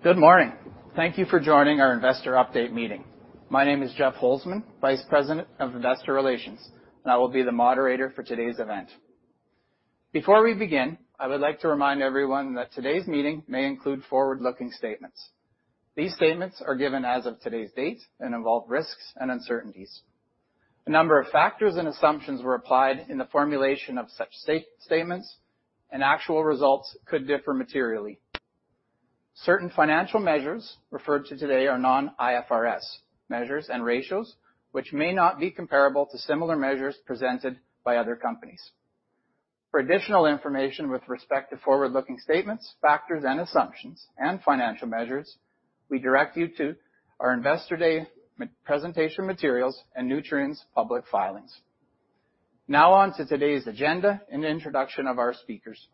Good morning. Thank you for joining our investor update meeting. My name is Jeff Holzman, Vice President of Investor Relations, and I will be the moderator for today's event. Before we begin, I would like to remind everyone that today's meeting may include forward-looking statements. These statements are given as of today's date and involve risks and uncertainties. A number of factors and assumptions were applied in the formulation of such statements, and actual results could differ materially. Certain financial measures referred to today are non-IFRS measures and ratios which may not be comparable to similar measures presented by other companies. For additional information with respect to forward-looking statements, factors and assumptions, and financial measures, we direct you to our Investor Day presentation materials and Nutrien's public filings. Now on to today's agenda and introduction of our speakers.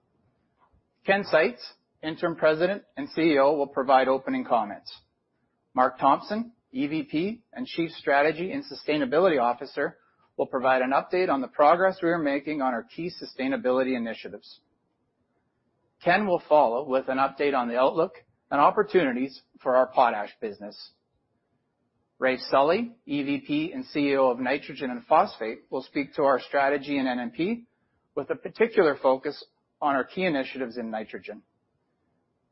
Ken Seitz, Interim President and CEO will provide opening comments. Mark Thompson, EVP and Chief Strategy and Sustainability Officer, will provide an update on the progress we are making on our key sustainability initiatives. Ken will follow with an update on the outlook and opportunities for our potash business. Raef Sully, EVP and CEO of Nitrogen and Phosphate, will speak to our strategy in N&P with a particular focus on our key initiatives in nitrogen.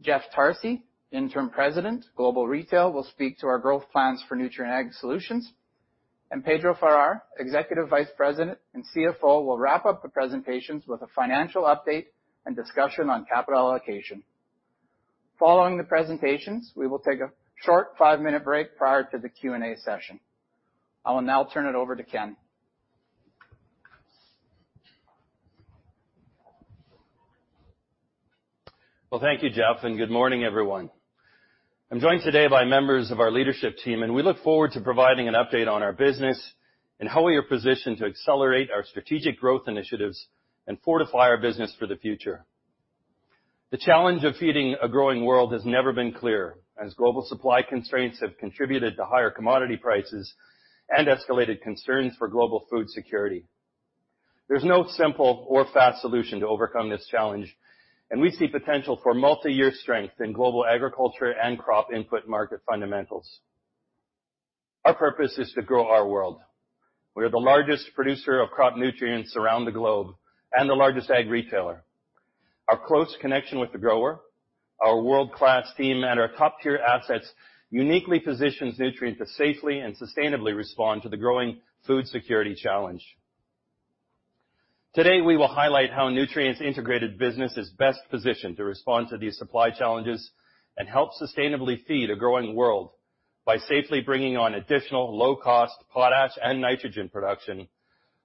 Jeff Tarsi, Interim President, Global Retail, will speak to our growth plans for Nutrien Ag Solutions. Pedro Farah, Executive Vice President and CFO, will wrap up the presentations with a financial update and discussion on capital allocation. Following the presentations, we will take a short five-minute break prior to the Q&A session. I will now turn it over to Ken. Well, thank you, Jeff, and good morning, everyone. I'm joined today by members of our leadership team, and we look forward to providing an update on our business and how we are positioned to accelerate our strategic growth initiatives and fortify our business for the future. The challenge of feeding a growing world has never been clearer as global supply constraints have contributed to higher commodity prices and escalated concerns for global food security. There's no simple or fast solution to overcome this challenge, and we see potential for multi-year strength in global agriculture and crop input market fundamentals. Our purpose is to grow our world. We are the largest producer of crop nutrients around the globe and the largest ag retailer. Our close connection with the grower, our world-class team, and our top-tier assets uniquely positions Nutrien to safely and sustainably respond to the growing food security challenge. Today, we will highlight how Nutrien's integrated business is best positioned to respond to these supply challenges and help sustainably feed a growing world by safely bringing on additional low-cost potash and nitrogen production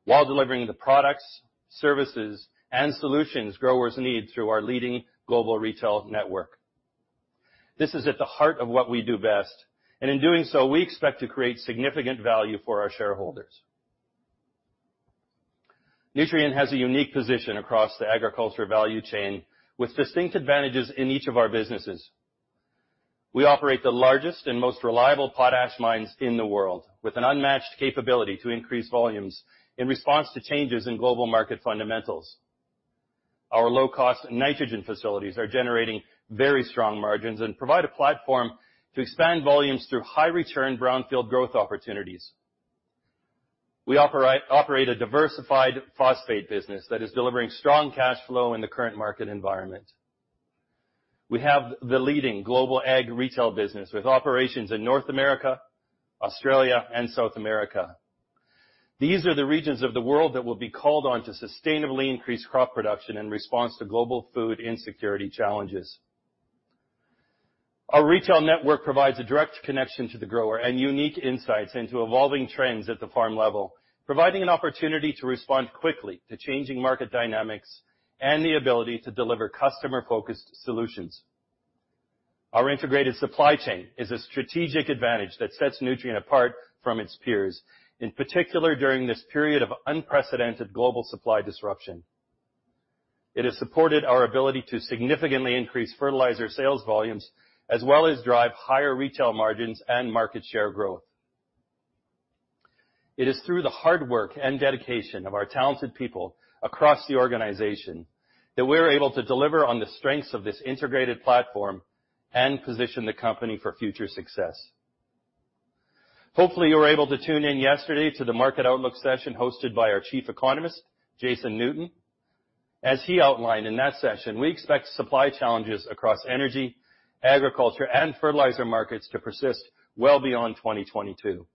while delivering the products, services, and solutions growers need through our leading global retail network. This is at the heart of what we do best, and in doing so, we expect to create significant value for our shareholders. Nutrien has a unique position across the agriculture value chain with distinct advantages in each of our businesses. We operate the largest and most reliable potash mines in the world with an unmatched capability to increase volumes in response to changes in global market fundamentals. Our low-cost nitrogen facilities are generating very strong margins and provide a platform to expand volumes through high return brownfield growth opportunities. We operate a diversified phosphate business that is delivering strong cash flow in the current market environment. We have the leading global ag retail business with operations in North America, Australia, and South America. These are the regions of the world that will be called on to sustainably increase crop production in response to global food insecurity challenges. Our retail network provides a direct connection to the grower and unique insights into evolving trends at the farm level, providing an opportunity to respond quickly to changing market dynamics and the ability to deliver customer-focused solutions. Our integrated supply chain is a strategic advantage that sets Nutrien apart from its peers, in particular during this period of unprecedented global supply disruption. It has supported our ability to significantly increase fertilizer sales volumes, as well as drive higher retail margins and market share growth. It is through the hard work and dedication of our talented people across the organization that we're able to deliver on the strengths of this integrated platform and position the company for future success. Hopefully, you were able to tune in yesterday to the market outlook session hosted by our Chief Economist, Jason Newton. As he outlined in that session, we expect supply challenges across energy, agriculture, and fertilizer markets to persist well beyond 2022.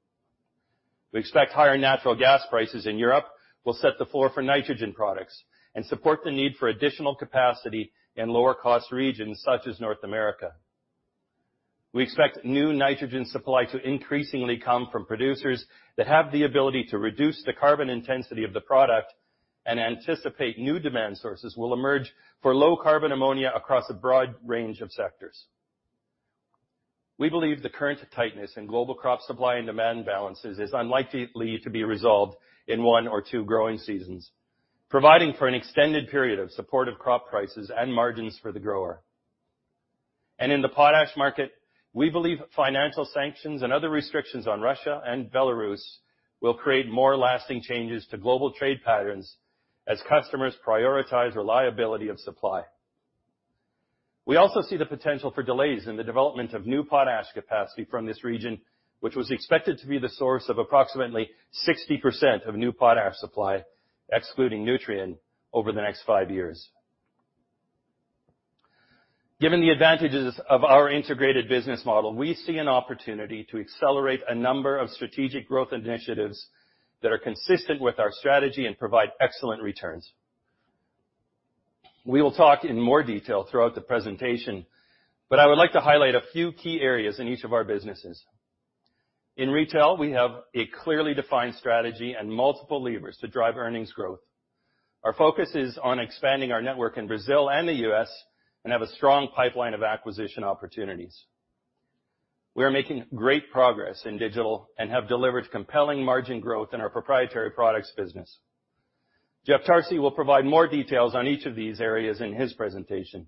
We expect higher natural gas prices in Europe will set the floor for nitrogen products and support the need for additional capacity in lower cost regions such as North America. We expect new nitrogen supply to increasingly come from producers that have the ability to reduce the carbon intensity of the product and anticipate new demand sources will emerge for low-carbon ammonia across a broad range of sectors. We believe the current tightness in global crop supply and demand balances is unlikely to be resolved in one or two growing seasons, providing for an extended period of supportive crop prices and margins for the grower. In the potash market, we believe financial sanctions and other restrictions on Russia and Belarus will create more lasting changes to global trade patterns. As customers prioritize reliability of supply. We also see the potential for delays in the development of new potash capacity from this region, which was expected to be the source of approximately 60% of new potash supply, excluding Nutrien, over the next five years. Given the advantages of our integrated business model, we see an opportunity to accelerate a number of strategic growth initiatives that are consistent with our strategy and provide excellent returns. We will talk in more detail throughout the presentation, but I would like to highlight a few key areas in each of our businesses. In retail, we have a clearly defined strategy and multiple levers to drive earnings growth. Our focus is on expanding our network in Brazil and the U.S. and have a strong pipeline of acquisition opportunities. We are making great progress in digital and have delivered compelling margin growth in our proprietary products business. Jeff Tarsi will provide more details on each of these areas in his presentation.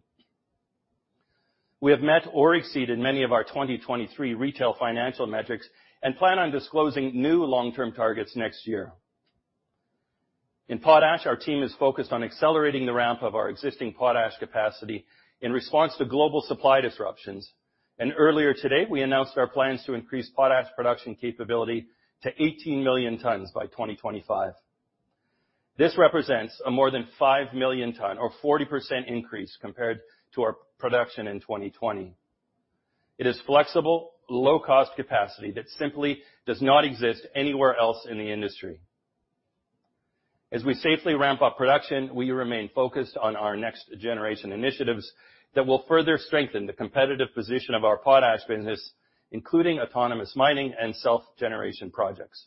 We have met or exceeded many of our 2023 retail financial metrics and plan on disclosing new long-term targets next year. In potash, our team is focused on accelerating the ramp of our existing potash capacity in response to global supply disruptions. Earlier today, we announced our plans to increase potash production capability to 18 million tons by 2025. This represents a more than 5 million tons or 40% increase compared to our production in 2020. It is flexible, low-cost capacity that simply does not exist anywhere else in the industry. As we safely ramp up production, we remain focused on our next generation initiatives that will further strengthen the competitive position of our potash business, including autonomous mining and self-generation projects.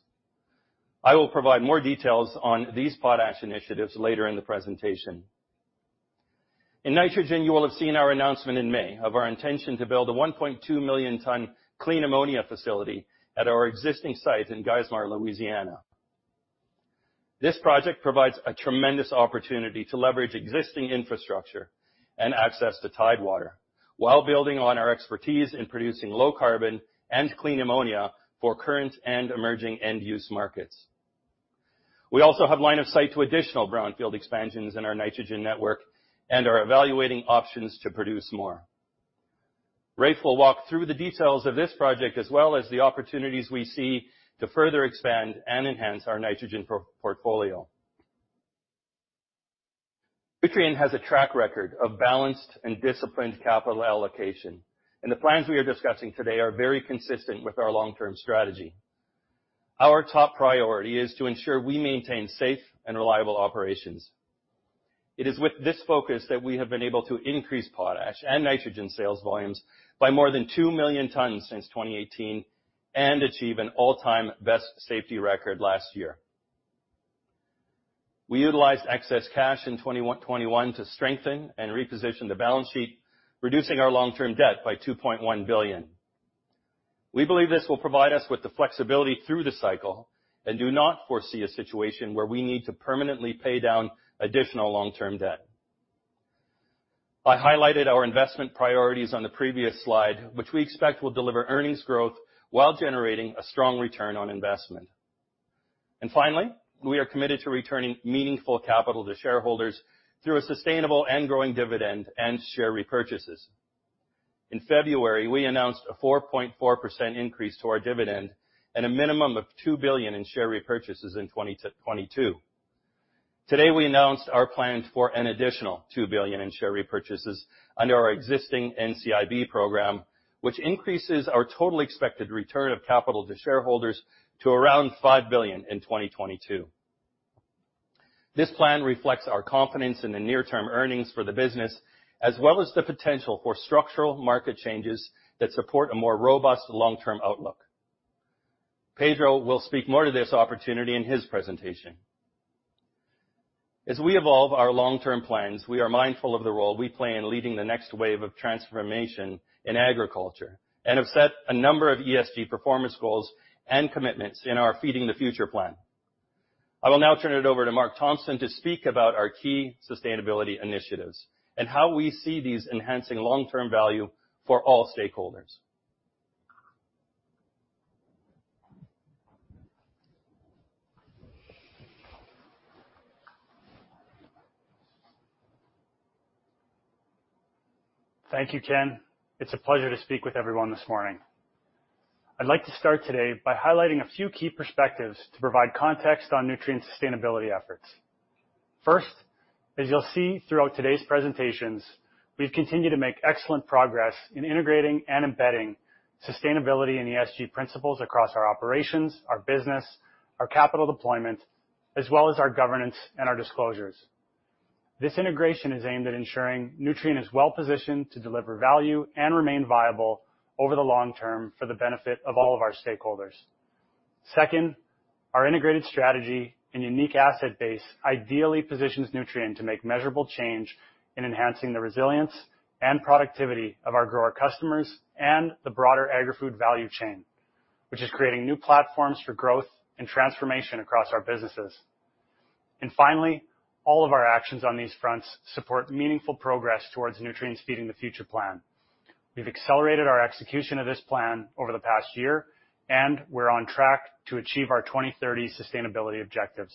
I will provide more details on these potash initiatives later in the presentation. In nitrogen, you will have seen our announcement in May of our intention to build a 1.2 million-ton clean ammonia facility at our existing site in Geismar, Louisiana. This project provides a tremendous opportunity to leverage existing infrastructure and access to tidewater while building on our expertise in producing low carbon and clean ammonia for current and emerging end-use markets. We also have line of sight to additional brownfield expansions in our nitrogen network and are evaluating options to produce more. Raef will walk through the details of this project as well as the opportunities we see to further expand and enhance our nitrogen portfolio. Nutrien has a track record of balanced and disciplined capital allocation, and the plans we are discussing today are very consistent with our long-term strategy. Our top priority is to ensure we maintain safe and reliable operations. It is with this focus that we have been able to increase potash and nitrogen sales volumes by more than 2 million tons since 2018 and achieve an all-time best safety record last year. We utilized excess cash in 2021 to strengthen and reposition the balance sheet, reducing our long-term debt by $2.1 billion. We believe this will provide us with the flexibility through the cycle and do not foresee a situation where we need to permanently pay down additional long-term debt. I highlighted our investment priorities on the previous slide, which we expect will deliver earnings growth while generating a strong return on investment. Finally, we are committed to returning meaningful capital to shareholders through a sustainable and growing dividend and share repurchases. In February, we announced a 4.4% increase to our dividend and a minimum of $2 billion in share repurchases in 2022. Today, we announced our plans for an additional $2 billion in share repurchases under our existing NCIB program, which increases our total expected return of capital to shareholders to around $5 billion in 2022. This plan reflects our confidence in the near-term earnings for the business as well as the potential for structural market changes that support a more robust long-term outlook. Pedro will speak more to this opportunity in his presentation. As we evolve our long-term plans, we are mindful of the role we play in leading the next wave of transformation in agriculture and have set a number of ESG performance goals and commitments in our Feeding the Future plan. I will now turn it over to Mark Thompson to speak about our key sustainability initiatives and how we see these enhancing long-term value for all stakeholders. Thank you, Ken. It's a pleasure to speak with everyone this morning. I'd like to start today by highlighting a few key perspectives to provide context on Nutrien's sustainability efforts. First, as you'll see throughout today's presentations, we've continued to make excellent progress in integrating and embedding sustainability and ESG principles across our operations, our business, our capital deployment, as well as our governance and our disclosures. This integration is aimed at ensuring Nutrien is well-positioned to deliver value and remain viable over the long term for the benefit of all of our stakeholders. Second, our integrated strategy and unique asset base ideally positions Nutrien to make measurable change in enhancing the resilience and productivity of our grower customers and the broader agri-food value chain, which is creating new platforms for growth and transformation across our businesses. Finally, all of our actions on these fronts support meaningful progress towards Nutrien's Feeding the Future plan. We've accelerated our execution of this plan over the past year, and we're on track to achieve our 2030 sustainability objectives.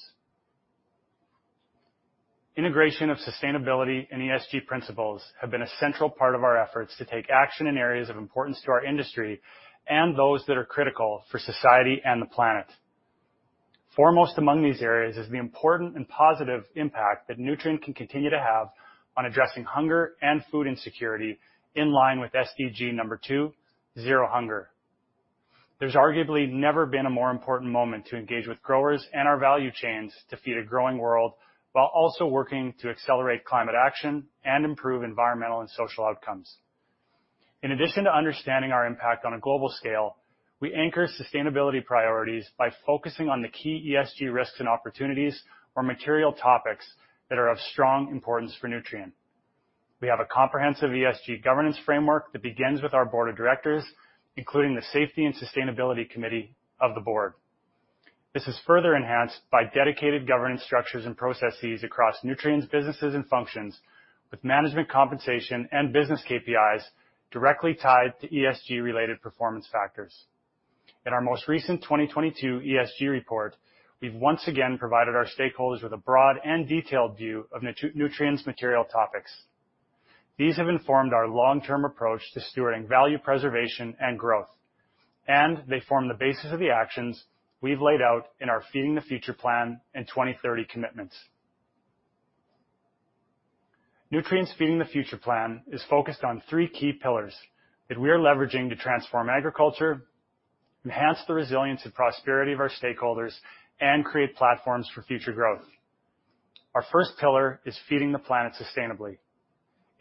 Integration of sustainability and ESG principles have been a central part of our efforts to take action in areas of importance to our industry and those that are critical for society and the planet. Foremost among these areas is the important and positive impact that Nutrien can continue to have on addressing hunger and food insecurity in line with SDG 2, zero hunger. There's arguably never been a more important moment to engage with growers and our value chains to feed a growing world while also working to accelerate climate action and improve environmental and social outcomes. In addition to understanding our impact on a global scale, we anchor sustainability priorities by focusing on the key ESG risks and opportunities or material topics that are of strong importance for Nutrien. We have a comprehensive ESG governance framework that begins with our board of directors, including the Safety and Sustainability Committee of the board. This is further enhanced by dedicated governance structures and processes across Nutrien's businesses and functions with management compensation and business KPIs directly tied to ESG-related performance factors. In our most recent 2022 ESG report, we've once again provided our stakeholders with a broad and detailed view of Nutrien's material topics. These have informed our long-term approach to stewarding value preservation and growth, and they form the basis of the actions we've laid out in our Feeding the Future plan and 2030 commitments. Nutrien's Feeding the Future plan is focused on three key pillars that we are leveraging to transform agriculture, enhance the resilience and prosperity of our stakeholders, and create platforms for future growth. Our first pillar is feeding the planet sustainably.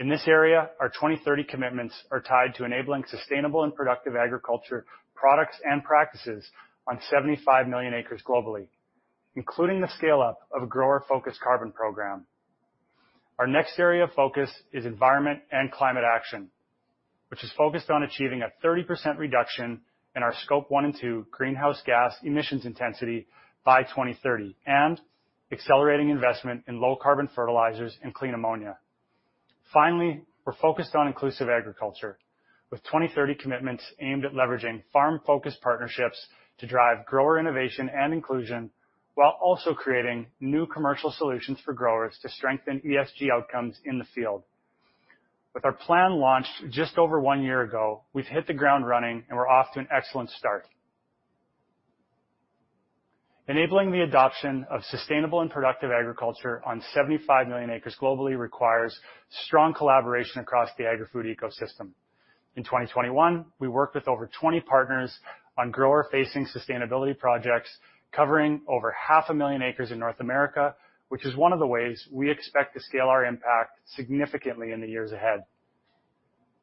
In this area, our 2030 commitments are tied to enabling sustainable and productive agriculture products and practices on 75 million acres globally, including the scale up of grower-focused carbon program. Our next area of focus is environment and climate action, which is focused on achieving a 30% reduction in our Scope 1 and 2 greenhouse gas emissions intensity by 2030 and accelerating investment in low carbon fertilizers and clean ammonia. We're focused on inclusive agriculture with 2030 commitments aimed at leveraging farm-focused partnerships to drive grower innovation and inclusion while also creating new commercial solutions for growers to strengthen ESG outcomes in the field. With our plan launched just over one year ago, we've hit the ground running, and we're off to an excellent start. Enabling the adoption of sustainable and productive agriculture on 75 million acres globally requires strong collaboration across the agri-food ecosystem. In 2021, we worked with over 20 partners on grower-facing sustainability projects covering over 500,000 acres in North America, which is one of the ways we expect to scale our impact significantly in the years ahead.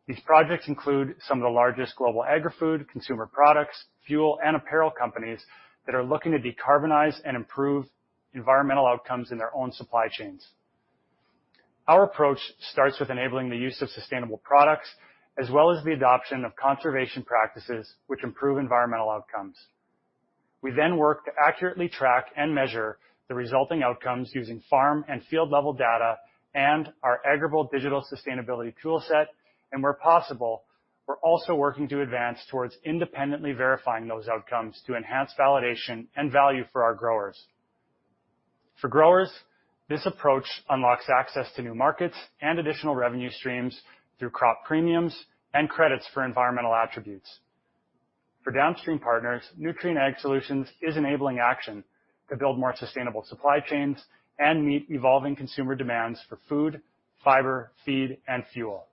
These projects include some of the largest global agri-food, consumer products, fuel, and apparel companies that are looking to decarbonize and improve environmental outcomes in their own supply chains. Our approach starts with enabling the use of sustainable products as well as the adoption of conservation practices which improve environmental outcomes. We then work to accurately track and measure the resulting outcomes using farm and field-level data and our Agrible digital sustainability tool set. Where possible, we're also working to advance towards independently verifying those outcomes to enhance validation and value for our growers. For growers, this approach unlocks access to new markets and additional revenue streams through crop premiums and credits for environmental attributes. For downstream partners, Nutrien Ag Solutions is enabling action to build more sustainable supply chains and meet evolving consumer demands for food, fiber, feed, and fuel.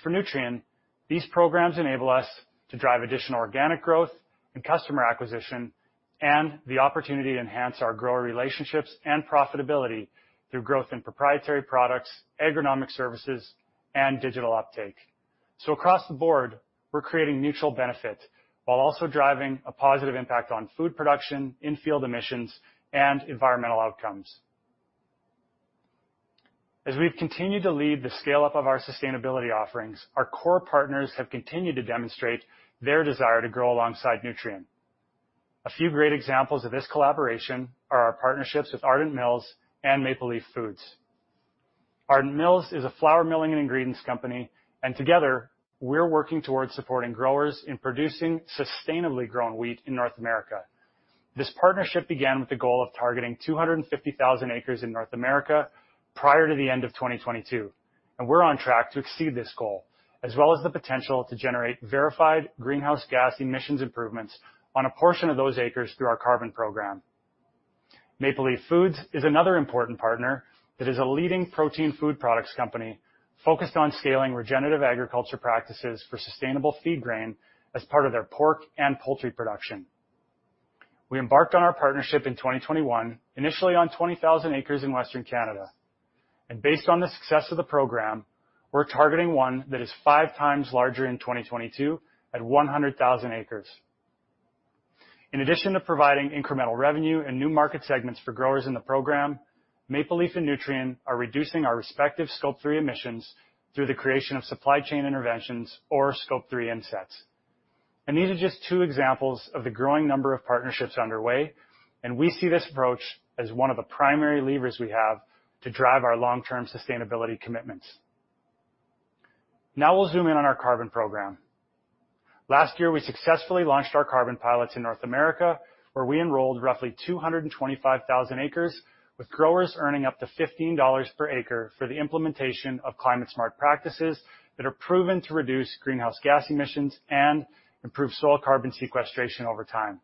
For Nutrien, these programs enable us to drive additional organic growth and customer acquisition and the opportunity to enhance our grower relationships and profitability through growth in proprietary products, agronomic services, and digital uptake. Across the board, we're creating mutual benefit while also driving a positive impact on food production, in-field emissions, and environmental outcomes. As we've continued to lead the scale-up of our sustainability offerings, our core partners have continued to demonstrate their desire to grow alongside Nutrien. A few great examples of this collaboration are our partnerships with Ardent Mills and Maple Leaf Foods. Ardent Mills is a flour milling and ingredients company, and together, we're working towards supporting growers in producing sustainably grown wheat in North America. This partnership began with the goal of targeting 250,000 acres in North America prior to the end of 2022, and we're on track to exceed this goal, as well as the potential to generate verified greenhouse gas emissions improvements on a portion of those acres through our carbon program. Maple Leaf Foods is another important partner that is a leading protein food products company focused on scaling regenerative agriculture practices for sustainable feed grain as part of their pork and poultry production. We embarked on our partnership in 2021, initially on 20,000 acres in Western Canada. Based on the success of the program, we're targeting one that is five times larger in 2022 at 100,000 acres. In addition to providing incremental revenue and new market segments for growers in the program, Maple Leaf and Nutrien are reducing our respective Scope 3 emissions through the creation of supply chain interventions or Scope 3 insets. These are just two examples of the growing number of partnerships underway, and we see this approach as one of the primary levers we have to drive our long-term sustainability commitments. Now we'll zoom in on our carbon program. Last year, we successfully launched our carbon pilots in North America, where we enrolled roughly 225,000 acres, with growers earning up to $15 per acre for the implementation of climate-smart practices that are proven to reduce greenhouse gas emissions and improve soil carbon sequestration over time.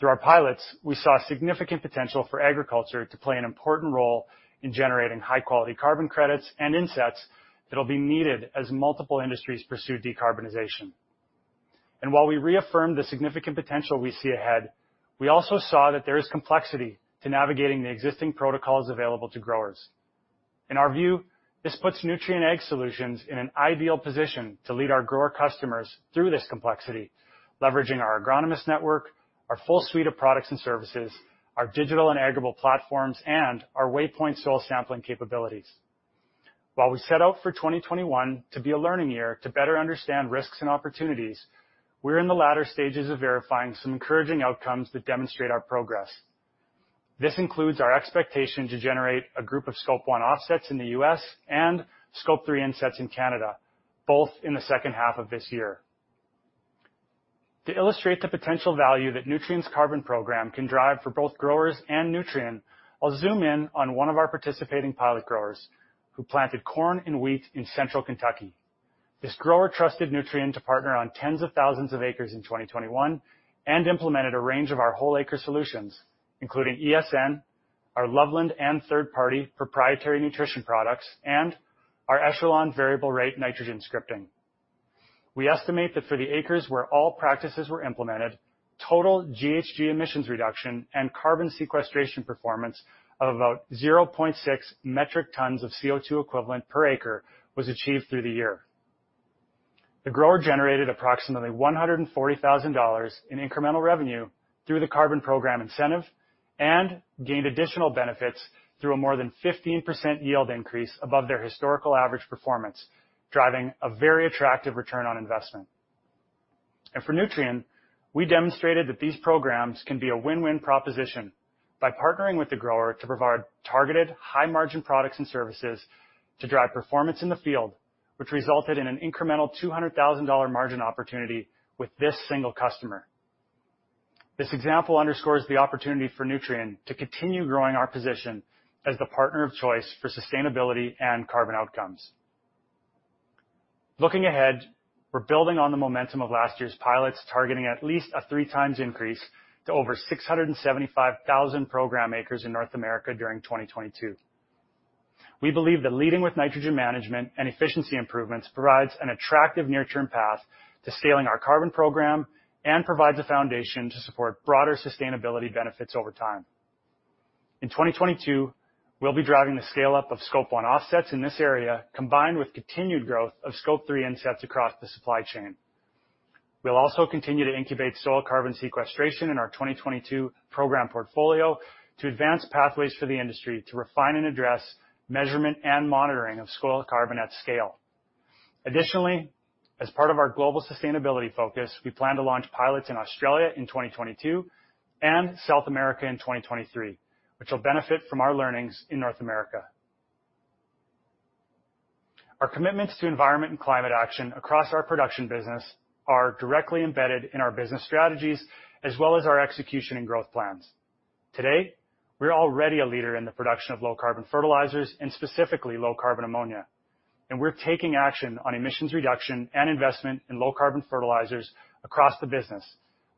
Through our pilots, we saw significant potential for agriculture to play an important role in generating high-quality carbon credits and insets that'll be needed as multiple industries pursue decarbonization. While we reaffirmed the significant potential we see ahead, we also saw that there is complexity to navigating the existing protocols available to growers. In our view, this puts Nutrien Ag Solutions in an ideal position to lead our grower customers through this complexity, leveraging our agronomist network, our full suite of products and services, our digital and Agrible platforms, and our Waypoint soil sampling capabilities. While we set out for 2021 to be a learning year to better understand risks and opportunities, we're in the latter stages of verifying some encouraging outcomes that demonstrate our progress. This includes our expectation to generate a group of Scope 1 offsets in the U.S. and Scope 3 offsets in Canada, both in the second half of this year. To illustrate the potential value that Nutrien's carbon program can drive for both growers and Nutrien, I'll zoom in on one of our participating pilot growers who planted corn and wheat in central Kentucky. This grower trusted Nutrien to partner on tens of thousands of acres in 2021 and implemented a range of our whole acre solutions, including ESN, our Loveland and third-party proprietary nutrition products, and our Echelon variable rate nitrogen scripting. We estimate that for the acres where all practices were implemented, total GHG emissions reduction and carbon sequestration performance of about 0.6 metric tons of CO₂ equivalent per acre was achieved through the year. The grower generated approximately $140,000 in incremental revenue through the carbon program incentive and gained additional benefits through a more than 15% yield increase above their historical average performance, driving a very attractive return on investment. For Nutrien, we demonstrated that these programs can be a win-win proposition by partnering with the grower to provide targeted high-margin products and services to drive performance in the field, which resulted in an incremental $200,000 margin opportunity with this single customer. This example underscores the opportunity for Nutrien to continue growing our position as the partner of choice for sustainability and carbon outcomes. Looking ahead, we're building on the momentum of last year's pilots, targeting at least a three times increase to over 675,000 program acres in North America during 2022. We believe that leading with nitrogen management and efficiency improvements provides an attractive near-term path to scaling our carbon program and provides a foundation to support broader sustainability benefits over time. In 2022, we'll be driving the scale-up of Scope 1 offsets in this area, combined with continued growth of Scope 3 insets across the supply chain. We'll also continue to incubate soil carbon sequestration in our 2022 program portfolio to advance pathways for the industry to refine and address measurement and monitoring of soil carbon at scale. Additionally, as part of our global sustainability focus, we plan to launch pilots in Australia in 2022 and South America in 2023, which will benefit from our learnings in North America. Our commitments to environment and climate action across our production business are directly embedded in our business strategies as well as our execution and growth plans. Today, we're already a leader in the production of low-carbon fertilizers, and specifically low-carbon ammonia, and we're taking action on emissions reduction and investment in low-carbon fertilizers across the business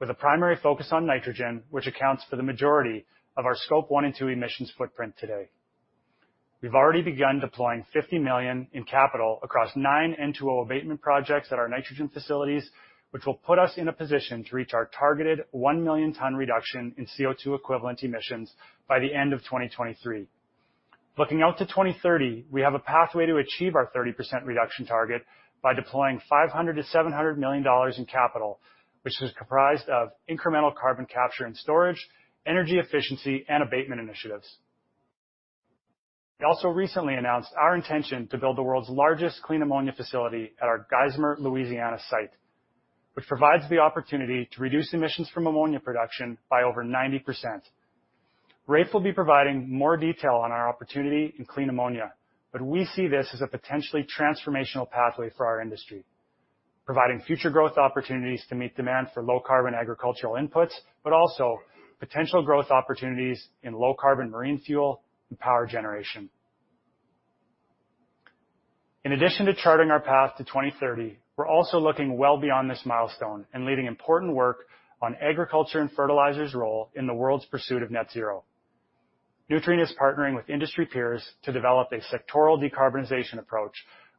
with a primary focus on nitrogen, which accounts for the majority of our Scope 1 and 2 emissions footprint today. We've already begun deploying $50 million in capital across 9 N₂O abatement projects at our nitrogen facilities, which will put us in a position to reach our targeted 1 million ton reduction in CO₂ equivalent emissions by the end of 2023. Looking out to 2030, we have a pathway to achieve our 30% reduction target by deploying $500-$700 million in capital, which is comprised of incremental carbon capture and storage, energy efficiency, and abatement initiatives. We also recently announced our intention to build the world's largest clean ammonia facility at our Geismar, Louisiana site, which provides the opportunity to reduce emissions from ammonia production by over 90%. Raef Sully will be providing more detail on our opportunity in clean ammonia, but we see this as a potentially transformational pathway for our industry, providing future growth opportunities to meet demand for low-carbon agricultural inputs, but also potential growth opportunities in low-carbon marine fuel and power generation. In addition to charting our path to 2030, we're also looking well beyond this milestone and leading important work on agriculture and fertilizer's role in the world's pursuit of net zero. Nutrien is partnering with industry peers to develop a sectoral decarbonization approach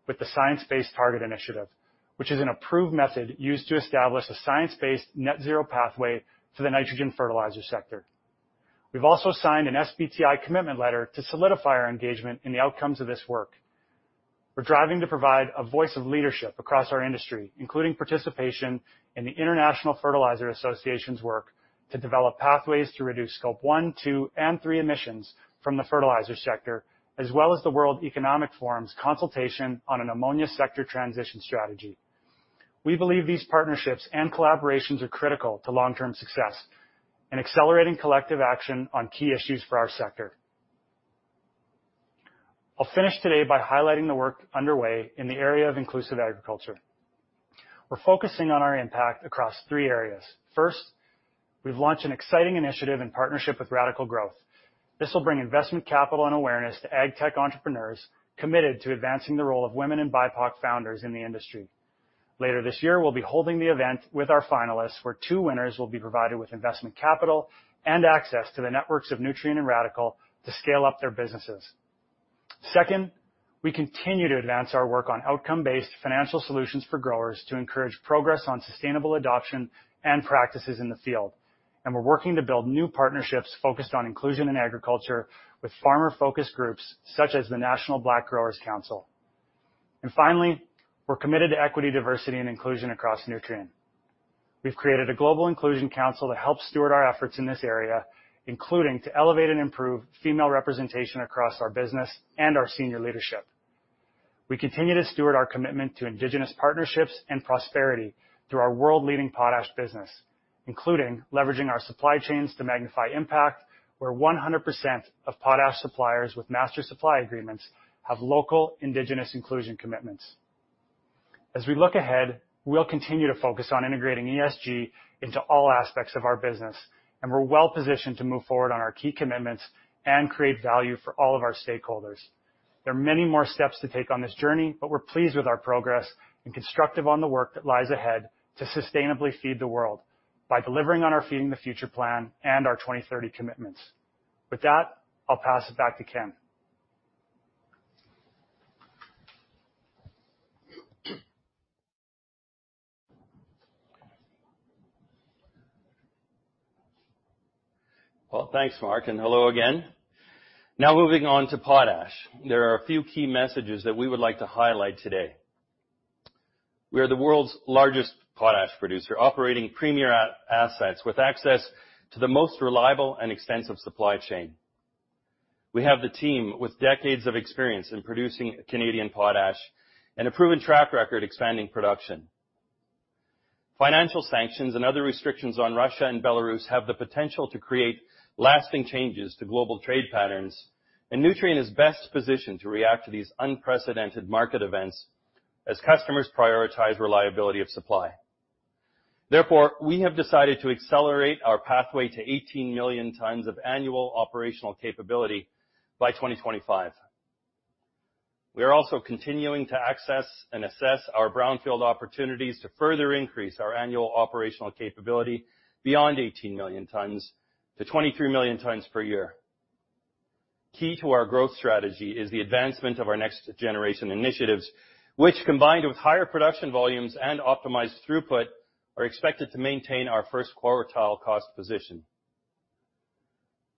with the Science Based Targets initiative, which is an approved method used to establish a science-based net zero pathway for the nitrogen fertilizer sector. We've also signed an SBTI commitment letter to solidify our engagement in the outcomes of this work. We're driving to provide a voice of leadership across our industry, including participation in the International Fertilizer Association's work to develop pathways to reduce Scope 1, 2, and 3 emissions from the fertilizer sector, as well as the World Economic Forum's consultation on an ammonia sector transition strategy. We believe these partnerships and collaborations are critical to long-term success and accelerating collective action on key issues for our sector. I'll finish today by highlighting the work underway in the area of inclusive agriculture. We're focusing on our impact across three areas. First, we've launched an exciting initiative in partnership with Radicle Growth. This will bring investment capital and awareness to ag tech entrepreneurs committed to advancing the role of women and BIPOC founders in the industry. Later this year, we'll be holding the event with our finalists, where two winners will be provided with investment capital and access to the networks of Nutrien and Radicle to scale up their businesses. Second, we continue to advance our work on outcome-based financial solutions for growers to encourage progress on sustainable adoption and practices in the field, and we're working to build new partnerships focused on inclusion in agriculture with farmer-focused groups such as the National Black Growers Council. Finally, we're committed to equity, diversity, and inclusion across Nutrien. We've created a global inclusion council to help steward our efforts in this area, including to elevate and improve female representation across our business and our senior leadership. We continue to steward our commitment to indigenous partnerships and prosperity through our world-leading potash business, including leveraging our supply chains to magnify impact, where 100% of potash suppliers with master supply agreements have local indigenous inclusion commitments. As we look ahead, we'll continue to focus on integrating ESG into all aspects of our business, and we're well-positioned to move forward on our key commitments and create value for all of our stakeholders. There are many more steps to take on this journey, but we're pleased with our progress and constructive on the work that lies ahead to sustainably feed the world by delivering on our Feeding the Future plan and our 2030 commitments. With that, I'll pass it back to Ken Seitz. Well, thanks, Mark, and hello again. Now moving on to potash. There are a few key messages that we would like to highlight today. We are the world's largest potash producer, operating premier assets with access to the most reliable and extensive supply chain. We have the team with decades of experience in producing Canadian potash and a proven track record expanding production. Financial sanctions and other restrictions on Russia and Belarus have the potential to create lasting changes to global trade patterns, and Nutrien is best positioned to react to these unprecedented market events as customers prioritize reliability of supply. Therefore, we have decided to accelerate our pathway to 18 million tons of annual operational capability by 2025. We are also continuing to access and assess our brownfield opportunities to further increase our annual operational capability beyond 18 million tons to 23 million tons per year. Key to our growth strategy is the advancement of our next generation initiatives, which, combined with higher production volumes and optimized throughput, are expected to maintain our first quartile cost position.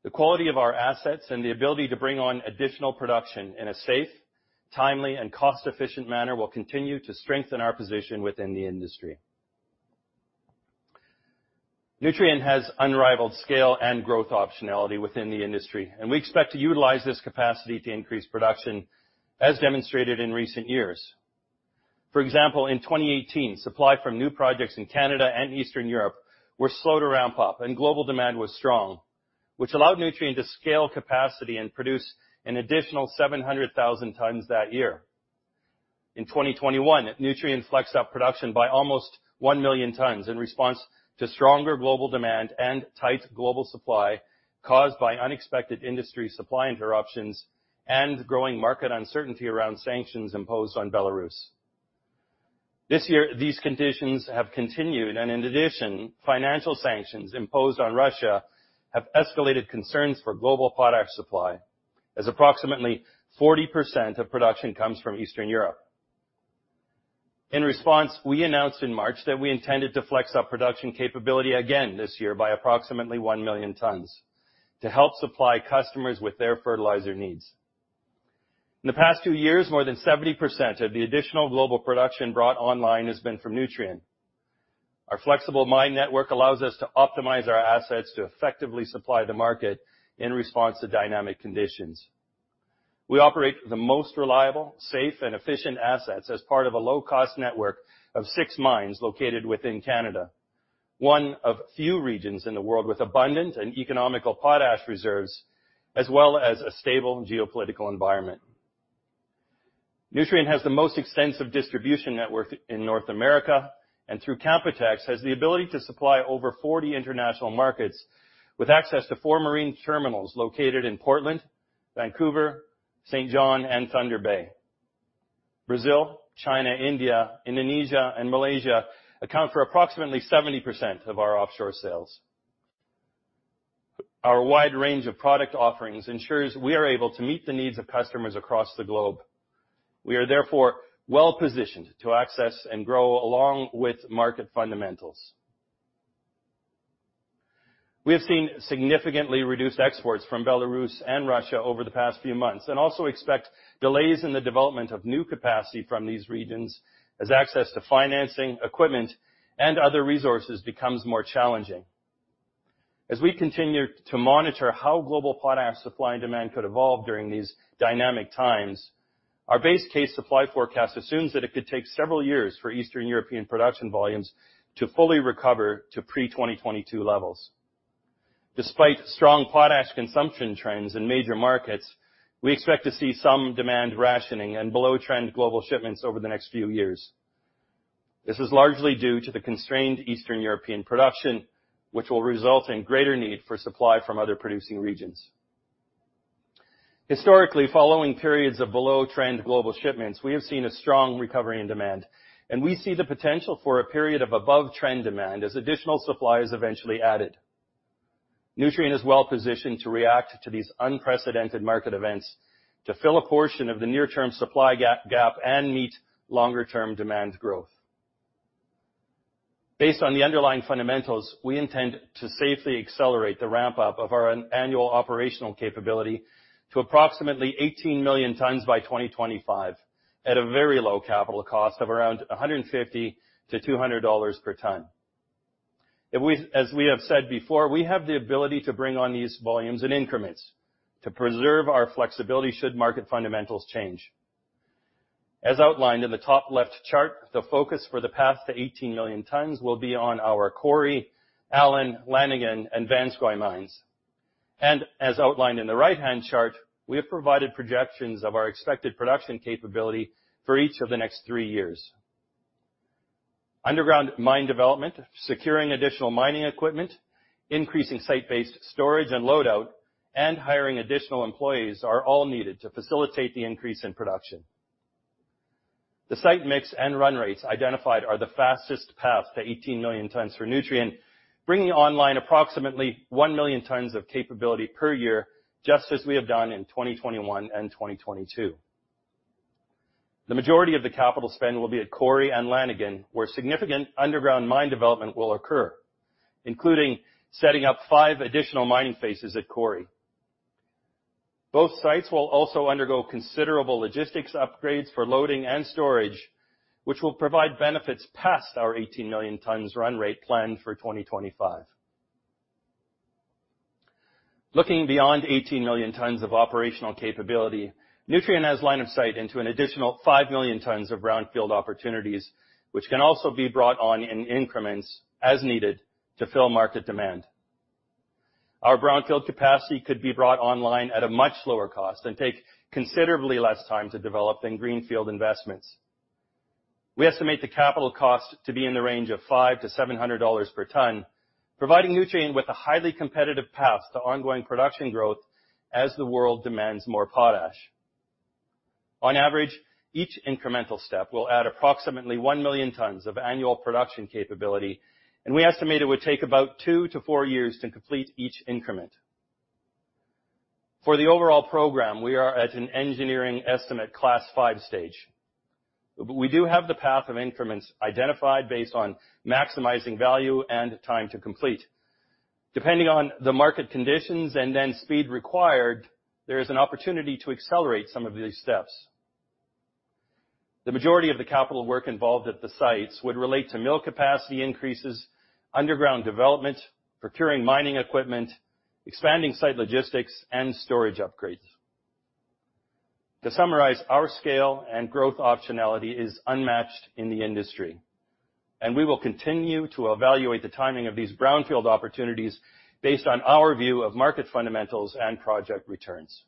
The quality of our assets and the ability to bring on additional production in a safe, timely, and cost-efficient manner will continue to strengthen our position within the industry. Nutrien has unrivaled scale and growth optionality within the industry, and we expect to utilize this capacity to increase production, as demonstrated in recent years. For example, in 2018, supply from new projects in Canada and Eastern Europe were slow to ramp up and global demand was strong, which allowed Nutrien to scale capacity and produce an additional 700,000 tons that year. In 2021, Nutrien flexed up production by almost 1,000,000 tons in response to stronger global demand and tight global supply caused by unexpected industry supply interruptions and growing market uncertainty around sanctions imposed on Belarus. This year, these conditions have continued, and in addition, financial sanctions imposed on Russia have escalated concerns for global potash supply as approximately 40% of production comes from Eastern Europe. In response, we announced in March that we intended to flex our production capability again this year by approximately 1,000,000 tons to help supply customers with their fertilizer needs. In the past two years, more than 70% of the additional global production brought online has been from Nutrien. Our flexible mine network allows us to optimize our assets to effectively supply the market in response to dynamic conditions. We operate the most reliable, safe, and efficient assets as part of a low-cost network of six mines located within Canada, one of few regions in the world with abundant and economical potash reserves, as well as a stable geopolitical environment. Nutrien has the most extensive distribution network in North America, and through Canpotex has the ability to supply over 40 international markets with access to four marine terminals located in Portland, Vancouver, Saint John, and Thunder Bay. Brazil, China, India, Indonesia, and Malaysia account for approximately 70% of our offshore sales. Our wide range of product offerings ensures we are able to meet the needs of customers across the globe. We are therefore well-positioned to access and grow along with market fundamentals. We have seen significantly reduced exports from Belarus and Russia over the past few months and also expect delays in the development of new capacity from these regions as access to financing, equipment, and other resources becomes more challenging. As we continue to monitor how global potash supply and demand could evolve during these dynamic times, our base case supply forecast assumes that it could take several years for Eastern European production volumes to fully recover to pre-2022 levels. Despite strong potash consumption trends in major markets, we expect to see some demand rationing and below-trend global shipments over the next few years. This is largely due to the constrained Eastern European production, which will result in greater need for supply from other producing regions. Historically, following periods of below-trend global shipments, we have seen a strong recovery in demand, and we see the potential for a period of above-trend demand as additional supply is eventually added. Nutrien is well-positioned to react to these unprecedented market events to fill a portion of the near-term supply gap and meet longer-term demand growth. Based on the underlying fundamentals, we intend to safely accelerate the ramp-up of our annual operational capability to approximately 18 million tons by 2025, at a very low capital cost of around $150-$200 per ton. As we have said before, we have the ability to bring on these volumes in increments to preserve our flexibility should market fundamentals change. As outlined in the top left chart, the focus for the path to 18 million tons will be on our Cory, Allan, Lanigan and Vanscoy mines. As outlined in the right-hand chart, we have provided projections of our expected production capability for each of the next three years. Underground mine development, securing additional mining equipment, increasing site-based storage and load-out, and hiring additional employees are all needed to facilitate the increase in production. The site mix and run rates identified are the fastest path to 18 million tons for Nutrien, bringing online approximately 1 million tons of capability per year, just as we have done in 2021 and 2022. The majority of the capital spend will be at Cory and Lanigan, where significant underground mine development will occur, including setting up five additional mining phases at Cory. Both sites will also undergo considerable logistics upgrades for loading and storage, which will provide benefits past our 18 million tons run rate plan for 2025. Looking beyond 18 million tons of operational capability, Nutrien has line of sight into an additional 5 million tons of brownfield opportunities, which can also be brought on in increments as needed to fill market demand. Our brownfield capacity could be brought online at a much lower cost and take considerably less time to develop than greenfield investments. We estimate the capital cost to be in the range of $500-$700 per ton, providing Nutrien with a highly competitive path to ongoing production growth as the world demands more potash. On average, each incremental step will add approximately 1 million tons of annual production capability, and we estimate it would take about two to four years to complete each increment. For the overall program, we are at an engineering estimate class five stage. We do have the path of increments identified based on maximizing value and time to complete. Depending on the market conditions and then speed required, there is an opportunity to accelerate some of these steps. The majority of the capital work involved at the sites would relate to mill capacity increases, underground development, procuring mining equipment, expanding site logistics, and storage upgrades. To summarize, our scale and growth optionality is unmatched in the industry, and we will continue to evaluate the timing of these brownfield opportunities based on our view of market fundamentals and project returns.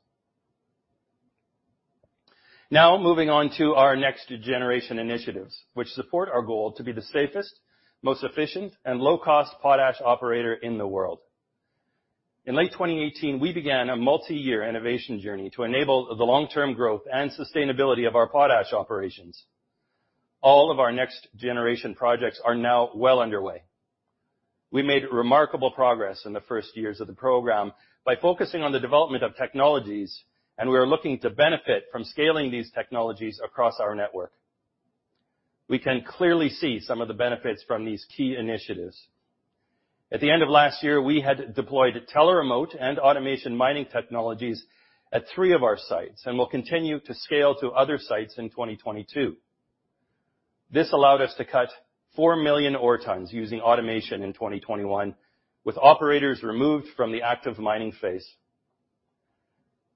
Now moving on to our next generation initiatives, which support our goal to be the safest, most efficient and low-cost potash operator in the world. In late 2018, we began a multi-year innovation journey to enable the long-term growth and sustainability of our potash operations. All of our next generation projects are now well underway. We made remarkable progress in the first years of the program by focusing on the development of technologies, and we are looking to benefit from scaling these technologies across our network. We can clearly see some of the benefits from these key initiatives. At the end of last year, we had deployed tele-remote and automation mining technologies at three of our sites and will continue to scale to other sites in 2022. This allowed us to cut 4 million ore tons using automation in 2021, with operators removed from the active mining phase.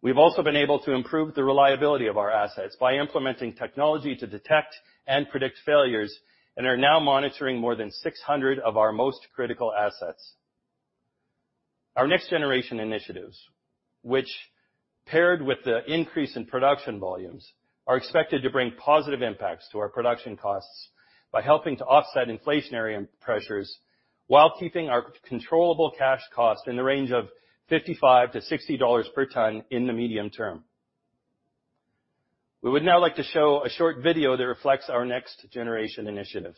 We've also been able to improve the reliability of our assets by implementing technology to detect and predict failures and are now monitoring more than 600 of our most critical assets. Our NextGen initiatives, which paired with the increase in production volumes, are expected to bring positive impacts to our production costs by helping to offset inflationary pressures while keeping our controllable cash cost in the range of $55-$60 per ton in the medium term. We would now like to show a short video that reflects our NextGen initiatives.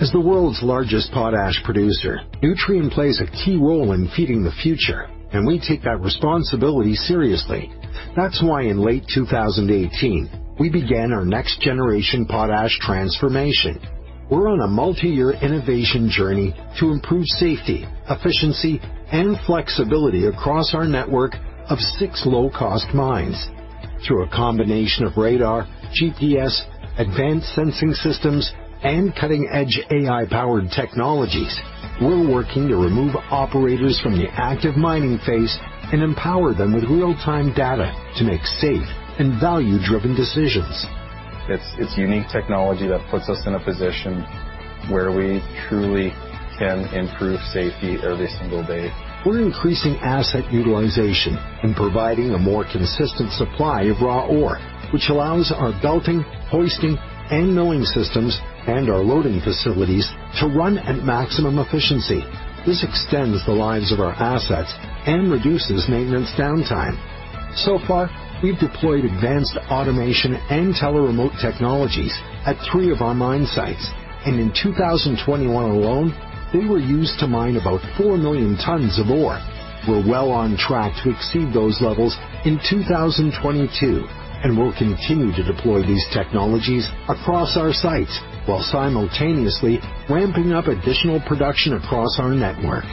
As the world's largest potash producer, Nutrien plays a key role in feeding the future, and we take that responsibility seriously. That's why in late 2018, we began our next generation potash transformation. We're on a multi-year innovation journey to improve safety, efficiency, and flexibility across our network of six low-cost mines. Through a combination of radar, GPS, advanced sensing systems, and cutting-edge AI-powered technologies, we're working to remove operators from the active mining phase and empower them with real-time data to make safe and value-driven decisions. It's unique technology that puts us in a position where we truly can improve safety every single day. We're increasing asset utilization and providing a more consistent supply of raw ore, which allows our belting, hoisting, and milling systems, and our loading facilities to run at maximum efficiency. This extends the lives of our assets and reduces maintenance downtime. So far, we've deployed advanced automation and tele-remote technologies at three of our mine sites. In 2021 alone, they were used to mine about 4,000,000 tons of ore. We're well on track to exceed those levels in 2022, and we'll continue to deploy these technologies across our sites, while simultaneously ramping up additional production across our network.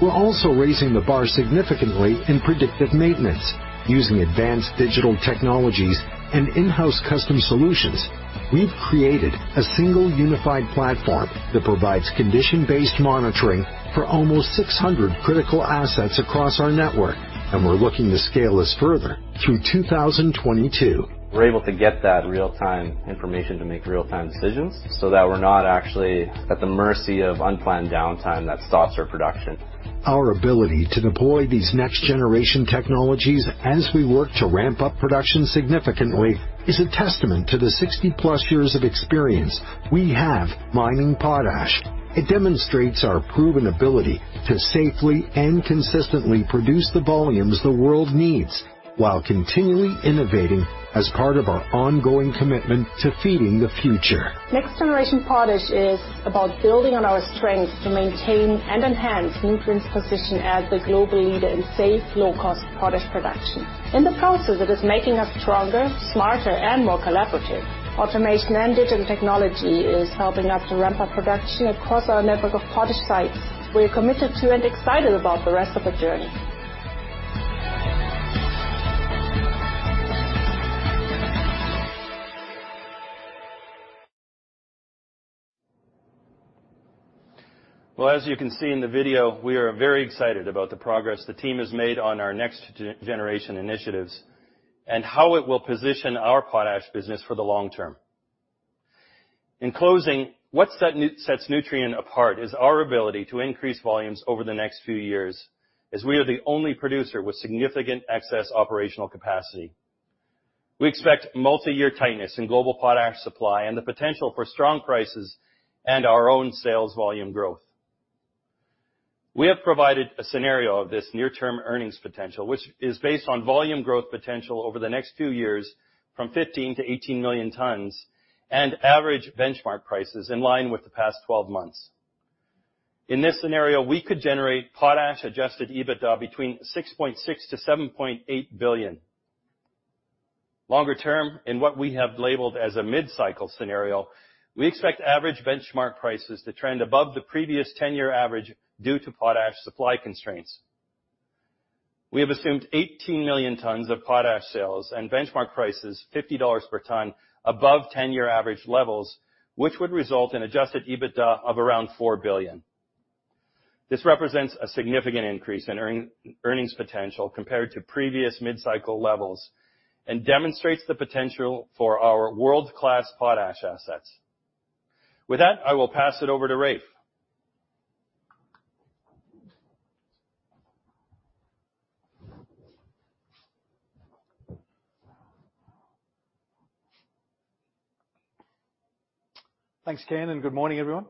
We're also raising the bar significantly in predictive maintenance. Using advanced digital technologies and in-house custom solutions, we've created a single unified platform that provides condition-based monitoring for almost 600 critical assets across our network, and we're looking to scale this further through 2022. We're able to get that real-time information to make real-time decisions, so that we're not actually at the mercy of unplanned downtime that stops our production. Our ability to deploy these next-generation technologies as we work to ramp up production significantly is a testament to the 60-plus years of experience we have mining potash. It demonstrates our proven ability to safely and consistently produce the volumes the world needs, while continually innovating as part of our ongoing commitment to Feeding the Future. Next generation potash is about building on our strengths to maintain and enhance Nutrien's position as the global leader in safe, low-cost potash production. In the process, it is making us stronger, smarter, and more collaborative. Automation and digital technology is helping us to ramp up production across our network of potash sites. We're committed to and excited about the rest of the journey. Well, as you can see in the video, we are very excited about the progress the team has made on our next-generation initiatives and how it will position our potash business for the long term. In closing, what sets Nutrien apart is our ability to increase volumes over the next few years, as we are the only producer with significant excess operational capacity. We expect multiyear tightness in global potash supply and the potential for strong prices and our own sales volume growth. We have provided a scenario of this near-term earnings potential, which is based on volume growth potential over the next two years from 15-18 million tons, and average benchmark prices in line with the past 12 months. In this scenario, we could generate potash-adjusted EBITDA between $6.6 billion-$7.8 billion. Longer term, in what we have labeled as a mid-cycle scenario, we expect average benchmark prices to trend above the previous 10-year average due to potash supply constraints. We have assumed 18 million tons of potash sales and benchmark prices $50 per ton above 10-year average levels, which would result in adjusted EBITDA of around $4 billion. This represents a significant increase in earnings potential compared to previous mid-cycle levels and demonstrates the potential for our world-class potash assets. With that, I will pass it over to Raef. Thanks, Ken, and good morning, everyone.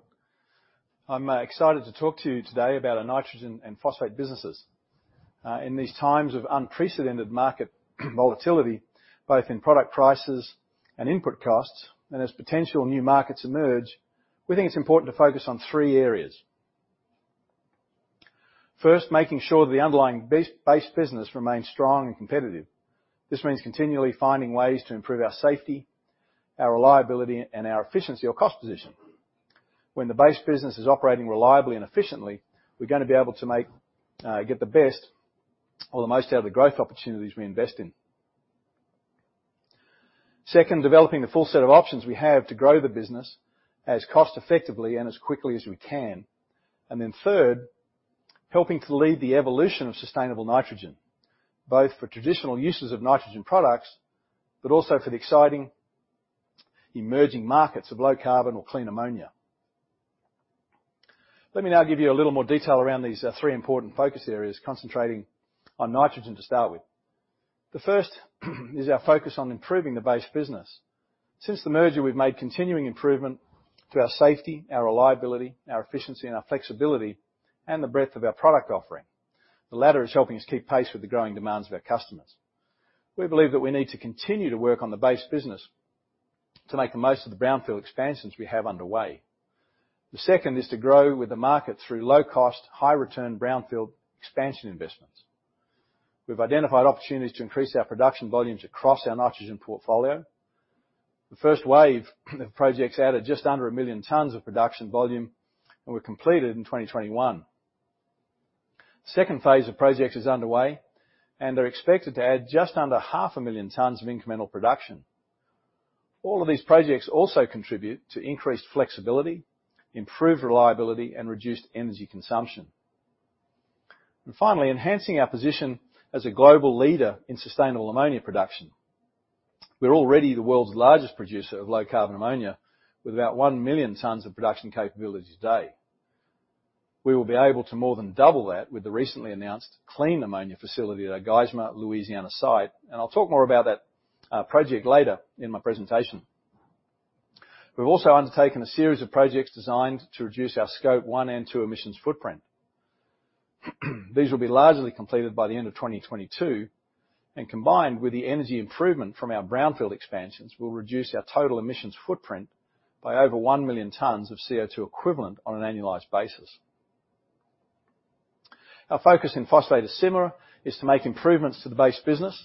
I'm excited to talk to you today about our nitrogen and phosphate businesses. In these times of unprecedented market volatility, both in product prices and input costs, and as potential new markets emerge, we think it's important to focus on three areas. First, making sure the underlying base business remains strong and competitive. This means continually finding ways to improve our safety, our reliability, and our efficiency or cost position. When the base business is operating reliably and efficiently, we're gonna be able to make, get the best or the most out of the growth opportunities we invest in. Second, developing the full set of options we have to grow the business as cost-effectively and as quickly as we can. Third, helping to lead the evolution of sustainable nitrogen, both for traditional uses of nitrogen products, but also for the exciting emerging markets of low carbon or clean ammonia. Let me now give you a little more detail around these, three important focus areas, concentrating on nitrogen to start with. The first is our focus on improving the base business. Since the merger, we've made continuing improvement to our safety, our reliability, our efficiency, and our flexibility, and the breadth of our product offering. The latter is helping us keep pace with the growing demands of our customers. We believe that we need to continue to work on the base business to make the most of the brownfield expansions we have underway. The second is to grow with the market through low-cost, high-return brownfield expansion investments. We've identified opportunities to increase our production volumes across our nitrogen portfolio. The first wave of projects added just under 1 million tons of production volume and were completed in 2021. Second phase of projects is underway and are expected to add just under 0.5 million tons of incremental production. All of these projects also contribute to increased flexibility, improved reliability, and reduced energy consumption. Finally, enhancing our position as a global leader in sustainable ammonia production. We're already the world's largest producer of low-carbon ammonia, with about 1 million tons of production capability today. We will be able to more than double that with the recently announced clean ammonia facility at our Geismar, Louisiana site, and I'll talk more about that project later in my presentation. We've also undertaken a series of projects designed to reduce our Scope 1 and 2 emissions footprint. These will be largely completed by the end of 2022, and combined with the energy improvement from our brownfield expansions, will reduce our total emissions footprint by over 1 million tons of CO₂ equivalent on an annualized basis. Our focus in phosphate is similar, to make improvements to the base business,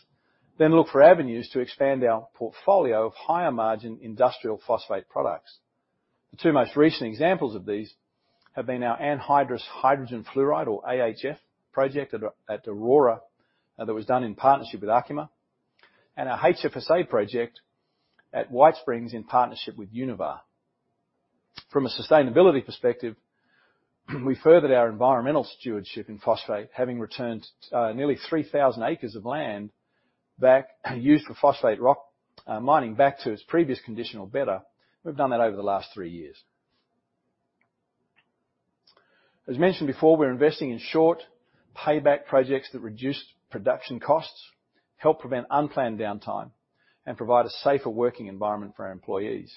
then look for avenues to expand our portfolio of higher-margin industrial phosphate products. The two most recent examples of these have been our anhydrous hydrogen fluoride, or AHF project at Aurora, that was done in partnership with Arkema, and our HFSA project at White Springs in partnership with Univar. From a sustainability perspective, we furthered our environmental stewardship in phosphate, having returned nearly 3,000 acres of land used for phosphate rock mining back to its previous condition or better. We've done that over the last three years. As mentioned before, we're investing in short payback projects that reduce production costs, help prevent unplanned downtime, and provide a safer working environment for our employees.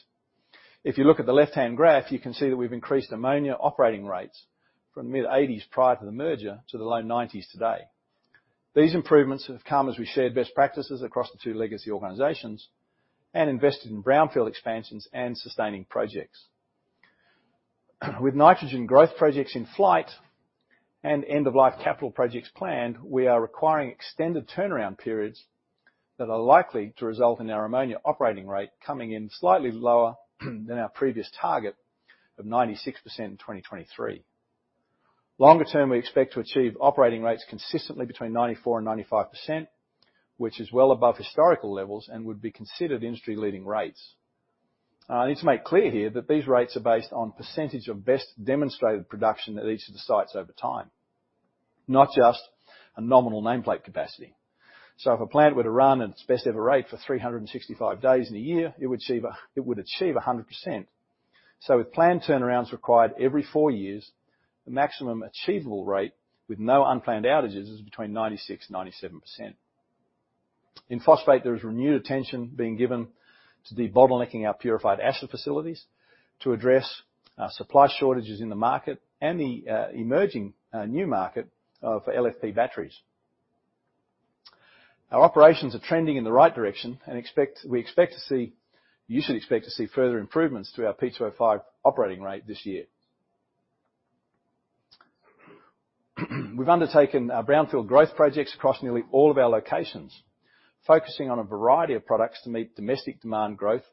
If you look at the left-hand graph, you can see that we've increased ammonia operating rates from the mid-80s prior to the merger to the low 90s today. These improvements have come as we shared best practices across the two legacy organizations and invested in brownfield expansions and sustaining projects. With nitrogen growth projects in flight and end-of-life capital projects planned, we are requiring extended turnaround periods that are likely to result in our ammonia operating rate coming in slightly lower than our previous target of 96% in 2023. Longer term, we expect to achieve operating rates consistently between 94% and 95%, which is well above historical levels and would be considered industry-leading rates. I need to make clear here that these rates are based on percentage of best demonstrated production at each of the sites over time, not just a nominal nameplate capacity. If a plant were to run at its best ever rate for 365 days in a year, it would achieve 100%. With planned turnarounds required every four years, the maximum achievable rate with no unplanned outages is between 96%-97%. In phosphate, there is renewed attention being given to de-bottlenecking our purified acid facilities to address supply shortages in the market and the emerging new market for LFP batteries. Our operations are trending in the right direction. You should expect to see further improvements to our P2O5 operating rate this year. We've undertaken brownfield growth projects across nearly all of our locations, focusing on a variety of products to meet domestic demand growth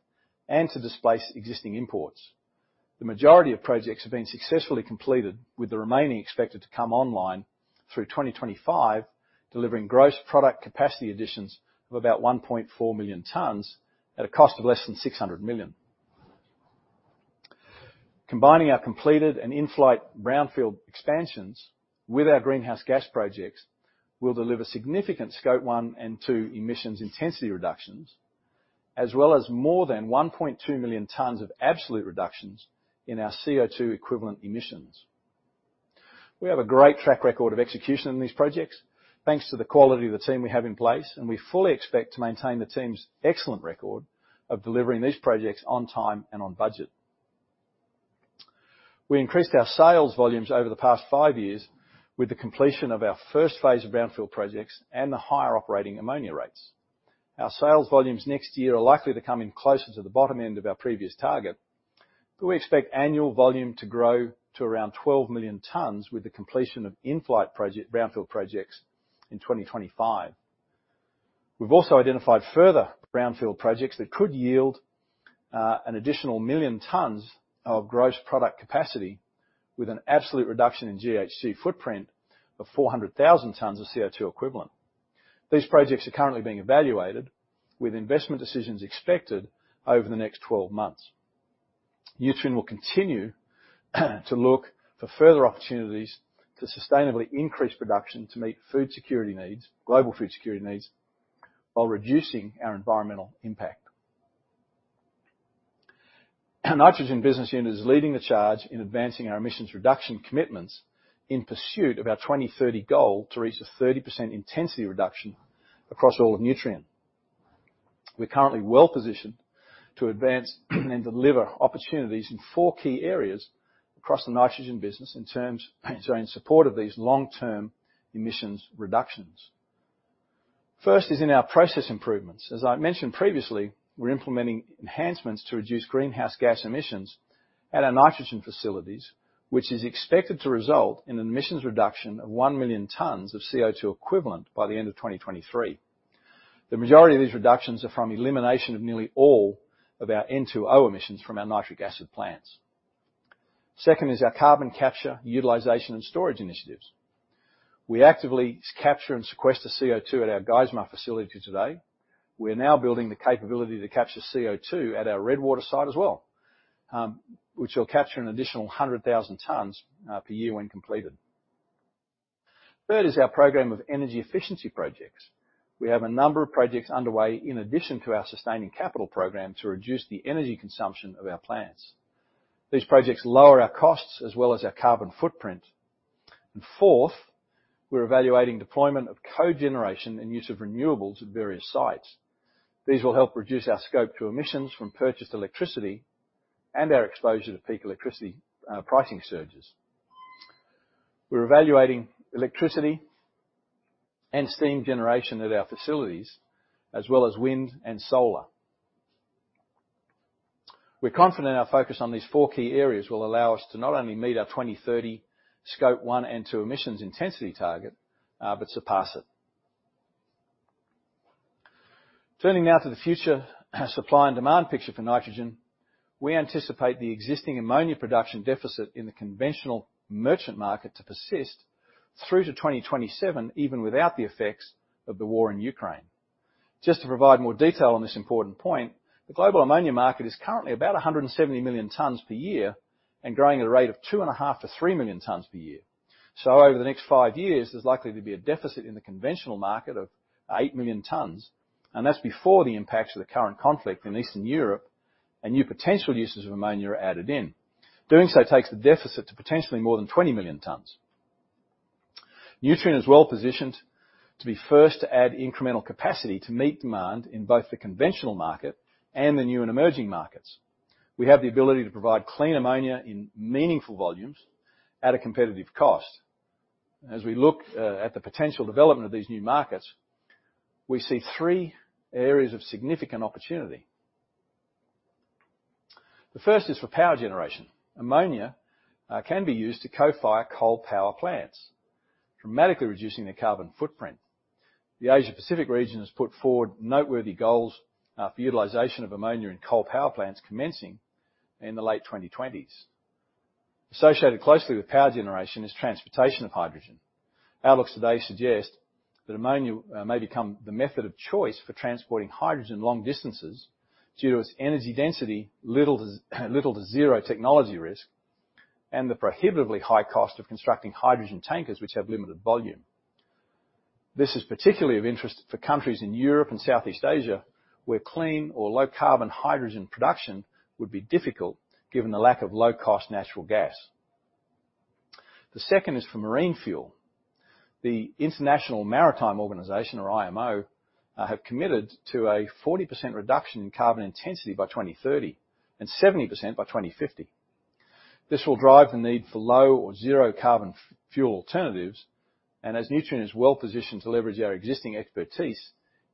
and to displace existing imports. The majority of projects have been successfully completed, with the remaining expected to come online through 2025, delivering gross product capacity additions of about 1.4 million tons at a cost of less than $600 million. Combining our completed and in-flight brownfield expansions with our greenhouse gas projects will deliver significant Scope 1 and 2 emissions intensity reductions, as well as more than 1.2 million tons of absolute reductions in our CO₂ equivalent emissions. We have a great track record of execution in these projects, thanks to the quality of the team we have in place, and we fully expect to maintain the team's excellent record of delivering these projects on time and on budget. We increased our sales volumes over the past five years with the completion of our first phase of brownfield projects and the higher operating ammonia rates. Our sales volumes next year are likely to come in closer to the bottom end of our previous target, but we expect annual volume to grow to around 12 million tons with the completion of in-flight brownfield projects in 2025. We've also identified further brownfield projects that could yield an additional 1 million tons of gross product capacity with an absolute reduction in GHG footprint of 400,000 tons of CO₂ equivalent. These projects are currently being evaluated with investment decisions expected over the next 12 months. Nutrien will continue to look for further opportunities to sustainably increase production to meet food security needs, global food security needs while reducing our environmental impact. Our nitrogen business unit is leading the charge in advancing our emissions reduction commitments in pursuit of our 2030 goal to reach a 30% intensity reduction across all of Nutrien. We're currently well positioned to advance and deliver opportunities in four key areas across the nitrogen business in support of these long-term emissions reductions. First is in our process improvements. As I mentioned previously, we're implementing enhancements to reduce greenhouse gas emissions at our nitrogen facilities, which is expected to result in an emissions reduction of 1,000,000 tons of CO₂ equivalent by the end of 2023. The majority of these reductions are from elimination of nearly all of our N2O emissions from our nitric acid plants. Second is our carbon capture, utilization, and storage initiatives. We actively capture and sequester CO₂ at our Geismar facility today. We are now building the capability to capture CO₂ at our Redwater site as well, which will capture an additional 100,000 tons per year when completed. Third is our program of energy efficiency projects. We have a number of projects underway in addition to our sustaining capital program to reduce the energy consumption of our plants. These projects lower our costs as well as our carbon footprint. Fourth, we're evaluating deployment of cogeneration and use of renewables at various sites. These will help reduce our Scope 2 emissions from purchased electricity and our exposure to peak electricity pricing surges. We're evaluating electricity and steam generation at our facilities, as well as wind and solar. We're confident our focus on these four key areas will allow us to not only meet our 2030 Scope 1 and 2 emissions intensity target, but surpass it. Turning now to the future supply and demand picture for nitrogen, we anticipate the existing ammonia production deficit in the conventional merchant market to persist through to 2027, even without the effects of the war in Ukraine. Just to provide more detail on this important point, the global ammonia market is currently about 170 million tons per year and growing at a rate of 2.5-3 million tons per year. Over the next five years, there's likely to be a deficit in the conventional market of 8 million tons, and that's before the impacts of the current conflict in Eastern Europe and new potential uses of ammonia are added in. Doing so takes the deficit to potentially more than 20 million tons. Nutrien is well-positioned to be first to add incremental capacity to meet demand in both the conventional market and the new and emerging markets. We have the ability to provide clean ammonia in meaningful volumes at a competitive cost. As we look at the potential development of these new markets, we see three areas of significant opportunity. The first is for power generation. Ammonia can be used to co-fire coal power plants, dramatically reducing the carbon footprint. The Asia-Pacific region has put forward noteworthy goals for utilization of ammonia in coal power plants commencing in the late 2020s. Associated closely with power generation is transportation of hydrogen. Outlooks today suggest that ammonia may become the method of choice for transporting hydrogen long distances due to its energy density, little to zero technology risk, and the prohibitively high cost of constructing hydrogen tankers which have limited volume. This is particularly of interest for countries in Europe and Southeast Asia, where clean or low carbon hydrogen production would be difficult given the lack of low-cost natural gas. The second is for marine fuel. The International Maritime Organization, or IMO, have committed to a 40% reduction in carbon intensity by 2030 and 70% by 2050. This will drive the need for low or zero carbon fuel alternatives, and as Nutrien is well positioned to leverage our existing expertise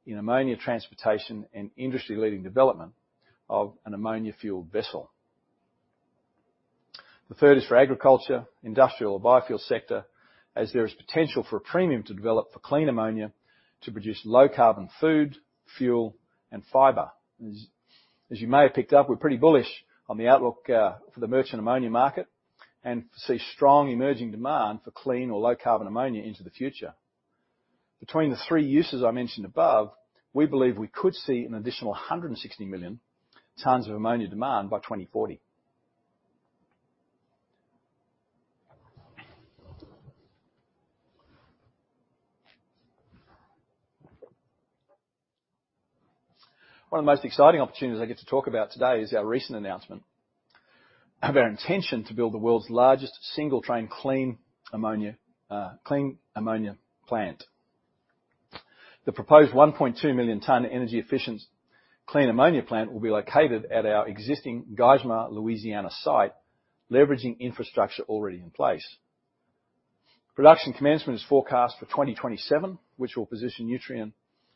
in ammonia transportation and industry-leading development of an ammonia-fueled vessel. The third is for agriculture, industrial, or biofuel sector, as there is potential for a premium to develop for clean ammonia to produce low-carbon food, fuel, and fiber. As you may have picked up, we're pretty bullish on the outlook for the merchant ammonia market and see strong emerging demand for clean or low-carbon ammonia into the future. Between the three uses I mentioned above, we believe we could see an additional 160 million tons of ammonia demand by 2040. One of the most exciting opportunities I get to talk about today is our recent announcement of our intention to build the world's largest single train clean ammonia plant. The proposed 1.2 million ton energy efficient clean ammonia plant will be located at our existing Geismar, Louisiana site, leveraging infrastructure already in place. Production commencement is forecast for 2027, which will position Nutrien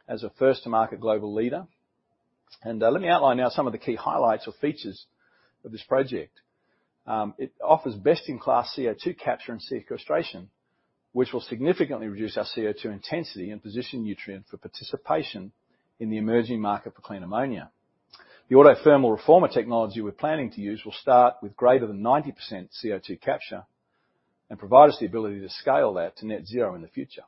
as a first to market global leader. Let me outline now some of the key highlights or features of this project. It offers best-in-class CO₂ capture and sequestration, which will significantly reduce our CO₂ intensity and position Nutrien for participation in the emerging market for clean ammonia. The autothermal reformer technology we're planning to use will start with greater than 90% CO₂ capture and provide us the ability to scale that to net zero in the future.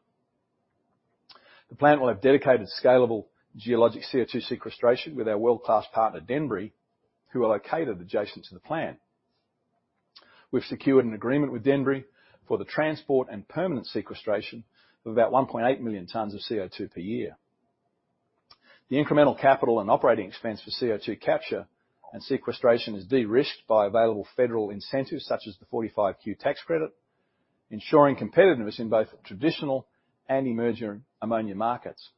The plant will have dedicated scalable geologic CO₂ sequestration with our world-class partner Denbury, who are located adjacent to the plant. We've secured an agreement with Denbury for the transport and permanent sequestration of about 1.8 million tons of CO₂ per year. The incremental capital and operating expense for CO₂ capture and sequestration is de-risked by available federal incentives such as the 45Q tax credit, ensuring competitiveness in both traditional and emerging ammonia markets.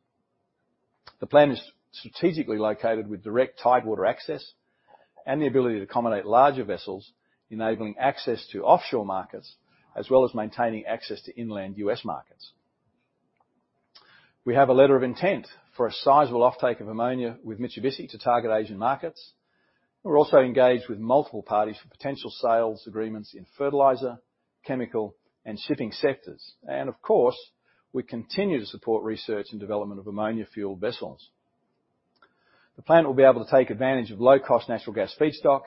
The plant is strategically located with direct tidewater access and the ability to accommodate larger vessels, enabling access to offshore markets as well as maintaining access to inland U.S. markets. We have a letter of intent for a sizable offtake of ammonia with Mitsubishi to target Asian markets. We're also engaged with multiple parties for potential sales agreements in fertilizer, chemical, and shipping sectors. Of course, we continue to support research and development of ammonia fuel vessels. The plant will be able to take advantage of low-cost natural gas feedstock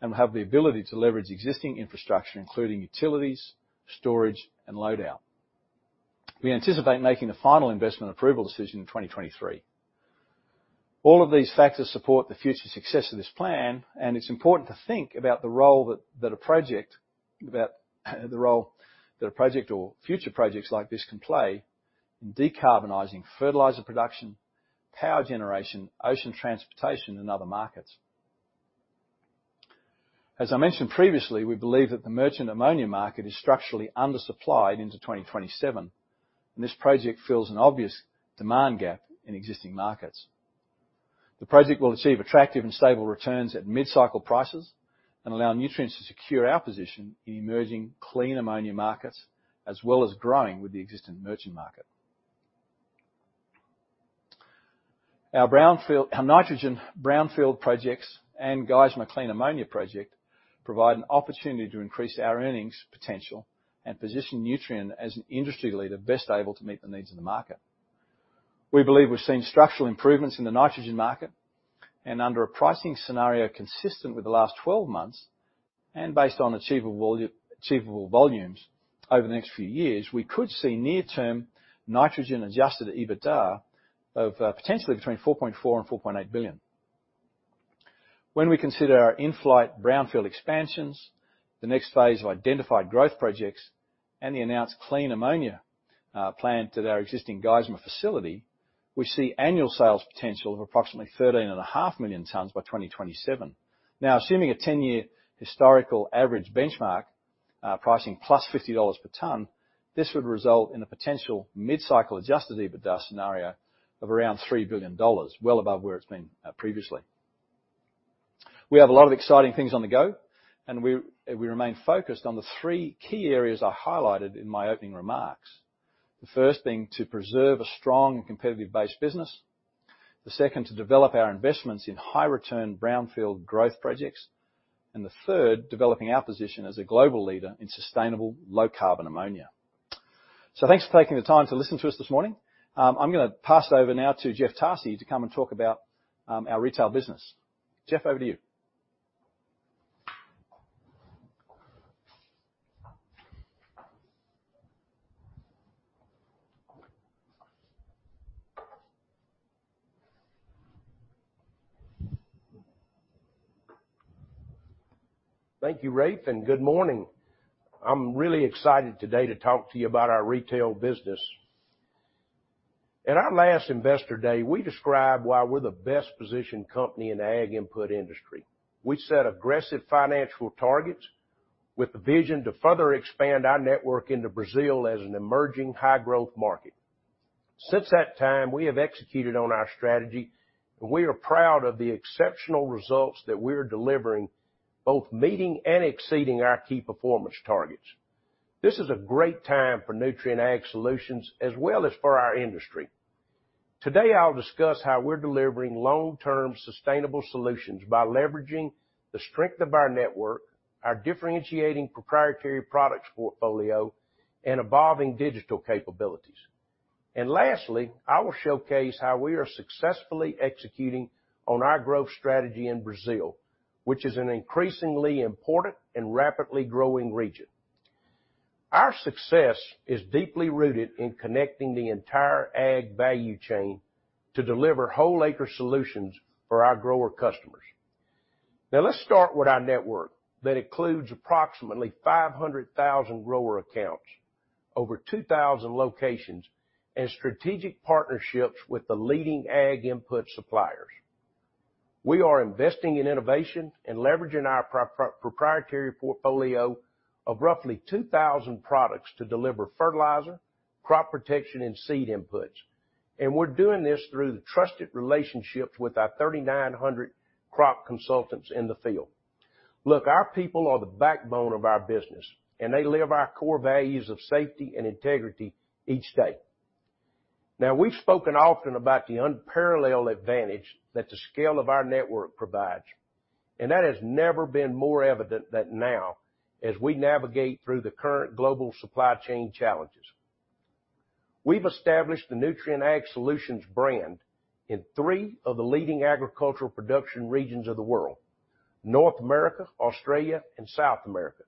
and have the ability to leverage existing infrastructure, including utilities, storage, and load out. We anticipate making the final investment approval decision in 2023. All of these factors support the future success of this plan, and it's important to think about the role that a project or future projects like this can play in decarbonizing fertilizer production, power generation, ocean transportation, and other markets. As I mentioned previously, we believe that the merchant ammonia market is structurally undersupplied into 2027, and this project fills an obvious demand gap in existing markets. The project will achieve attractive and stable returns at mid-cycle prices and allow Nutrien to secure our position in emerging clean ammonia markets, as well as growing with the existing merchant market. Our nitrogen brownfield projects and Geismar clean ammonia project provide an opportunity to increase our earnings potential and position Nutrien as an industry leader best able to meet the needs of the market. We believe we're seeing structural improvements in the nitrogen market and under a pricing scenario consistent with the last 12 months, and based on achievable volumes over the next few years, we could see near-term nitrogen-adjusted EBITDA of potentially between $4.4 billion-$4.8 billion. When we consider our in-flight brownfield expansions, the next phase of identified growth projects, and the announced clean ammonia plant at our existing Geismar facility, we see annual sales potential of approximately 13.5 million tons by 2027. Now, assuming a 10-year historical average benchmark pricing plus $50 per ton, this would result in a potential mid-cycle adjusted EBITDA scenario of around $3 billion, well above where it's been previously. We have a lot of exciting things on the go, and we remain focused on the three key areas I highlighted in my opening remarks. The first being to preserve a strong and competitive base business. The second to develop our investments in high return brownfield growth projects. The third, developing our position as a global leader in sustainable low-carbon ammonia. Thanks for taking the time to listen to us this morning. I'm gonna pass over now to Jeff Tarsi to come and talk about our retail business. Jeff, over to you. Thank you, Raef, and good morning. I'm really excited today to talk to you about our retail business. At our last Investor Day, we described why we're the best-positioned company in the ag input industry. We set aggressive financial targets with the vision to further expand our network into Brazil as an emerging high-growth market. Since that time, we have executed on our strategy, and we are proud of the exceptional results that we're delivering, both meeting and exceeding our key performance targets. This is a great time for Nutrien Ag Solutions as well as for our industry. Today, I'll discuss how we're delivering long-term sustainable solutions by leveraging the strength of our network, our differentiating proprietary products portfolio, and evolving digital capabilities. Lastly, I will showcase how we are successfully executing on our growth strategy in Brazil, which is an increasingly important and rapidly growing region. Our success is deeply rooted in connecting the entire ag value chain to deliver whole acre solutions for our grower customers. Now let's start with our network that includes approximately 500,000 grower accounts, over 2,000 locations, and strategic partnerships with the leading ag input suppliers. We are investing in innovation and leveraging our proprietary portfolio of roughly 2,000 products to deliver fertilizer, crop protection, and seed inputs. We're doing this through the trusted relationships with our 3,900 crop consultants in the field. Look, our people are the backbone of our business, and they live our core values of safety and integrity each day. Now, we've spoken often about the unparalleled advantage that the scale of our network provides, and that has never been more evident than now as we navigate through the current global supply chain challenges. We've established the Nutrien Ag Solutions brand in three of the leading agricultural production regions of the world: North America, Australia, and South America.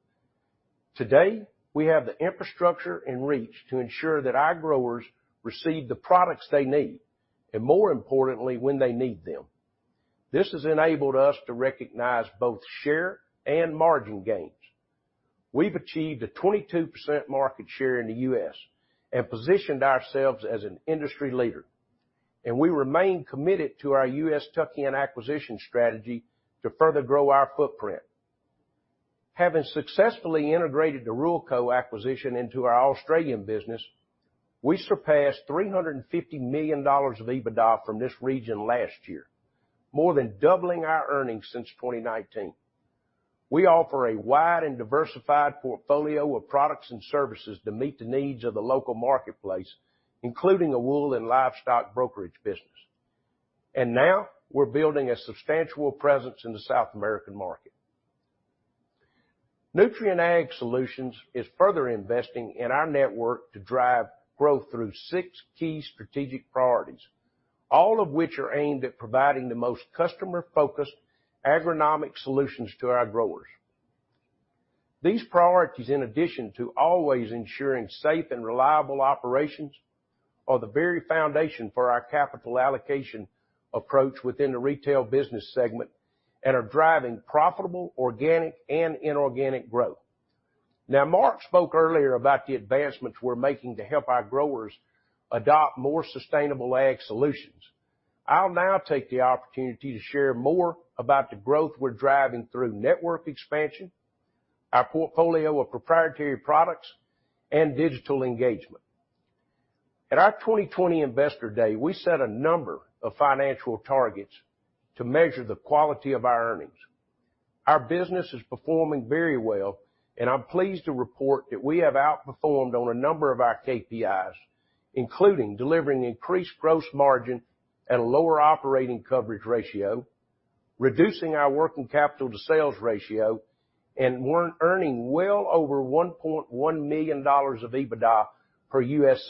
Today, we have the infrastructure and reach to ensure that our growers receive the products they need, and more importantly, when they need them. This has enabled us to recognize both share and margin gains. We've achieved a 22% market share in the U.S. and positioned ourselves as an industry leader, and we remain committed to our U.S. tuck-in acquisition strategy to further grow our footprint. Having successfully integrated the Ruralco acquisition into our Australian business, we surpassed $350 million of EBITDA from this region last year, more than doubling our earnings since 2019. We offer a wide and diversified portfolio of products and services to meet the needs of the local marketplace, including a wool and livestock brokerage business. Now we're building a substantial presence in the South American market. Nutrien Ag Solutions is further investing in our network to drive growth through six key strategic priorities, all of which are aimed at providing the most customer-focused agronomic solutions to our growers. These priorities, in addition to always ensuring safe and reliable operations, are the very foundation for our capital allocation approach within the retail business segment and are driving profitable organic and inorganic growth. Now, Mark spoke earlier about the advancements we're making to help our growers adopt more sustainable ag solutions. I'll now take the opportunity to share more about the growth we're driving through network expansion, our portfolio of proprietary products, and digital engagement. At our 2020 Investor Day, we set a number of financial targets to measure the quality of our earnings. Our business is performing very well, and I'm pleased to report that we have outperformed on a number of our KPIs, including delivering increased gross margin at a lower operating coverage ratio, reducing our working capital to sales ratio, and earning well over $1.1 million of EBITDA per US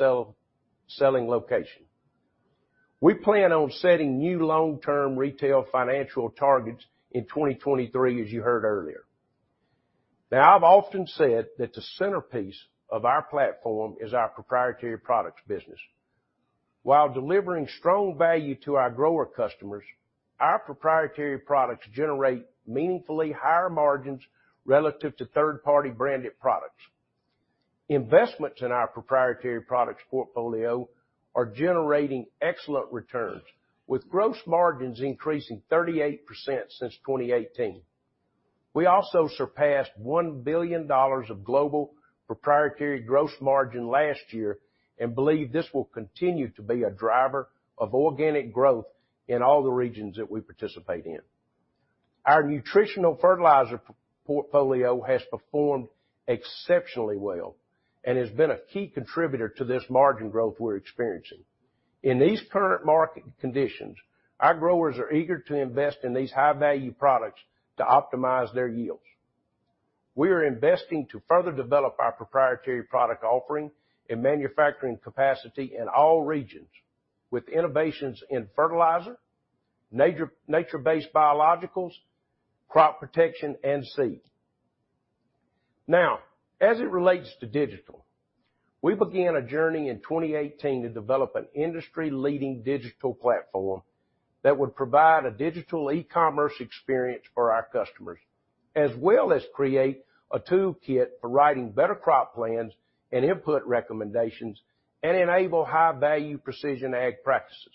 selling location. We plan on setting new long-term retail financial targets in 2023, as you heard earlier. Now, I've often said that the centerpiece of our platform is our proprietary products business. While delivering strong value to our grower customers, our proprietary products generate meaningfully higher margins relative to third-party branded products. Investments in our proprietary products portfolio are generating excellent returns, with gross margins increasing 38% since 2018. We also surpassed $1 billion of global proprietary gross margin last year and believe this will continue to be a driver of organic growth in all the regions that we participate in. Our nutritional fertilizer portfolio has performed exceptionally well and has been a key contributor to this margin growth we're experiencing. In these current market conditions, our growers are eager to invest in these high-value products to optimize their yields. We are investing to further develop our proprietary product offering and manufacturing capacity in all regions with innovations in fertilizer, nature-based biologicals, crop protection, and seed. Now, as it relates to digital, we began a journey in 2018 to develop an industry-leading digital platform that would provide a digital e-commerce experience for our customers, as well as create a toolkit for writing better crop plans and input recommendations and enable high-value precision ag practices.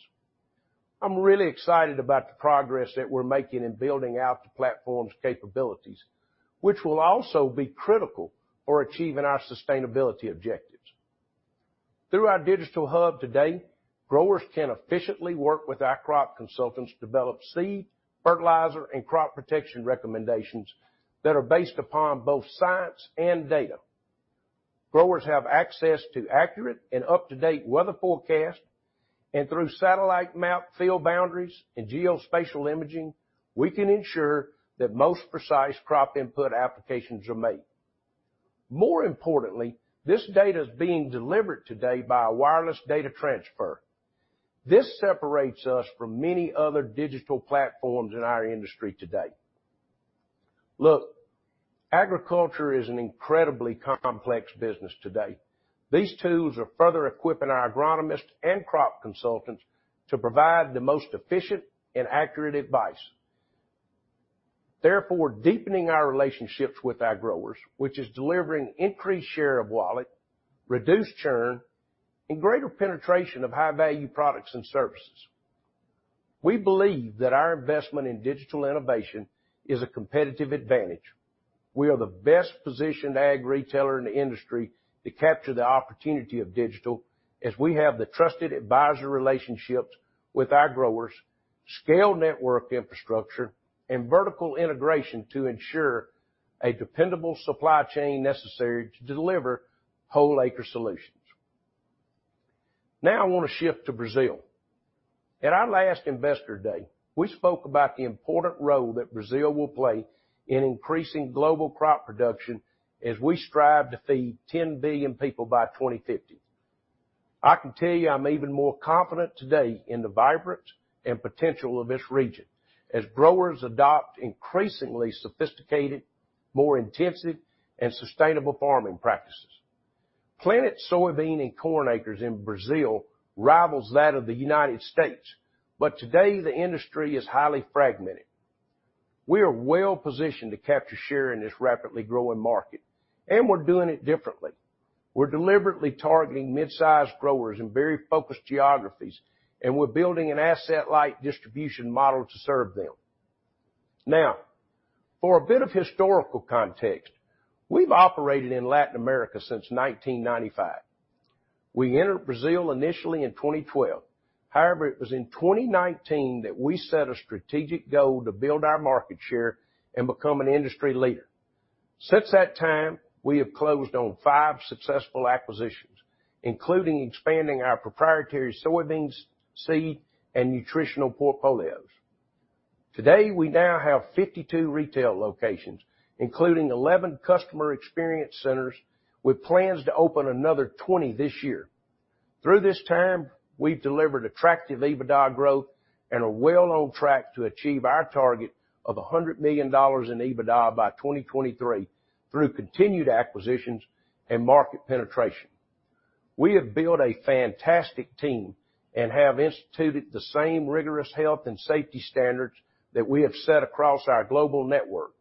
I'm really excited about the progress that we're making in building out the platform's capabilities, which will also be critical for achieving our sustainability objectives. Through our digital hub today, growers can efficiently work with our crop consultants to develop seed, fertilizer, and crop protection recommendations that are based upon both science and data. Growers have access to accurate and up-to-date weather forecast, and through satellite map field boundaries and geospatial imaging, we can ensure that most precise crop input applications are made. More importantly, this data is being delivered today by a wireless data transfer. This separates us from many other digital platforms in our industry today. Look, agriculture is an incredibly complex business today. These tools are further equipping our agronomists and crop consultants to provide the most efficient and accurate advice. Therefore, deepening our relationships with our growers, which is delivering increased share of wallet, reduced churn, and greater penetration of high-value products and services. We believe that our investment in digital innovation is a competitive advantage. We are the best-positioned ag retailer in the industry to capture the opportunity of digital as we have the trusted advisor relationships with our growers, scaled network infrastructure, and vertical integration to ensure a dependable supply chain necessary to deliver whole acre solutions. Now I wanna shift to Brazil. At our last Investor Day, we spoke about the important role that Brazil will play in increasing global crop production as we strive to feed 10 billion people by 2050. I can tell you I'm even more confident today in the vibrance and potential of this region as growers adopt increasingly sophisticated, more intensive, and sustainable farming practices. Planted soybean and corn acres in Brazil rivals that of the United States, but today the industry is highly fragmented. We are well-positioned to capture share in this rapidly growing market, and we're doing it differently. We're deliberately targeting mid-sized growers in very focused geographies, and we're building an asset-light distribution model to serve them. Now, for a bit of historical context, we've operated in Latin America since 1995. We entered Brazil initially in 2012. However, it was in 2019 that we set a strategic goal to build our market share and become an industry leader. Since that time, we have closed on five successful acquisitions, including expanding our proprietary soybeans, seed, and nutritional portfolios. Today, we now have 52 retail locations, including 11 customer experience centers, with plans to open another 20 this year. Through this time, we've delivered attractive EBITDA growth and are well on track to achieve our target of $100 million in EBITDA by 2023 through continued acquisitions and market penetration. We have built a fantastic team and have instituted the same rigorous health and safety standards that we have set across our global network.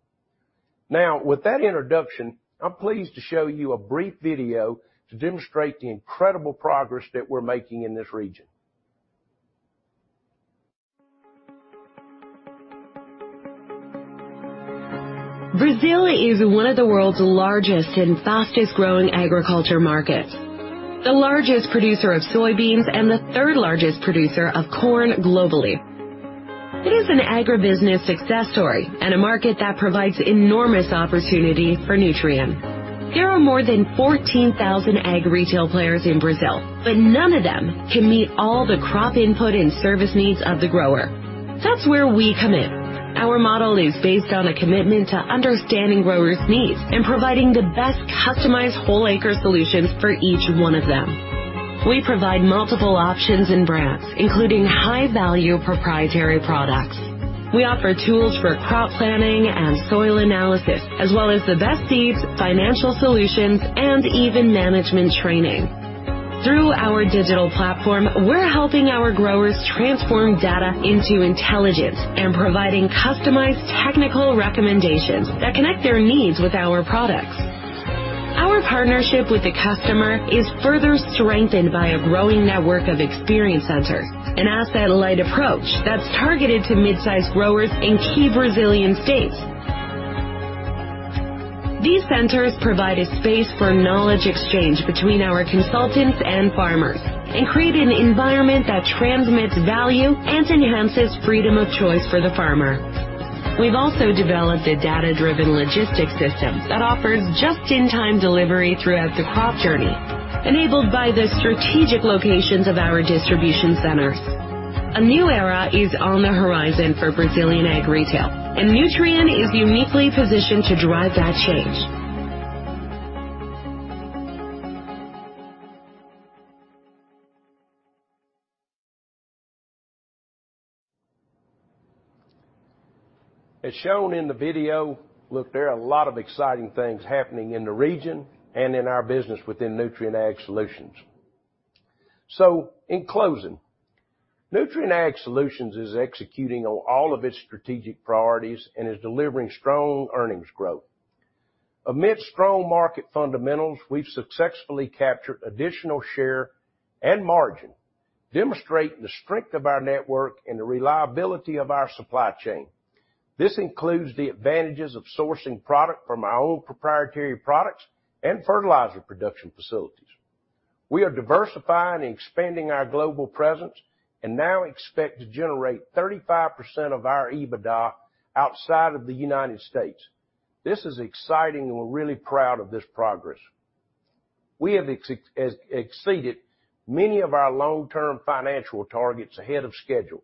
Now, with that introduction, I'm pleased to show you a brief video to demonstrate the incredible progress that we're making in this region. Brazil is one of the world's largest and fastest-growing agriculture markets. The largest producer of soybeans and the third-largest producer of corn globally. It is an agribusiness success story and a market that provides enormous opportunity for Nutrien. There are more than 14,000 ag retail players in Brazil, but none of them can meet all the crop input and service needs of the grower. That's where we come in. Our model is based on a commitment to understanding growers' needs and providing the best customized whole acre solutions for each one of them. We provide multiple options and brands, including high-value proprietary products. We offer tools for crop planning and soil analysis, as well as the best seeds, financial solutions, and even management training. Through our digital platform, we're helping our growers transform data into intelligence and providing customized technical recommendations that connect their needs with our products. Our partnership with the customer is further strengthened by a growing network of experience centers, an asset-light approach that's targeted to mid-size growers in key Brazilian states. These centers provide a space for knowledge exchange between our consultants and farmers and create an environment that transmits value and enhances freedom of choice for the farmer. We've also developed a data-driven logistics system that offers just-in-time delivery throughout the crop journey, enabled by the strategic locations of our distribution centers. A new era is on the horizon for Brazilian ag retail, and Nutrien is uniquely positioned to drive that change. As shown in the video, look, there are a lot of exciting things happening in the region and in our business within Nutrien Ag Solutions. In closing, Nutrien Ag Solutions is executing on all of its strategic priorities and is delivering strong earnings growth. Amidst strong market fundamentals, we've successfully captured additional share and margin, demonstrating the strength of our network and the reliability of our supply chain. This includes the advantages of sourcing product from our own proprietary products and fertilizer production facilities. We are diversifying and expanding our global presence and now expect to generate 35% of our EBITDA outside of the United States. This is exciting, and we're really proud of this progress. We have exceeded many of our long-term financial targets ahead of schedule,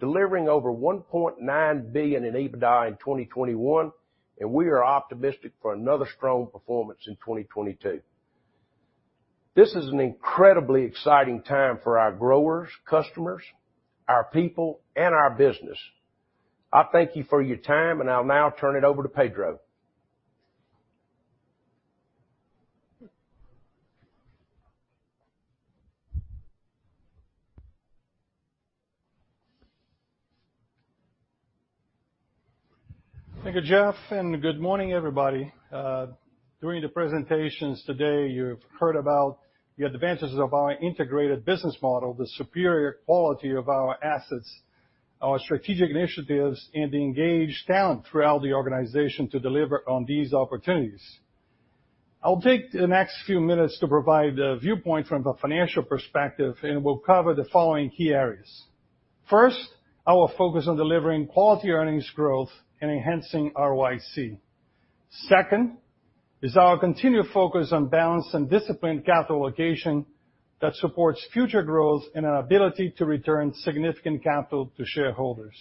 delivering over $1.9 billion in EBITDA in 2021, and we are optimistic for another strong performance in 2022. This is an incredibly exciting time for our growers, customers, our people, and our business. I thank you for your time, and I'll now turn it over to Pedro. Thank you, Jeff, and good morning, everybody. During the presentations today, you've heard about the advantages of our integrated business model, the superior quality of our assets, our strategic initiatives, and the engaged talent throughout the organization to deliver on these opportunities. I'll take the next few minutes to provide a viewpoint from the financial perspective, and we'll cover the following key areas. First, our focus on delivering quality earnings growth and enhancing ROIC. Second is our continued focus on balanced and disciplined capital allocation that supports future growth and an ability to return significant capital to shareholders.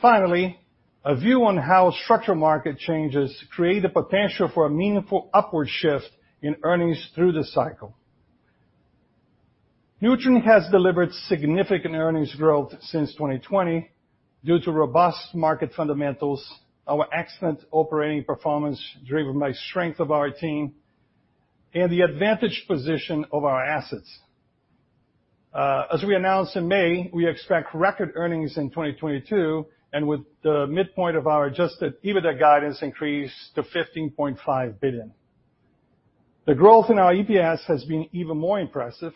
Finally, a view on how structural market changes create the potential for a meaningful upward shift in earnings through the cycle. Nutrien has delivered significant earnings growth since 2020 due to robust market fundamentals, our excellent operating performance driven by strength of our team, and the advantaged position of our assets. As we announced in May, we expect record earnings in 2022, and with the midpoint of our adjusted EBITDA guidance increase to $15.5 billion. The growth in our EPS has been even more impressive,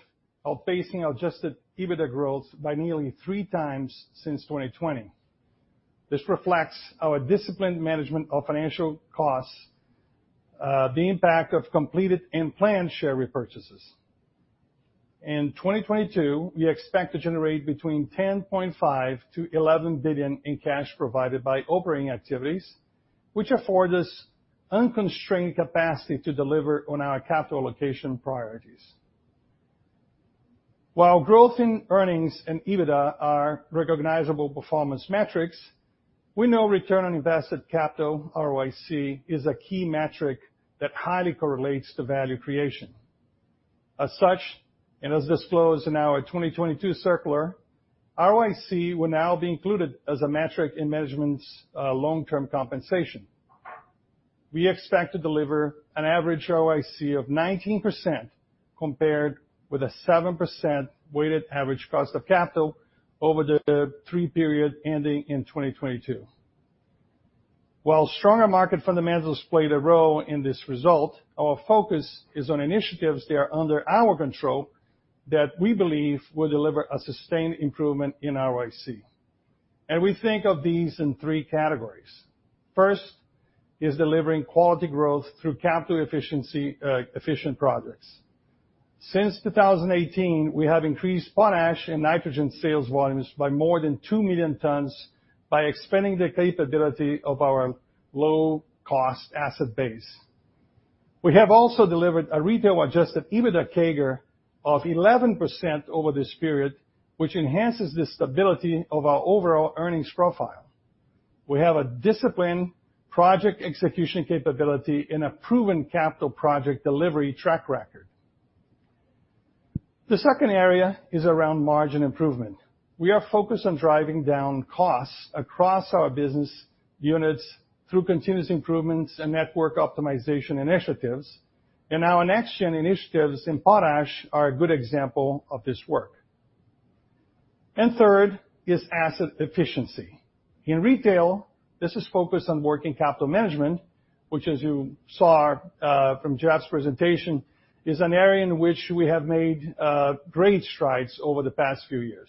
outpacing adjusted EBITDA growth by nearly 3x since 2020. This reflects our disciplined management of financial costs, the impact of completed and planned share repurchases. In 2022, we expect to generate between $10.5 billion-$11 billion in cash provided by operating activities, which affords us unconstrained capacity to deliver on our capital allocation priorities. While growth in earnings and EBITDA are recognizable performance metrics, we know return on invested capital, ROIC, is a key metric that highly correlates to value creation. As such, and as disclosed in our 2022 circular, ROIC will now be included as a metric in management's long-term compensation. We expect to deliver an average ROIC of 19% compared with a 7% weighted average cost of capital over the three year period ending in 2022. While stronger market fundamentals played a role in this result, our focus is on initiatives that are under our control that we believe will deliver a sustained improvement in ROIC. We think of these in three categories. First is delivering quality growth through capital efficiency, efficient projects. Since 2018, we have increased potash and nitrogen sales volumes by more than 2 million tons by expanding the capability of our low-cost asset base. We have also delivered a retail-adjusted EBITDA CAGR of 11% over this period, which enhances the stability of our overall earnings profile. We have a disciplined project execution capability and a proven capital project delivery track record. The second area is around margin improvement. We are focused on driving down costs across our business units through continuous improvements and network optimization initiatives, and our NextGen initiatives in Potash are a good example of this work. Third is asset efficiency. In retail, this is focused on working capital management, which as you saw, from Jeff's presentation, is an area in which we have made, great strides over the past few years.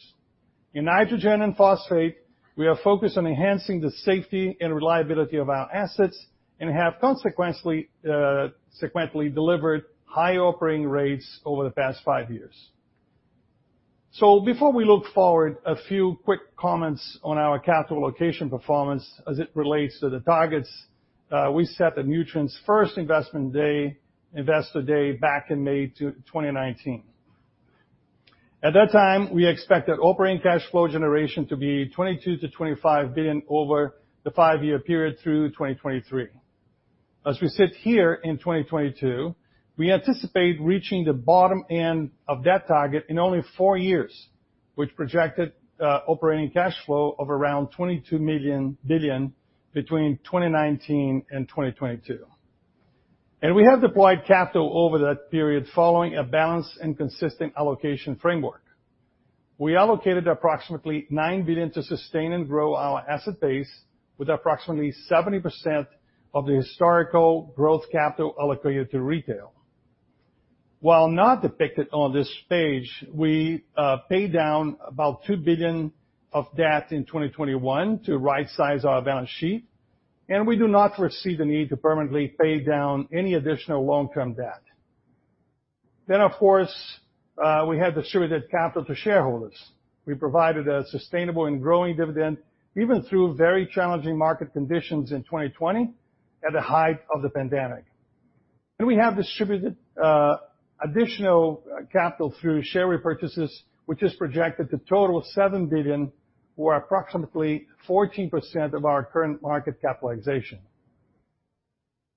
In nitrogen and phosphate, we are focused on enhancing the safety and reliability of our assets and have consequently sequentially delivered high operating rates over the past five years. Before we look forward, a few quick comments on our capital allocation performance as it relates to the targets we set at Nutrien's first investor day back in May 2019. At that time, we expected operating cash flow generation to be $22 billion-$25 billion over the five-year period through 2023. As we sit here in 2022, we anticipate reaching the bottom end of that target in only 4 years, which projected operating cash flow of around $22 billion between 2019 and 2022. We have deployed capital over that period following a balanced and consistent allocation framework. We allocated approximately $9 billion to sustain and grow our asset base with approximately 70% of the historical growth capital allocated to retail. While not depicted on this page, we paid down about $2 billion of debt in 2021 to rightsize our balance sheet, and we do not foresee the need to permanently pay down any additional long-term debt. Of course, we had distributed capital to shareholders. We provided a sustainable and growing dividend even through very challenging market conditions in 2020 at the height of the pandemic. We have distributed additional capital through share repurchases, which is projected to total $7 billion or approximately 14% of our current market capitalization.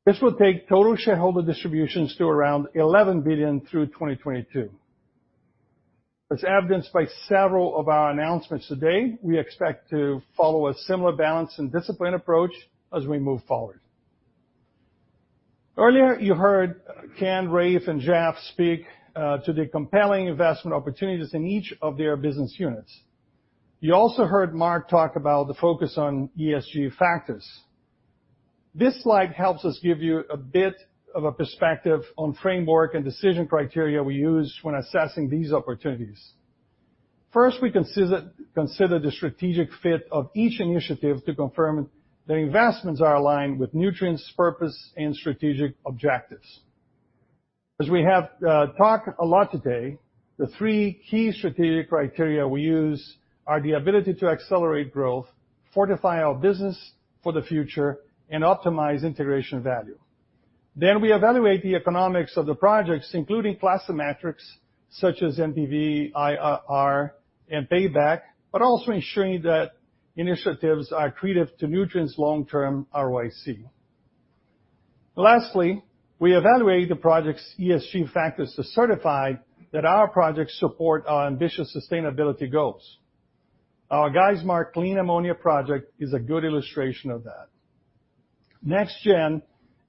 This will take total shareholder distributions to around $11 billion through 2022. As evidenced by several of our announcements today, we expect to follow a similar balanced and disciplined approach as we move forward. Earlier, you heard Ken, Raef and Jeff speak to the compelling investment opportunities in each of their business units. You also heard Mark talk about the focus on ESG factors. This slide helps us give you a bit of a perspective on framework and decision criteria we use when assessing these opportunities. First, we consider the strategic fit of each initiative to confirm that investments are aligned with Nutrien's purpose and strategic objectives. As we have talked a lot today, the three key strategic criteria we use are the ability to accelerate growth, fortify our business for the future, and optimize integration value. We evaluate the economics of the projects, including classic metrics such as NPV, IRR, and payback, but also ensuring that initiatives are accretive to Nutrien's long-term ROIC. Lastly, we evaluate the project's ESG factors to certify that our projects support our ambitious sustainability goals. Our Geismar clean ammonia project is a good illustration of that. NextGen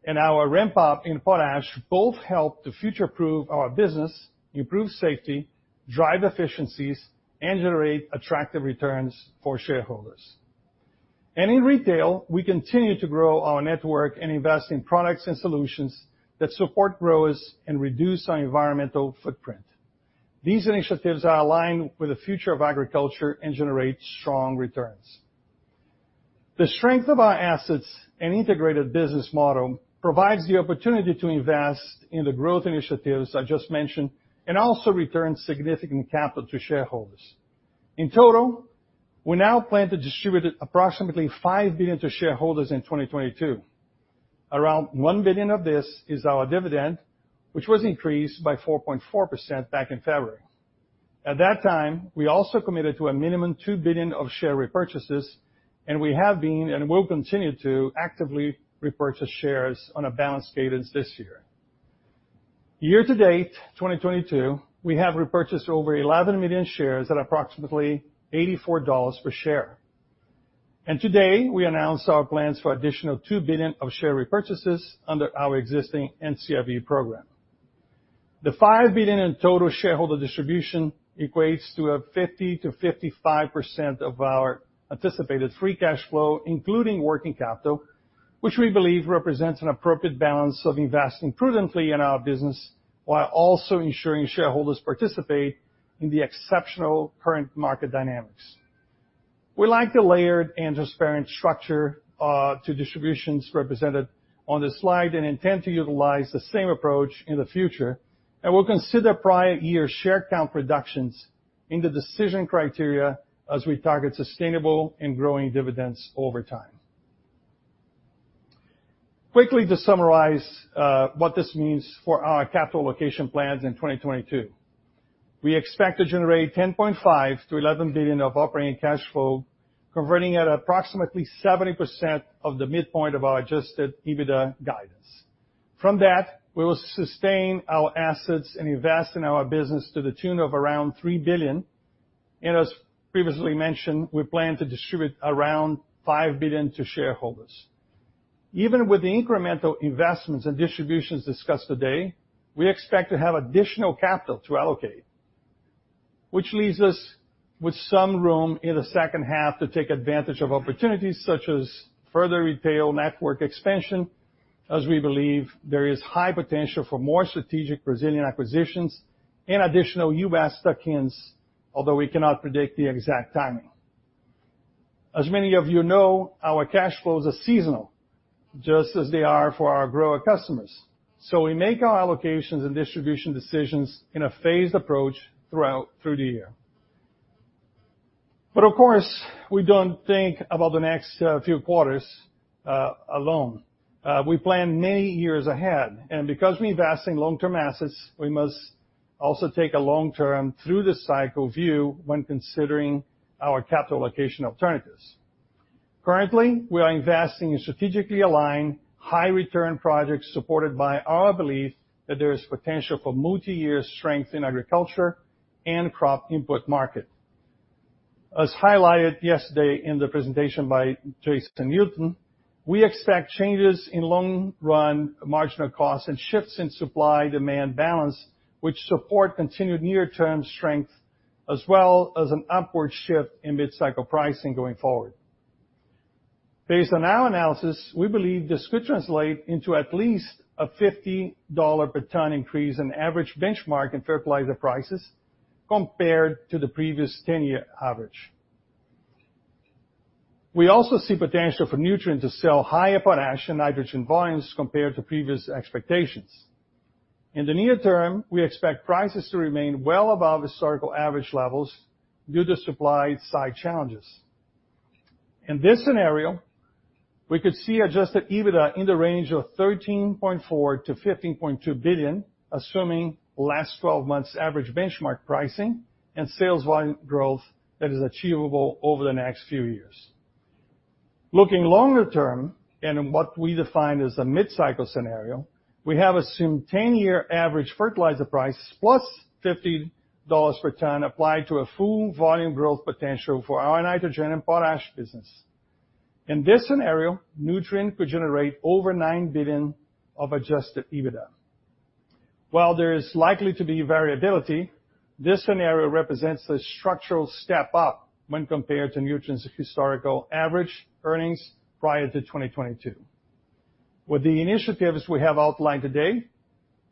and our ramp up in Potash both help to future-proof our business, improve safety, drive efficiencies, and generate attractive returns for shareholders. In retail, we continue to grow our network and invest in products and solutions that support growers and reduce our environmental footprint. These initiatives are aligned with the future of agriculture and generate strong returns. The strength of our assets and integrated business model provides the opportunity to invest in the growth initiatives I just mentioned, and also return significant capital to shareholders. In total, we now plan to distribute approximately $5 billion to shareholders in 2022. Around $1 billion of this is our dividend, which was increased by 4.4% back in February. At that time, we also committed to a minimum $2 billion of share repurchases, and we have been and will continue to actively repurchase shares on a balanced cadence this year. Year to date, 2022, we have repurchased over 11 million shares at approximately $84 per share. Today, we announced our plans for additional $2 billion of share repurchases under our existing NCIB program. The $5 billion in total shareholder distribution equates to a 50%-55% of our anticipated free cash flow, including working capital, which we believe represents an appropriate balance of investing prudently in our business while also ensuring shareholders participate in the exceptional current market dynamics. We like the layered and transparent structure to distributions represented on this slide and intend to utilize the same approach in the future. We'll consider prior year share count reductions in the decision criteria as we target sustainable and growing dividends over time. Quickly to summarize, what this means for our capital allocation plans in 2022. We expect to generate $10.5 billion-$11 billion of operating cash flow, converting at approximately 70% of the midpoint of our adjusted EBITDA guidance. From that, we will sustain our assets and invest in our business to the tune of around $3 billion. As previously mentioned, we plan to distribute around $5 billion to shareholders. Even with the incremental investments and distributions discussed today, we expect to have additional capital to allocate, which leaves us with some room in the second half to take advantage of opportunities such as further retail network expansion, as we believe there is high potential for more strategic Brazilian acquisitions and additional U.S. tuck-ins, although we cannot predict the exact timing. As many of you know, our cash flows are seasonal, just as they are for our grower customers. We make our allocations and distribution decisions in a phased approach throughout the year. Of course, we don't think about the next few quarters alone. We plan many years ahead. Because we invest in long-term assets, we must also take a long-term through the cycle view when considering our capital allocation alternatives. Currently, we are investing in strategically aligned high return projects supported by our belief that there is potential for multi-year strength in agriculture and crop input market. As highlighted yesterday in the presentation by Jason Newton, we expect changes in long run marginal costs and shifts in supply-demand balance, which support continued near-term strength as well as an upward shift in mid-cycle pricing going forward. Based on our analysis, we believe this could translate into at least a $50 per ton increase in average benchmark and fertilizer prices compared to the previous 10-year average. We also see potential for Nutrien to sell higher potash and nitrogen volumes compared to previous expectations. In the near term, we expect prices to remain well above historical average levels due to supply side challenges. In this scenario, we could see adjusted EBITDA in the range of $13.4 billion-$15.2 billion, assuming last twelve months average benchmark pricing and sales volume growth that is achievable over the next few years. Looking longer term, and in what we define as a mid-cycle scenario, we have assumed 10-year average fertilizer price plus $50 per ton applied to a full volume growth potential for our nitrogen and potash business. In this scenario, Nutrien could generate over $9 billion of adjusted EBITDA. While there is likely to be variability, this scenario represents a structural step up when compared to Nutrien's historical average earnings prior to 2022. With the initiatives we have outlined today,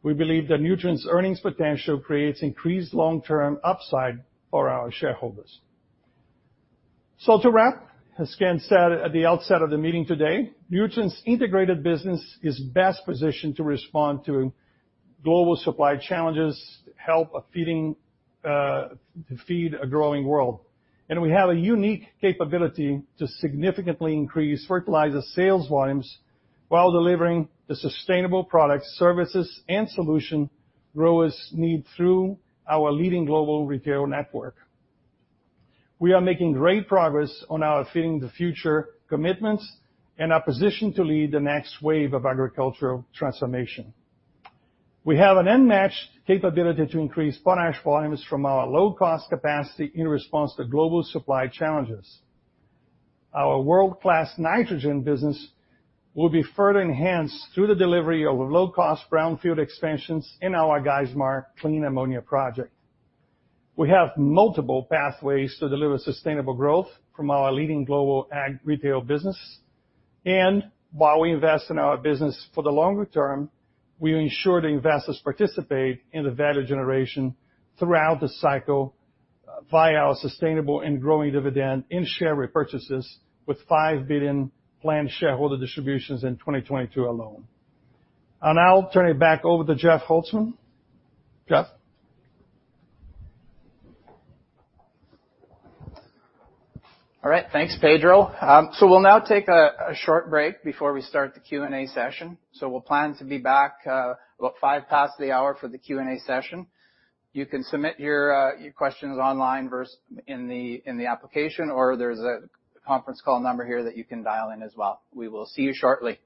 we believe that Nutrien's earnings potential creates increased long-term upside for our shareholders. To wrap, as Ken said at the outset of the meeting today, Nutrien's integrated business is best positioned to respond to global supply challenges, to feed a growing world. We have a unique capability to significantly increase fertilizer sales volumes while delivering the sustainable products, services, and solution growers need through our leading global retail network. We are making great progress on our Feeding the Future commitments and are positioned to lead the next wave of agricultural transformation. We have an unmatched capability to increase potash volumes from our low cost capacity in response to global supply challenges. Our world-class nitrogen business will be further enhanced through the delivery of low cost brownfield expansions in our Geismar clean ammonia project. We have multiple pathways to deliver sustainable growth from our leading global ag retail business. While we invest in our business for the longer term, we ensure the investors participate in the value generation throughout the cycle via our sustainable and growing dividend and share repurchases with $5 billion planned shareholder distributions in 2022 alone. I'll now turn it back over to Jeff Holzman. Jeff? All right. Thanks, Pedro. We'll now take a short break before we start the Q&A session. We'll plan to be back about five past the hour for the Q&A session. You can submit your questions online via the application, or there's a conference call number here that you can dial in as well. We will see you shortly.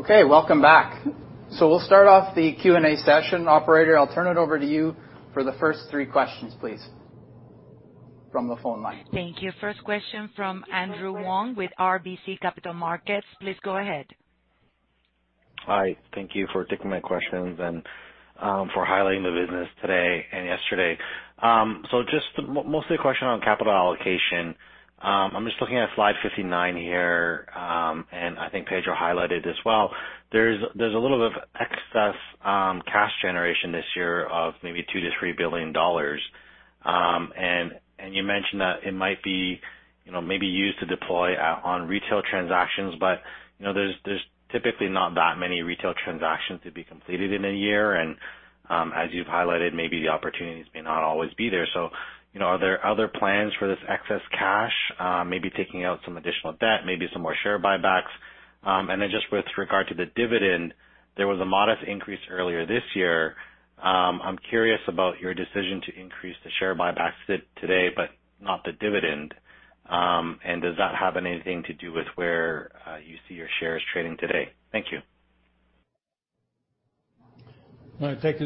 Okay, welcome back. We'll start off the Q&A session. Operator, I'll turn it over to you for the first three questions, please, from the phone line. Thank you. First question from Andrew Wong with RBC Capital Markets. Please go ahead. Hi. Thank you for taking my questions and for highlighting the business today and yesterday. Just mostly a question on capital allocation. I'm just looking at Slide 59 here, and I think Pedro highlighted as well. There's a little bit of excess cash generation this year of maybe $2 billion-$3 billion. You mentioned that it might be, you know, maybe used to deploy on retail transactions. You know, there's typically not that many retail transactions to be completed in a year. As you've highlighted, maybe the opportunities may not always be there. You know, are there other plans for this excess cash, maybe taking out some additional debt, maybe some more share buybacks? Just with regard to the dividend, there was a modest increase earlier this year. I'm curious about your decision to increase the share buybacks today, but not the dividend. Does that have anything to do with where you see your shares trading today? Thank you. All right. Thank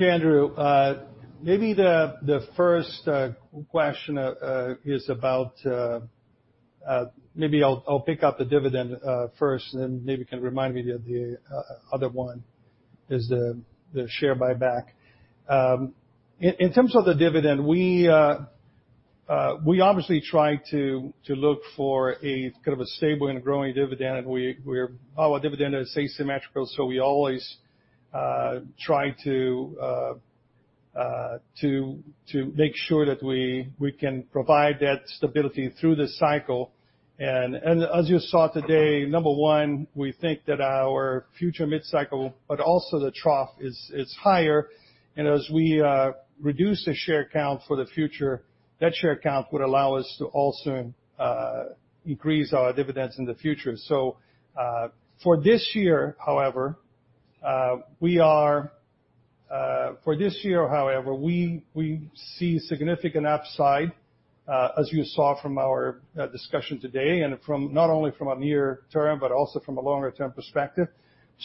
you, Andrew. Thank you, Andrew. Maybe the first question is about, maybe I'll pick up the dividend first, and then maybe you can remind me of the other one is the share buyback. In terms of the dividend, we obviously try to look for a kind of a stable and a growing dividend. Our dividend is asymmetrical, so we always try to make sure that we can provide that stability through the cycle. As you saw today, number one, we think that our future mid-cycle, but also the trough is higher. As we reduce the share count for the future, that share count would allow us to also increase our dividends in the future. For this year, however, we see significant upside, as you saw from our discussion today, and from not only a near term, but also from a longer-term perspective.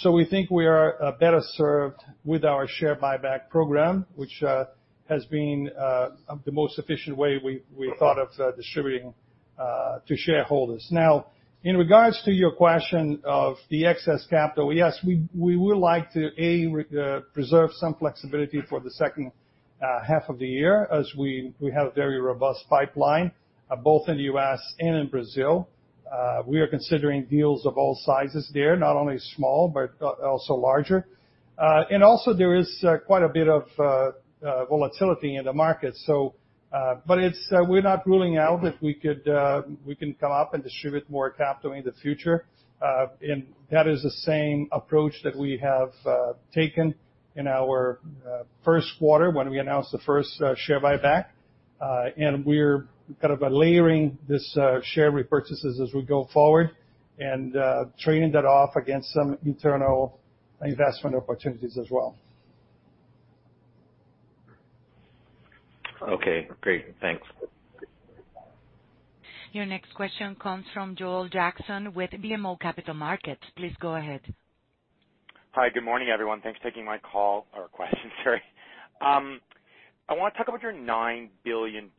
We think we are better served with our share buyback program, which has been the most efficient way we thought of distributing to shareholders. Now, in regards to your question of the excess capital, yes, we would like to preserve some flexibility for the second half of the year as we have very robust pipeline both in the U.S. and in Brazil. We are considering deals of all sizes there, not only small, but also larger. There is quite a bit of volatility in the market. We're not ruling out we can come up and distribute more capital in the future. That is the same approach that we have taken in our first quarter when we announced the first share buyback. We're kind of layering these share repurchases as we go forward and trading that off against some internal investment opportunities as well. Okay, great. Thanks. Your next question comes from Joel Jackson with BMO Capital Markets. Please go ahead. Hi, good morning, everyone. Thanks for taking my call or question. I want to talk about your $9 billion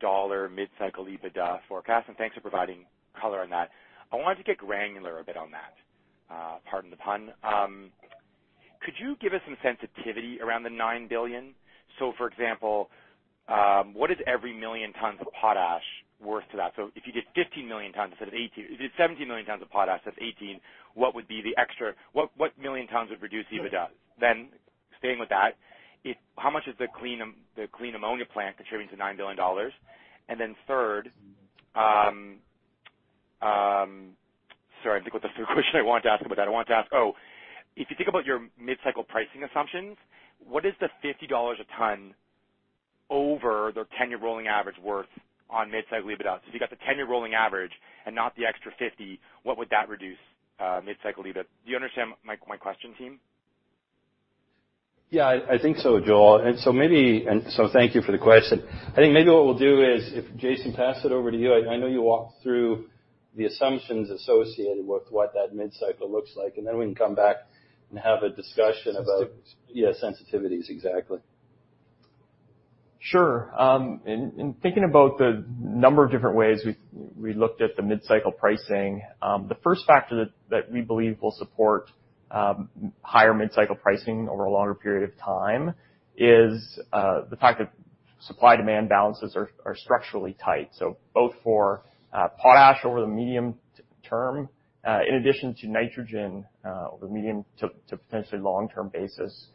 mid-cycle EBITDA forecast, and thanks for providing color on that. I wanted to get granular a bit on that, pardon the pun. Could you give us some sensitivity around the $9 billion? For example, what is every million tons of potash worth to that? If you did 15 million tons instead of 18, if you did 17 million tons of potash instead of 18, what would be the extra? What million tons would reduce EBITDA? Staying with that, how much is the clean ammonia plant contributing to $9 billion? Third, I wanted to ask about that. Oh, if you think about your mid-cycle pricing assumptions, what is the $50 a ton over the 10-year rolling average worth on mid-cycle EBITDA? If you got the 10-year rolling average and not the extra $50, what would that reduce, mid-cycle EBITDA? Do you understand my question, team? Yeah, I think so, Joel. Thank you for the question. I think maybe what we'll do is pass it over to you, Jason. I know you walked through the assumptions associated with what that mid-cycle looks like, and then we can come back and have a discussion about. Sensit- Yeah, sensitivities, exactly. Sure. In thinking about the number of different ways we looked at the mid-cycle pricing, the first factor that we believe will support higher mid-cycle pricing over a longer period of time is the fact that supply-demand balances are structurally tight. Both for potash over the medium-term, in addition to nitrogen, over medium to potentially long-term basis,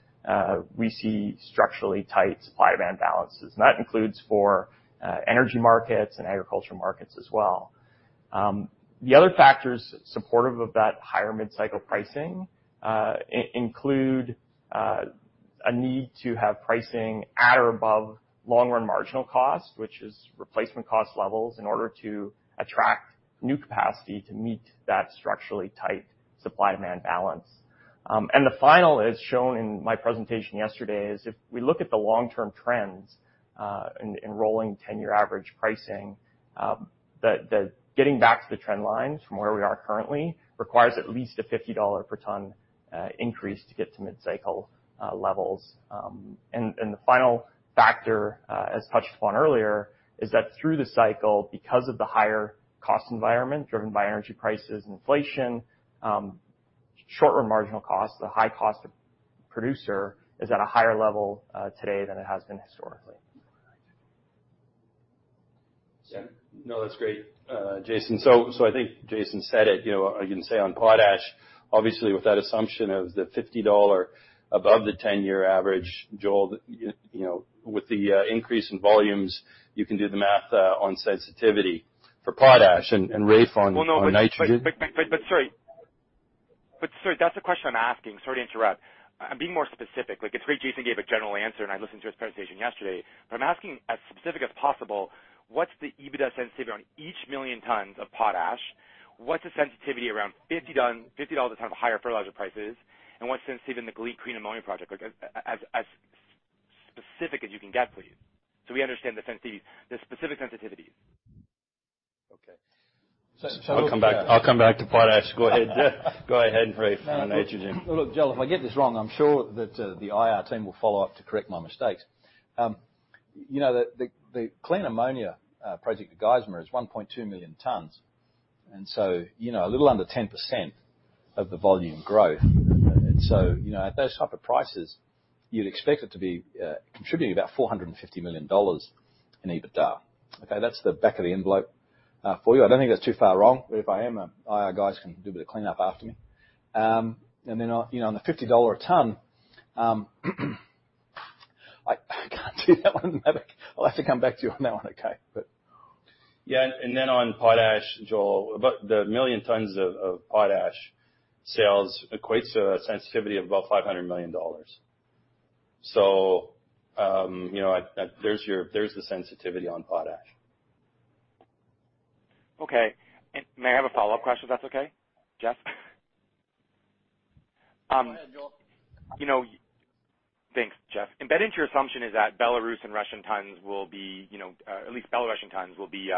we see structurally tight supply-demand balances. That includes for energy markets and agricultural markets as well. The other factors supportive of that higher mid-cycle pricing include a need to have pricing at or above long-run marginal cost, which is replacement cost levels, in order to attract new capacity to meet that structurally tight supply-demand balance. The final, as shown in my presentation yesterday, is if we look at the long-term trends in rolling ten-year average pricing, the getting back to the trend lines from where we are currently requires at least a $50 per ton increase to get to mid-cycle levels. The final factor, as touched upon earlier, is that through the cycle, because of the higher cost environment driven by energy prices and inflation, short-run marginal costs, the high-cost producer, is at a higher level today than it has been historically. No, that's great, Jason. I think Jason said it, you know, I can say on potash, obviously with that assumption of the $50 above the 10-year average, Joel, you know, with the increase in volumes, you can do the math on sensitivity for potash and Raef on nitrogen. No, but sorry. That's the question I'm asking. Sorry to interrupt. I'm being more specific. Like, it's great Jason gave a general answer, and I listened to his presentation yesterday, but I'm asking as specific as possible. What's the EBITDA sensitivity on each 1 million tons of potash? What's the sensitivity around $50 a ton of higher fertilizer prices and what's sensitive in the Geismar clean ammonia project? Like, as specific as you can get, please, so we understand the sensitivity, the specific sensitivities. Okay. So- I'll come back to potash. Go ahead and Raef for nitrogen. Look, Joel, if I get this wrong, I'm sure that the IR team will follow up to correct my mistakes. You know, the clean ammonia project at Geismar is 1.2 million tons. You know, a little under 10% of the volume growth. You know, at those type of prices, you'd expect it to be contributing about $450 million in EBITDA. Okay, that's the back of the envelope for you. I don't think that's too far wrong, but if I am, our IR guys can do a bit of cleanup after me. On, you know, on the $50 a ton, I can't do that one. I'll have to come back to you on that one, okay? On potash, Joel, about 1 million tons of potash sales equates to a sensitivity of about $500 million. You know, there's the sensitivity on potash. Okay. May I have a follow-up question if that's okay, Jeff? Go ahead, Joel. Thanks, Jeff. Embedded into your assumption is that Belarus and Russian tons will be, you know, at least Belarusian tons will be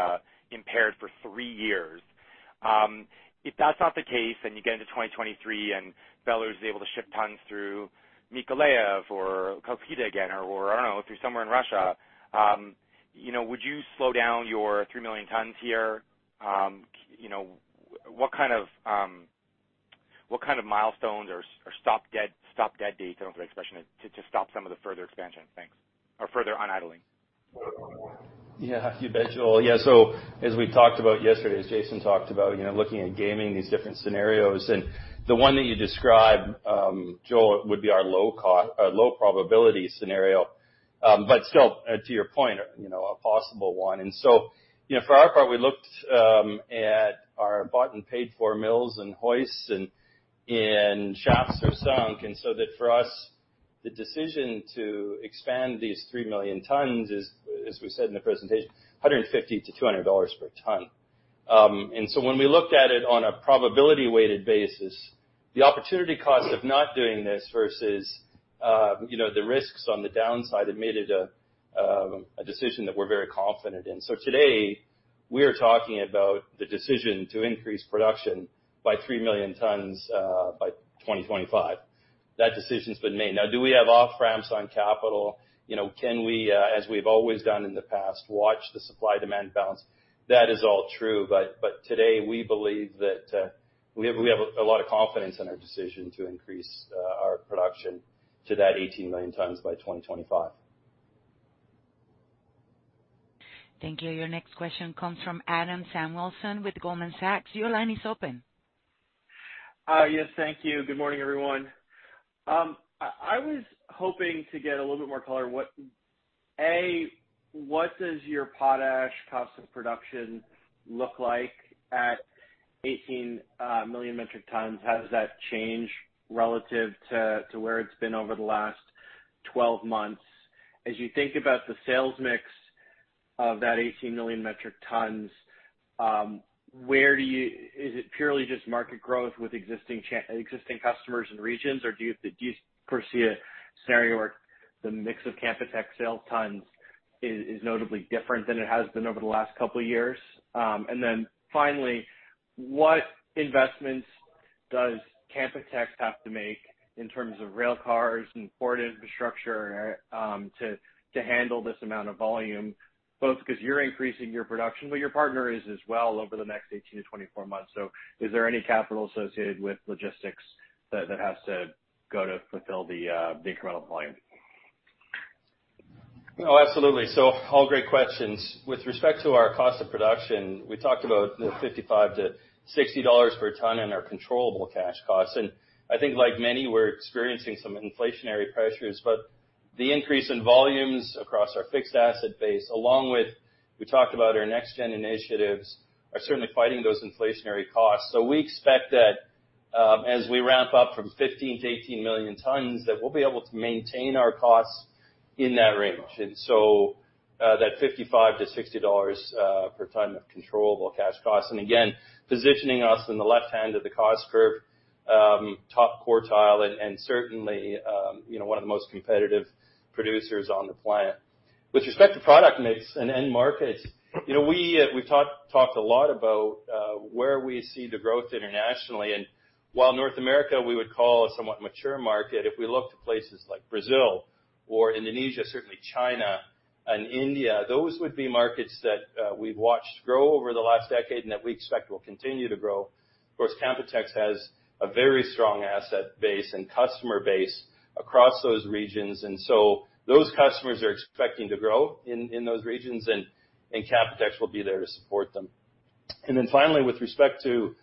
impaired for three years. If that's not the case, and you get into 2023 and Belarus is able to ship tons through Mykolaiv or Klaipėda again or, I don't know, through somewhere in Russia, you know, would you slow down your 3 million tons here? You know, what kind of milestones or drop-dead date, I don't know if that expression is, to stop some of the further expansion? Thanks. Or further on idling. Yeah, you bet, Joel. Yeah. As we talked about yesterday, as Jason talked about, you know, looking at gaming these different scenarios, and the one that you described, Joel, would be our low probability scenario. But still, to your point, you know, a possible one. For our part, we looked at our bought and paid for mills and hoists and shafts are sunk. That for us, the decision to expand these 3 million tons is, as we said in the presentation, $150-$200 per ton. When we looked at it on a probability weighted basis, the opportunity cost of not doing this versus, you know, the risks on the downside, it made it a decision that we're very confident in. Today, we are talking about the decision to increase production by 3 million tons by 2025. That decision's been made. Now, do we have off-ramps on capital? You know, can we, as we've always done in the past, watch the supply-demand balance? That is all true, but today we believe that we have a lot of confidence in our decision to increase our production to that 18 million tons by 2025. Thank you. Your next question comes from Adam Samuelson with Goldman Sachs. Your line is open. Yes, thank you. Good morning, everyone. I was hoping to get a little bit more color. What does your potash cost of production look like at 18 million metric tons? How does that change relative to where it's been over the last 12 months? As you think about the sales mix of that 18 million metric tons, where do you... Is it purely just market growth with existing customers and regions? Or do you foresee a scenario where the mix of Canpotex sales tons is notably different than it has been over the last couple of years? Finally, what investments does Canpotex have to make in terms of rail cars and port infrastructure, to handle this amount of volume, both because you're increasing your production, but your partner is as well over the next 18-24 months. Is there any capital associated with logistics that has to go to fulfill the incremental volume? No, absolutely. All great questions. With respect to our cost of production, we talked about the $55-$60 per ton in our controllable cash costs. I think like many, we're experiencing some inflationary pressures. The increase in volumes across our fixed asset base, along with we talked about our NextGen initiatives, are certainly fighting those inflationary costs. We expect that, as we ramp up from 15-18 million tons, that we'll be able to maintain our costs in that range. That $55-$60 per ton of controllable cash costs. Again, positioning us in the left hand of the cost curve, top quartile and certainly, you know, one of the most competitive producers on the planet. With respect to product mix and end markets, you know, we talked a lot about where we see the growth internationally. While North America, we would call a somewhat mature market, if we look to places like Brazil or Indonesia, certainly China and India, those would be markets that we've watched grow over the last decade and that we expect will continue to grow. Of course, Canpotex has a very strong asset base and customer base across those regions. Those customers are expecting to grow in those regions and Canpotex will be there to support them. Then finally, with respect to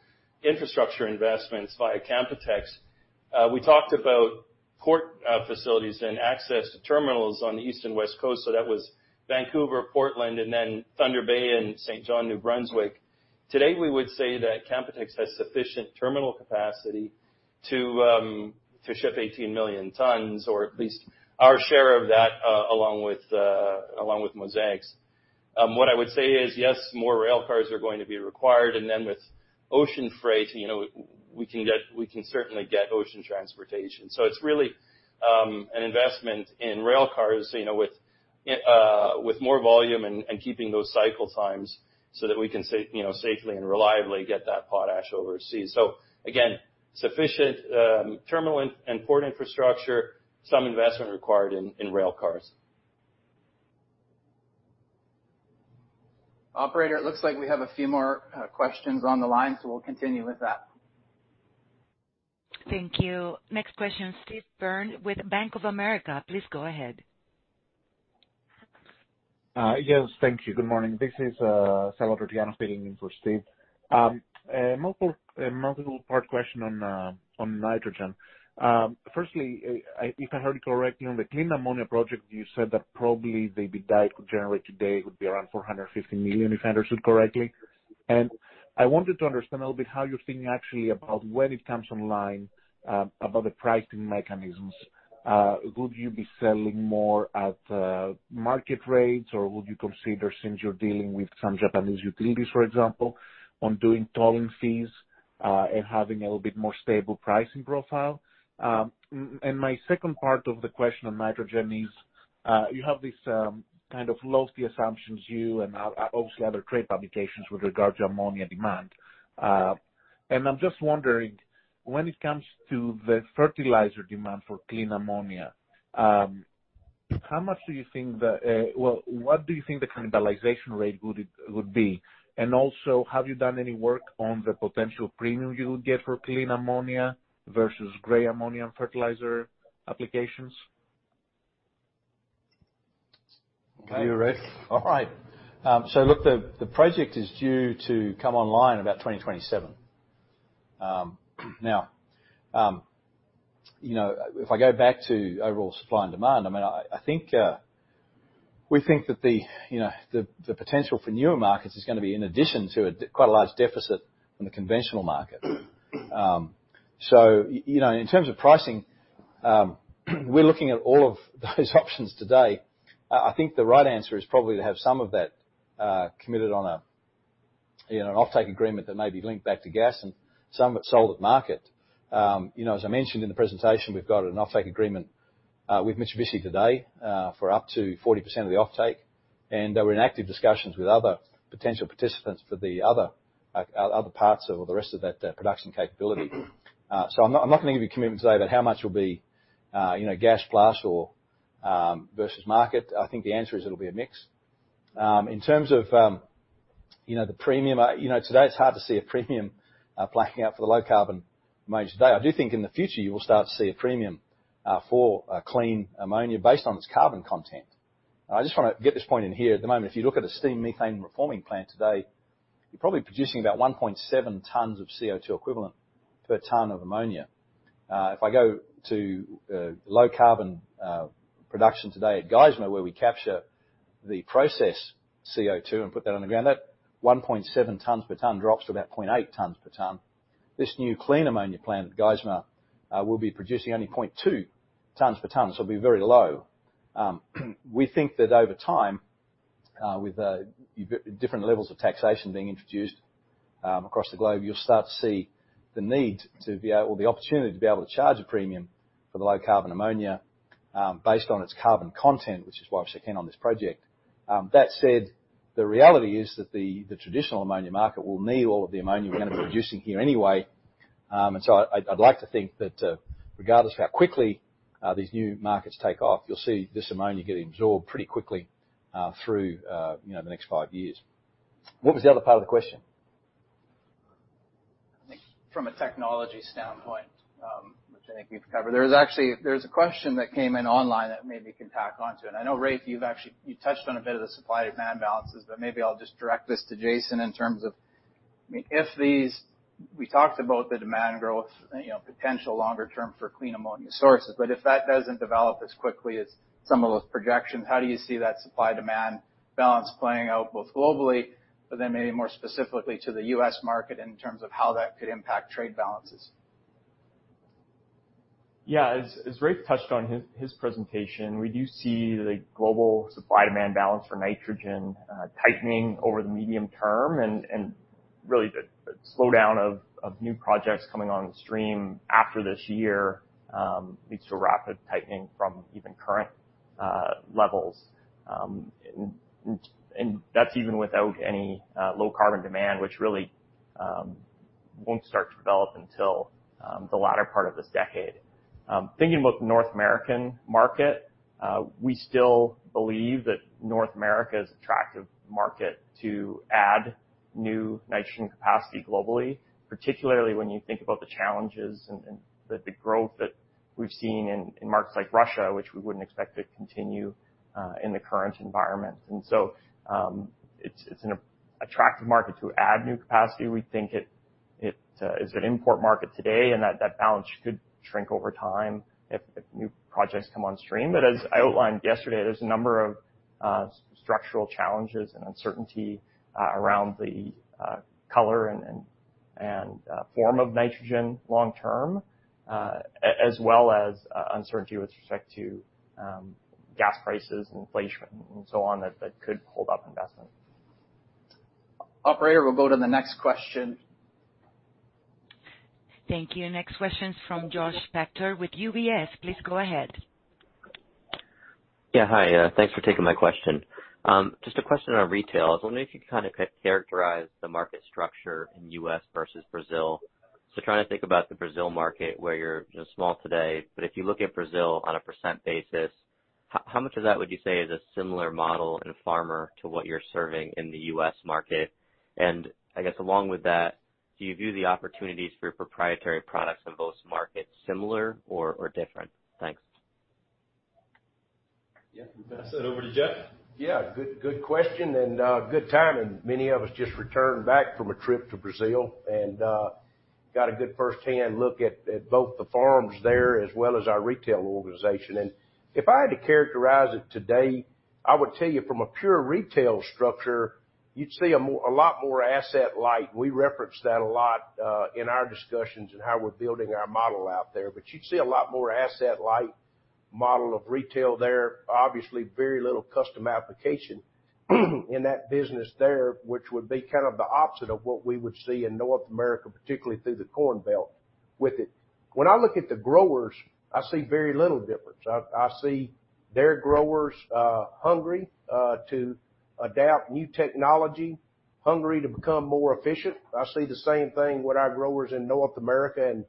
infrastructure investments via Canpotex, we talked about port facilities and access to terminals on the East and West Coast. That was Vancouver, Portland, and then Thunder Bay and Saint John, New Brunswick. Today, we would say that Canpotex has sufficient terminal capacity. To ship 18 million tons, or at least our share of that, along with Mosaic's. What I would say is, yes, more rail cars are going to be required, and then with ocean freight, you know, we can certainly get ocean transportation. It's really an investment in rail cars, you know, with more volume and keeping those cycle times so that we can safely and reliably get that potash overseas. Again, sufficient terminal and port infrastructure, some investment required in rail cars. Operator, it looks like we have a few more questions on the line, so we'll continue with that. Thank you. Next question, Steve Byrne with Bank of America. Please go ahead. Yes. Thank you. Good morning. This is Salar Hejazian filling in for Steve. A multiple part question on nitrogen. Firstly, if I heard you correctly, on the clean ammonia project, you said that probably the EBITDA could generate today would be around $450 million, if I understood correctly. I wanted to understand a little bit how you're thinking actually about when it comes online about the pricing mechanisms. Would you be selling more at market rates, or would you consider, since you're dealing with some Japanese utilities, for example, on doing tolling fees and having a little bit more stable pricing profile? My second part of the question on nitrogen is, you have these kind of lofty assumptions, you and obviously other trade publications with regard to ammonia demand. I'm just wondering, when it comes to the fertilizer demand for clean ammonia, well, what do you think the cannibalization rate would be? Also, have you done any work on the potential premium you would get for clean ammonia versus gray ammonia and fertilizer applications? Okay. To you, Raef. All right. Look, the project is due to come online about 2027. Now, you know, if I go back to overall supply and demand, I mean, I think we think that the potential for newer markets is gonna be in addition to quite a large deficit in the conventional market. You know, in terms of pricing, we're looking at all of those options today. I think the right answer is probably to have some of that committed on a, you know, an offtake agreement that may be linked back to gas and some of it sold at market. You know, as I mentioned in the presentation, we've got an offtake agreement with Mitsubishi today for up to 40% of the offtake. We're in active discussions with other potential participants for the other parts or the rest of that production capability. I'm not gonna give you commitment today about how much will be, you know, gas plus or versus market. I think the answer is it'll be a mix. In terms of, you know, the premium, you know, today it's hard to see a premium playing out for the low-carbon ammonia today. I do think in the future, you will start to see a premium for clean ammonia based on its carbon content. I just wanna get this point in here at the moment. If you look at a steam methane reforming plant today, you're probably producing about 1.7 tons of CO₂ equivalent per ton of ammonia. If I go to low carbon production today at Geismar, where we capture the process CO₂ and put that on the ground, that 1.7 tons per ton drops to about 0.8 tons per ton. This new clean ammonia plant at Geismar will be producing only 0.2 tons per ton, so it'll be very low. We think that over time, with different levels of taxation being introduced across the globe, you'll start to see the need to be or the opportunity to be able to charge a premium for the low carbon ammonia based on its carbon content, which is why we're so keen on this project. That said, the reality is that the traditional ammonia market will need all of the ammonia we're gonna be producing here anyway. I'd like to think that, regardless of how quickly these new markets take off, you'll see this ammonia get absorbed pretty quickly, through, you know, the next five years. What was the other part of the question? I think from a technology standpoint, which I think we've covered. There's a question that came in online that maybe you can tack on to. I know, Raef, you've actually, you touched on a bit of the supply demand balances, but maybe I'll just direct this to Jason in terms of, I mean, if these. We talked about the demand growth, you know, potential longer term for clean ammonia sources. If that doesn't develop as quickly as some of those projections, how do you see that supply demand balance playing out, both globally, but then maybe more specifically to the U.S. market in terms of how that could impact trade balances? Yeah. As Raef Sully touched on his presentation, we do see the global supply demand balance for nitrogen tightening over the medium term and really the slowdown of new projects coming on stream after this year leads to rapid tightening from even current levels. That's even without any low carbon demand, which really won't start to develop until the latter part of this decade. Thinking about the North American market, we still believe that North America is an attractive market to add new nitrogen capacity globally, particularly when you think about the challenges and the growth that we've seen in markets like Russia, which we wouldn't expect to continue in the current environment. It's an attractive market to add new capacity. We think it is an import market today, and that balance could shrink over time if new projects come on stream. As I outlined yesterday, there's a number of structural challenges and uncertainty around the corner and Form of nitrogen long term, as well as uncertainty with respect to gas prices and inflation and so on that could hold up investment. Operator, we'll go to the next question. Thank you. Next question's from Joshua Spector with UBS. Please go ahead. Yeah. Hi. Thanks for taking my question. Just a question on retail. I was wondering if you kind of characterize the market structure in U.S. versus Brazil. Trying to think about the Brazil market, where you're small today, but if you look at Brazil on a percent basis, how much of that would you say is a similar model and a farmer to what you're serving in the U.S. market? And I guess along with that, do you view the opportunities for proprietary products in both markets similar or different? Thanks. Yeah. Pass that over to Jeff. Yeah. Good question and good timing. Many of us just returned back from a trip to Brazil and got a good first-hand look at both the farms there as well as our retail organization. If I had to characterize it today, I would tell you from a pure retail structure, you'd see a lot more asset light. We reference that a lot in our discussions on how we're building our model out there. You'd see a lot more asset light model of retail there. Obviously, very little custom application in that business there, which would be kind of the opposite of what we would see in North America, particularly through the Corn Belt with it. When I look at the growers, I see very little difference. I see their growers hungry to adapt new technology, hungry to become more efficient. I see the same thing with our growers in North America and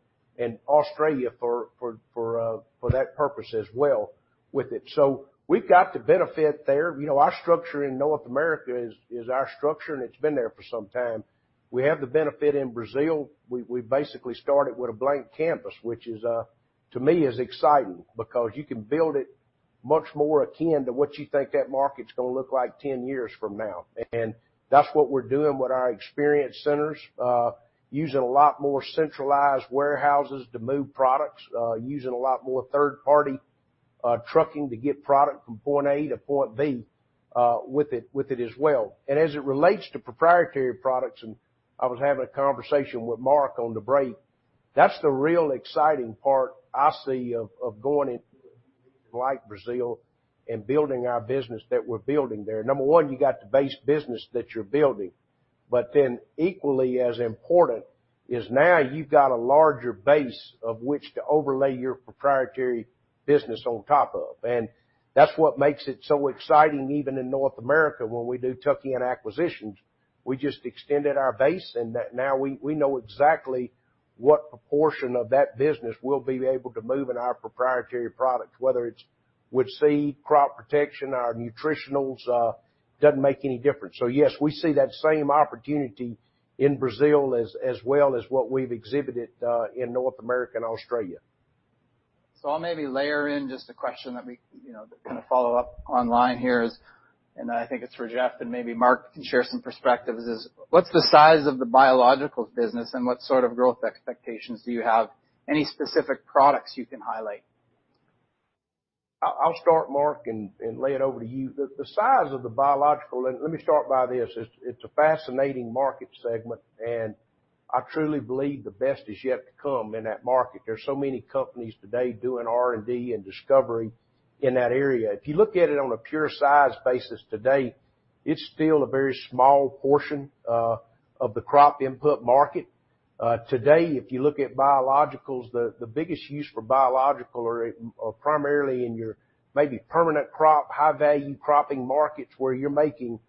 Australia for that purpose as well with it. We've got the benefit there. You know, our structure in North America is our structure, and it's been there for some time. We have the benefit in Brazil. We basically started with a blank canvas, which is, to me, exciting because you can build it much more akin to what you think that market's gonna look like ten years from now. That's what we're doing with our experience centers, using a lot more centralized warehouses to move products, using a lot more third-party trucking to get product from point A to point B, with it as well. As it relates to proprietary products, I was having a conversation with Mark on the break, that's the real exciting part I see of going into a region like Brazil and building our business that we're building there. Number one, you got the base business that you're building. Then equally as important is now you've got a larger base of which to overlay your proprietary business on top of. That's what makes it so exciting, even in North America, when we do tuck-in acquisitions, we just extended our base and that now we know exactly what proportion of that business we'll be able to move in our proprietary product, whether it's with seed, crop protection, our nutritionals, doesn't make any difference. Yes, we see that same opportunity in Brazil as well as what we've exhibited in North America and Australia. I'll maybe layer in just a question that we, you know, to kind of follow up on the line here is, and I think it's for Jeff and maybe Mark can share some perspectives, is what's the size of the biologicals business and what sort of growth expectations do you have? Any specific products you can highlight? I'll start, Mark, and lay it over to you. Let me start by this. It's a fascinating market segment, and I truly believe the best is yet to come in that market. There's so many companies today doing R&D and discovery in that area. If you look at it on a pure size basis today, it's still a very small portion of the crop input market. Today, if you look at biologicals, the biggest use for biologicals are primarily in your maybe permanent crop, high-value cropping markets where you're making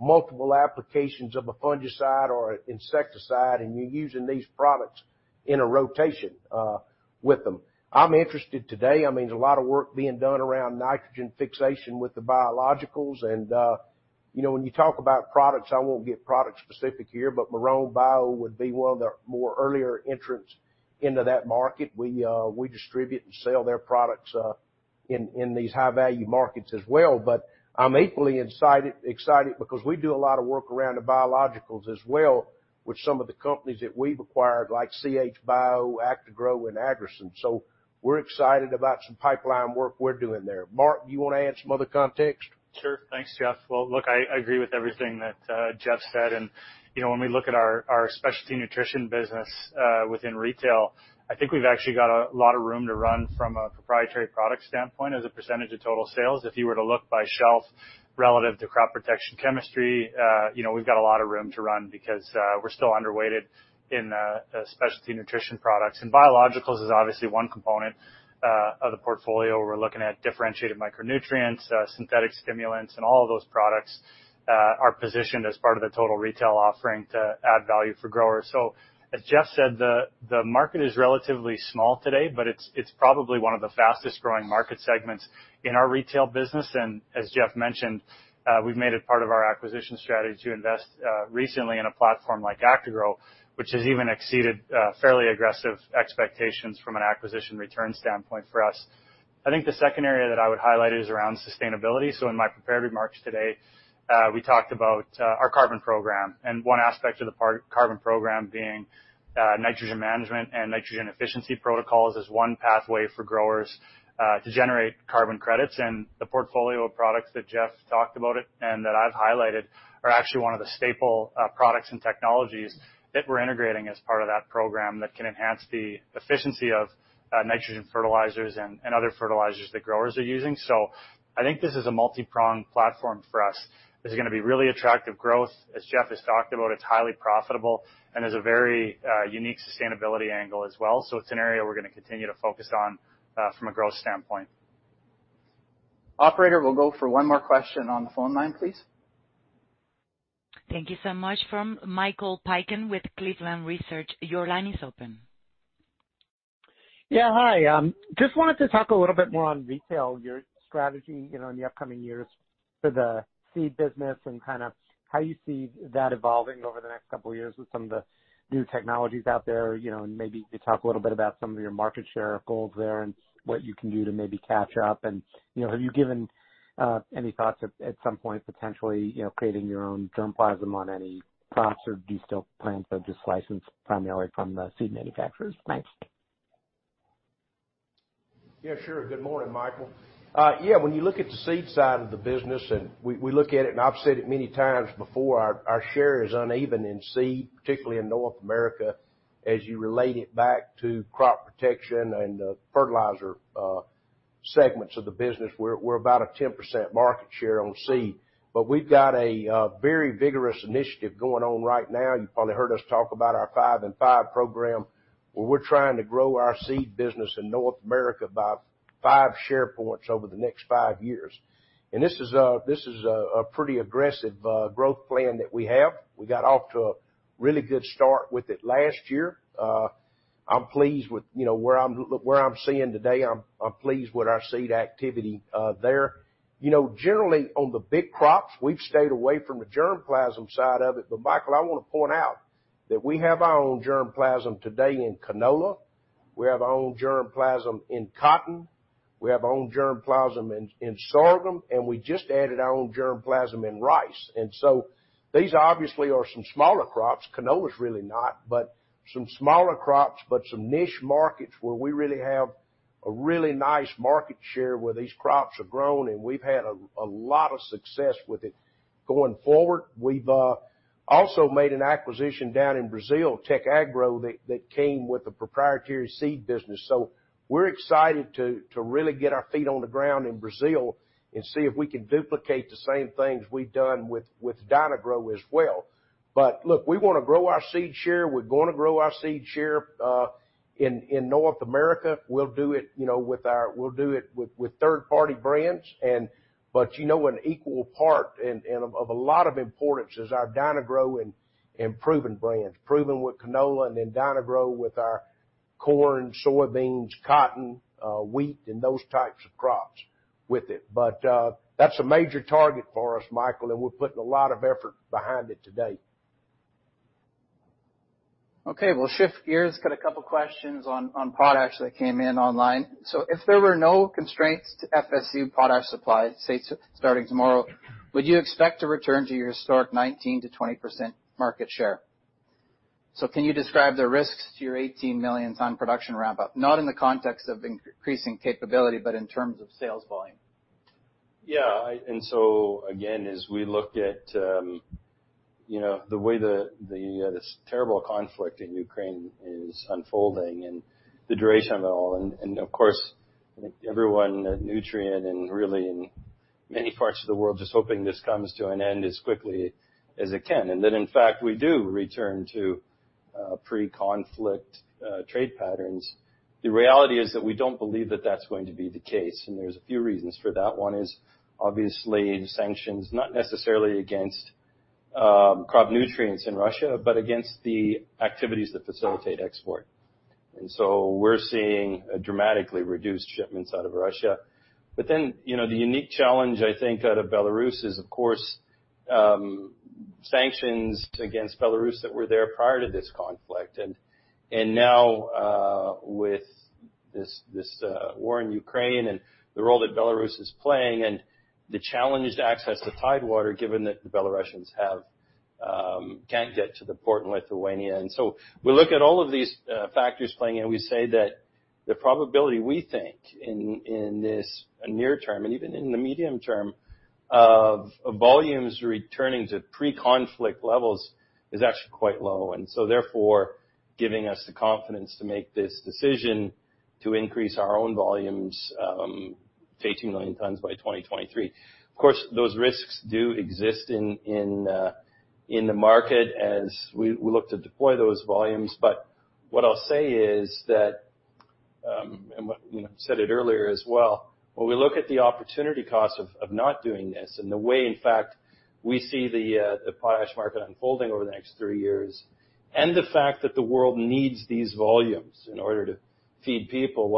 multiple applications of a fungicide or insecticide, and you're using these products in a rotation with them. I'm interested today. I mean, there's a lot of work being done around nitrogen fixation with the biologicals. You know, when you talk about products, I won't get product specific here, but Marrone Bio would be one of the more earlier entrants into that market. We distribute and sell their products in these high-value markets as well. I'm equally excited because we do a lot of work around the biologicals as well with some of the companies that we've acquired, like CH Bio, Actagro, and Agrison. We're excited about some pipeline work we're doing there. Mark, do you want to add some other context? Sure. Thanks, Jeff. Well, look, I agree with everything that Jeff said. You know, when we look at our specialty nutrition business within retail, I think we've actually got a lot of room to run from a proprietary product standpoint as a percentage of total sales. If you were to look by shelf relative to crop protection chemistry, you know, we've got a lot of room to run because we're still underweighted in specialty nutrition products. Biologicals is obviously one component of the portfolio. We're looking at differentiated micronutrients, synthetic stimulants, and all of those products are positioned as part of the total retail offering to add value for growers. As Jeff said, the market is relatively small today, but it's probably one of the fastest-growing market segments in our retail business. As Jeff mentioned, we've made it part of our acquisition strategy to invest recently in a platform like Actagro, which has even exceeded fairly aggressive expectations from an acquisition return standpoint for us. I think the second area that I would highlight is around sustainability. In my prepared remarks today, we talked about our carbon program, and one aspect of the carbon program being nitrogen management and nitrogen efficiency protocols as one pathway for growers to generate carbon credits. The portfolio of products that Jeff talked about it and that I've highlighted are actually one of the staple products and technologies that we're integrating as part of that program that can enhance the efficiency of nitrogen fertilizers and other fertilizers that growers are using. I think this is a multipronged platform for us. This is gonna be really attractive growth. As Jeff has talked about, it's highly profitable and is a very unique sustainability angle as well. It's an area we're gonna continue to focus on, from a growth standpoint. Operator, we'll go for one more question on the phone line, please. Thank you so much. From Michael Piken with Cleveland Research, your line is open. Yeah. Hi. Just wanted to talk a little bit more on retail, your strategy, you know, in the upcoming years for the seed business, and kinda how you see that evolving over the next couple years with some of the new technologies out there. You know, and maybe you could talk a little bit about some of your market share goals there and what you can do to maybe catch up. You know, have you given any thoughts at some point potentially, you know, creating your own germplasm on any crops or do you still plan to just license primarily from the seed manufacturers? Thanks. Yeah, sure. Good morning, Michael. When you look at the seed side of the business, and we look at it, and I've said it many times before, our share is uneven in seed, particularly in North America, as you relate it back to crop protection and the fertilizer segments of the business. We're about a 10% market share on seed. We've got a very vigorous initiative going on right now. You probably heard us talk about our five in five program, where we're trying to grow our seed business in North America by 5 share points over the next five years. This is a pretty aggressive growth plan that we have. We got off to a really good start with it last year. I'm pleased with, you know, where I'm seeing today. I'm pleased with our seed activity there. You know, generally, on the big crops, we've stayed away from the germplasm side of it. But Michael, I wanna point out that we have our own germplasm today in canola, we have our own germplasm in cotton, we have our own germplasm in sorghum, and we just added our own germplasm in rice. These obviously are some smaller crops. Canola's really not, but some smaller crops, but some niche markets where we really have a really nice market share where these crops are grown, and we've had a lot of success with it going forward. We've also made an acquisition down in Brazil, Tec Agro, that came with a proprietary seed business. We're excited to really get our feet on the ground in Brazil and see if we can duplicate the same things we've done with Dyna-Gro as well. Look, we wanna grow our seed share. We're gonna grow our seed share in North America. We'll do it, you know, with third-party brands. You know, an equal part and of a lot of importance is our Dyna-Gro and Proven brands. Proven with canola and then Dyna-Gro with our corn, soybeans, cotton, wheat, and those types of crops with it. That's a major target for us, Michael, and we're putting a lot of effort behind it to date. Okay, we'll shift gears. Got a couple questions on potash that came in online. If there were no constraints to FSU potash supply, say starting tomorrow, would you expect to return to your historic 19%-20% market share? Can you describe the risks to your 18 million ton production ramp-up, not in the context of increasing capability, but in terms of sales volume? Again, as we look at, you know, the way the this terrible conflict in Ukraine is unfolding and the duration of it all, and of course, I think everyone at Nutrien and really in many parts of the world just hoping this comes to an end as quickly as it can, and that in fact we do return to pre-conflict trade patterns. The reality is that we don't believe that that's going to be the case, and there's a few reasons for that. One is obviously the sanctions, not necessarily against crop nutrients in Russia, but against the activities that facilitate export. We're seeing dramatically reduced shipments out of Russia. You know, the unique challenge, I think, out of Belarus is, of course, sanctions against Belarus that were there prior to this conflict. Now, with this war in Ukraine and the role that Belarus is playing and the challenge to access to Tidewater, given that the Belarusians can't get to the port in Lithuania. We look at all of these factors at play, and we say that the probability, we think, in this near term and even in the medium term of volumes returning to pre-conflict levels is actually quite low. Therefore, giving us the confidence to make this decision to increase our own volumes to 18 million tons by 2023. Of course, those risks do exist in the market as we look to deploy those volumes. What I'll say is that, and what, you know, said it earlier as well, when we look at the opportunity cost of not doing this and the way, in fact, we see the potash market unfolding over the next three years, and the fact that the world needs these volumes in order to feed people,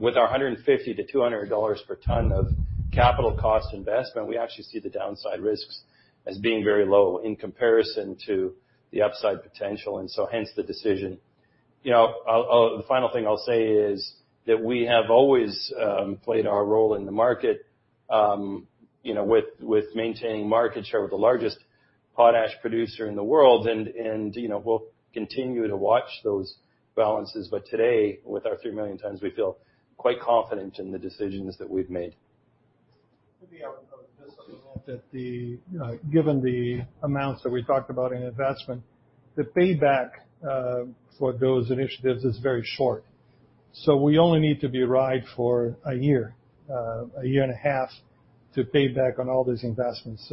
with our $150-$200 per ton of capital cost investment, we actually see the downside risks as being very low in comparison to the upside potential, and so hence the decision. You know, I'll the final thing I'll say is that we have always played our role in the market, you know, with maintaining market share with the largest potash producer in the world. And you know, we'll continue to watch those balances. Today, with our 3 million tons, we feel quite confident in the decisions that we've made. Maybe I'll just supplement that given the amounts that we talked about in investment, the payback for those initiatives is very short. We only need to be right for a year, a year and a half to pay back on all these investments.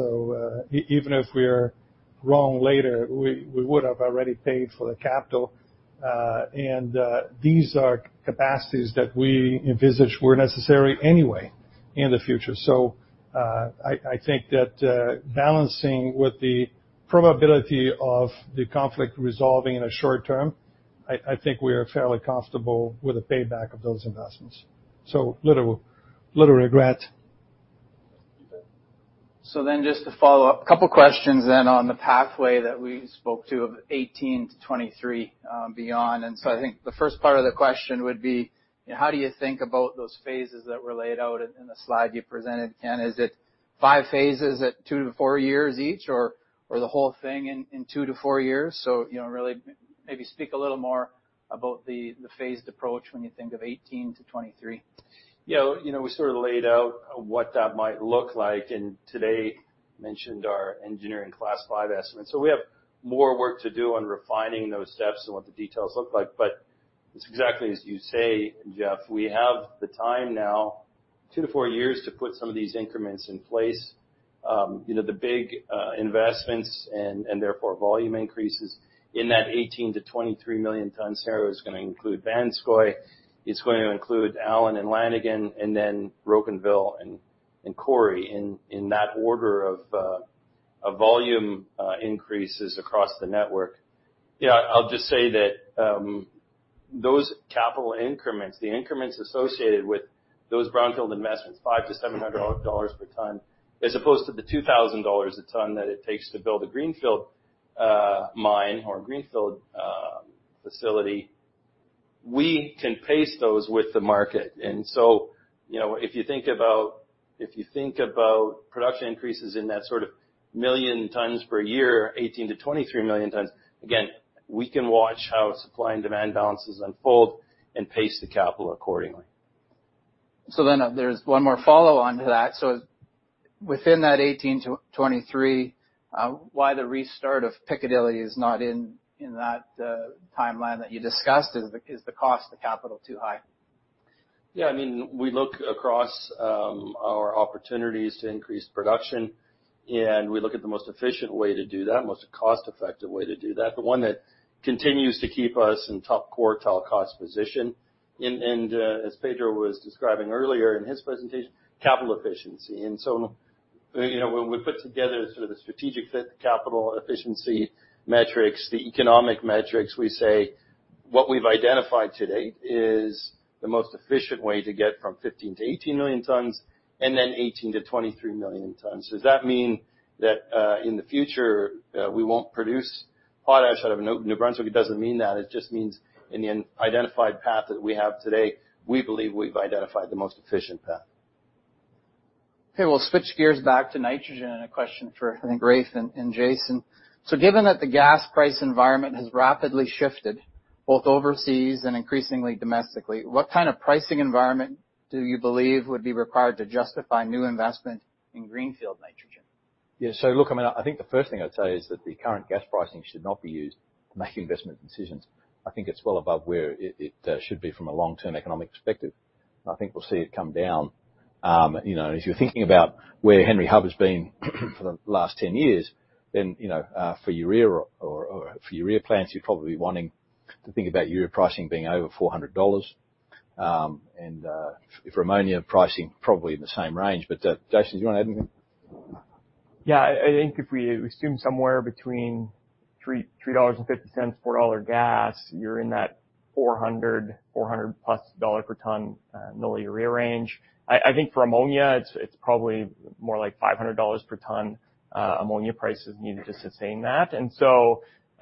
Even if we are wrong later, we would have already paid for the capital. These are capacities that we envisage were necessary anyway in the future. I think that balancing with the probability of the conflict resolving in a short term, I think we are fairly comfortable with the payback of those investments. Little regret. Just to follow up, a couple questions then on the pathway that we spoke to of 2018-2023, beyond. I think the first part of the question would be, how do you think about those phases that were laid out in the slide you presented, Ken? Is it five phases at two to four years each or the whole thing in two to four years? You know, really maybe speak a little more about the phased approach when you think of 2018-2023. You know, we sort of laid out what that might look like, and today mentioned our engineering class five estimates. We have more work to do on refining those steps and what the details look like. It's exactly as you say, Jeff. We have the time now, two to four years to put some of these increments in place. You know, the big investments and therefore volume increases in that 18-23 million tons here is gonna include Vanscoy. It's going to include Allan and Lanigan, and then Rocanville and Cory in that order of volume increases across the network. Yeah, I'll just say that, those capital increments, the increments associated with those brownfield investments, $500-$700 per ton, as opposed to the $2,000 a ton that it takes to build a greenfield mine or a greenfield facility, we can pace those with the market. You know, if you think about production increases in that sort of million tons per year, 18-23 million tons, again, we can watch how supply and demand balances unfold and pace the capital accordingly. There's one more follow-on to that. Within that 18-23, why the restart of Piccadilly is not in that timeline that you discussed? Is the cost of capital too high? Yeah, I mean, we look across our opportunities to increase production, and we look at the most efficient way to do that, most cost-effective way to do that, the one that continues to keep us in top quartile cost position. As Pedro was describing earlier in his presentation, capital efficiency. You know, when we put together sort of the strategic fit capital efficiency metrics, the economic metrics, we say what we've identified to date is the most efficient way to get from 15-18 million tons and then 18-23 million tons. Does that mean that in the future we won't produce potash out of New Brunswick? It doesn't mean that. It just means in the identified path that we have today, we believe we've identified the most efficient path. Okay. We'll switch gears back to nitrogen and a question for, I think, Raef and Jason. Given that the gas price environment has rapidly shifted both overseas and increasingly domestically, what kind of pricing environment do you believe would be required to justify new investment in greenfield nitrogen? Yeah. Look, I mean, I think the first thing I'd say is that the current gas pricing should not be used to make investment decisions. I think it's well above where it should be from a long-term economic perspective. I think we'll see it come down. You know, as you're thinking about where Henry Hub has been for the last 10 years, then you know, for urea plants, you'd probably be wanting to think about urea pricing being over $400. For ammonia pricing, probably in the same range. Jason, do you wanna add anything? Yeah. I think if we assume somewhere between $3.50 $4 gas, you're in that $400+ per ton of urea range. I think for ammonia, it's probably more like $500 per ton ammonia prices needed to sustain that.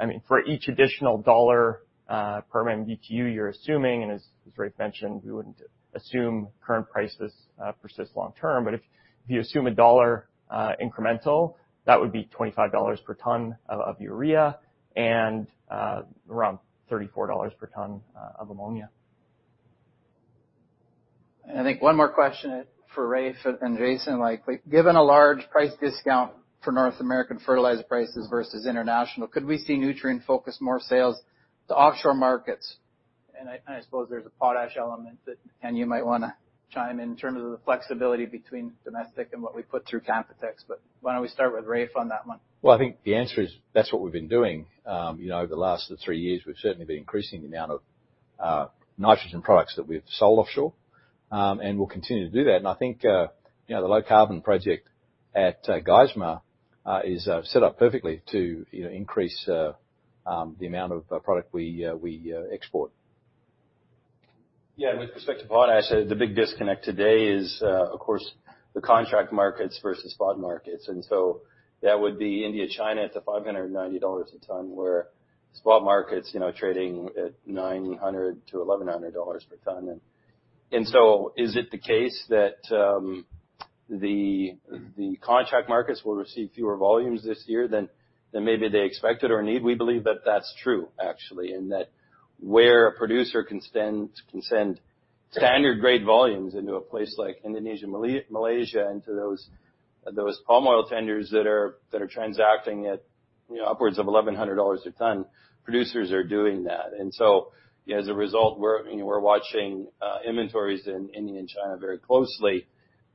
I mean, for each additional dollar per MMBtu you're assuming, and as Raef mentioned, we wouldn't assume current prices persist long term. If you assume a dollar incremental, that would be $25 per ton of urea and around $34 per ton of ammonia. I think one more question for Raef and Jason, likely. Given a large price discount for North American fertilizer prices versus international, could we see Nutrien focus more sales to offshore markets? I suppose there's a potash element that, Ken, you might wanna chime in terms of the flexibility between domestic and what we put through Canpotex, but why don't we start with Raef on that one? Well, I think the answer is that's what we've been doing. You know, over the last three years, we've certainly been increasing the amount of nitrogen products that we've sold offshore. We'll continue to do that. I think, you know, the low carbon project at Geismar is set up perfectly to, you know, increase the amount of product we export. Yeah, with respect to potash, the big disconnect today is, of course, the contract markets versus spot markets. That would be India, China, it's at $590 a ton, where spot markets, you know, are trading at $900-$1,100 per ton. Is it the case that, the contract markets will receive fewer volumes this year than maybe they expected or need? We believe that that's true, actually, in that where a producer can send standard grade volumes into a place like Indonesia and Malaysia, and to those palm oil tenders that are transacting at, you know, upwards of $1,100 a ton, producers are doing that. As a result, we're, you know, watching inventories in India and China very closely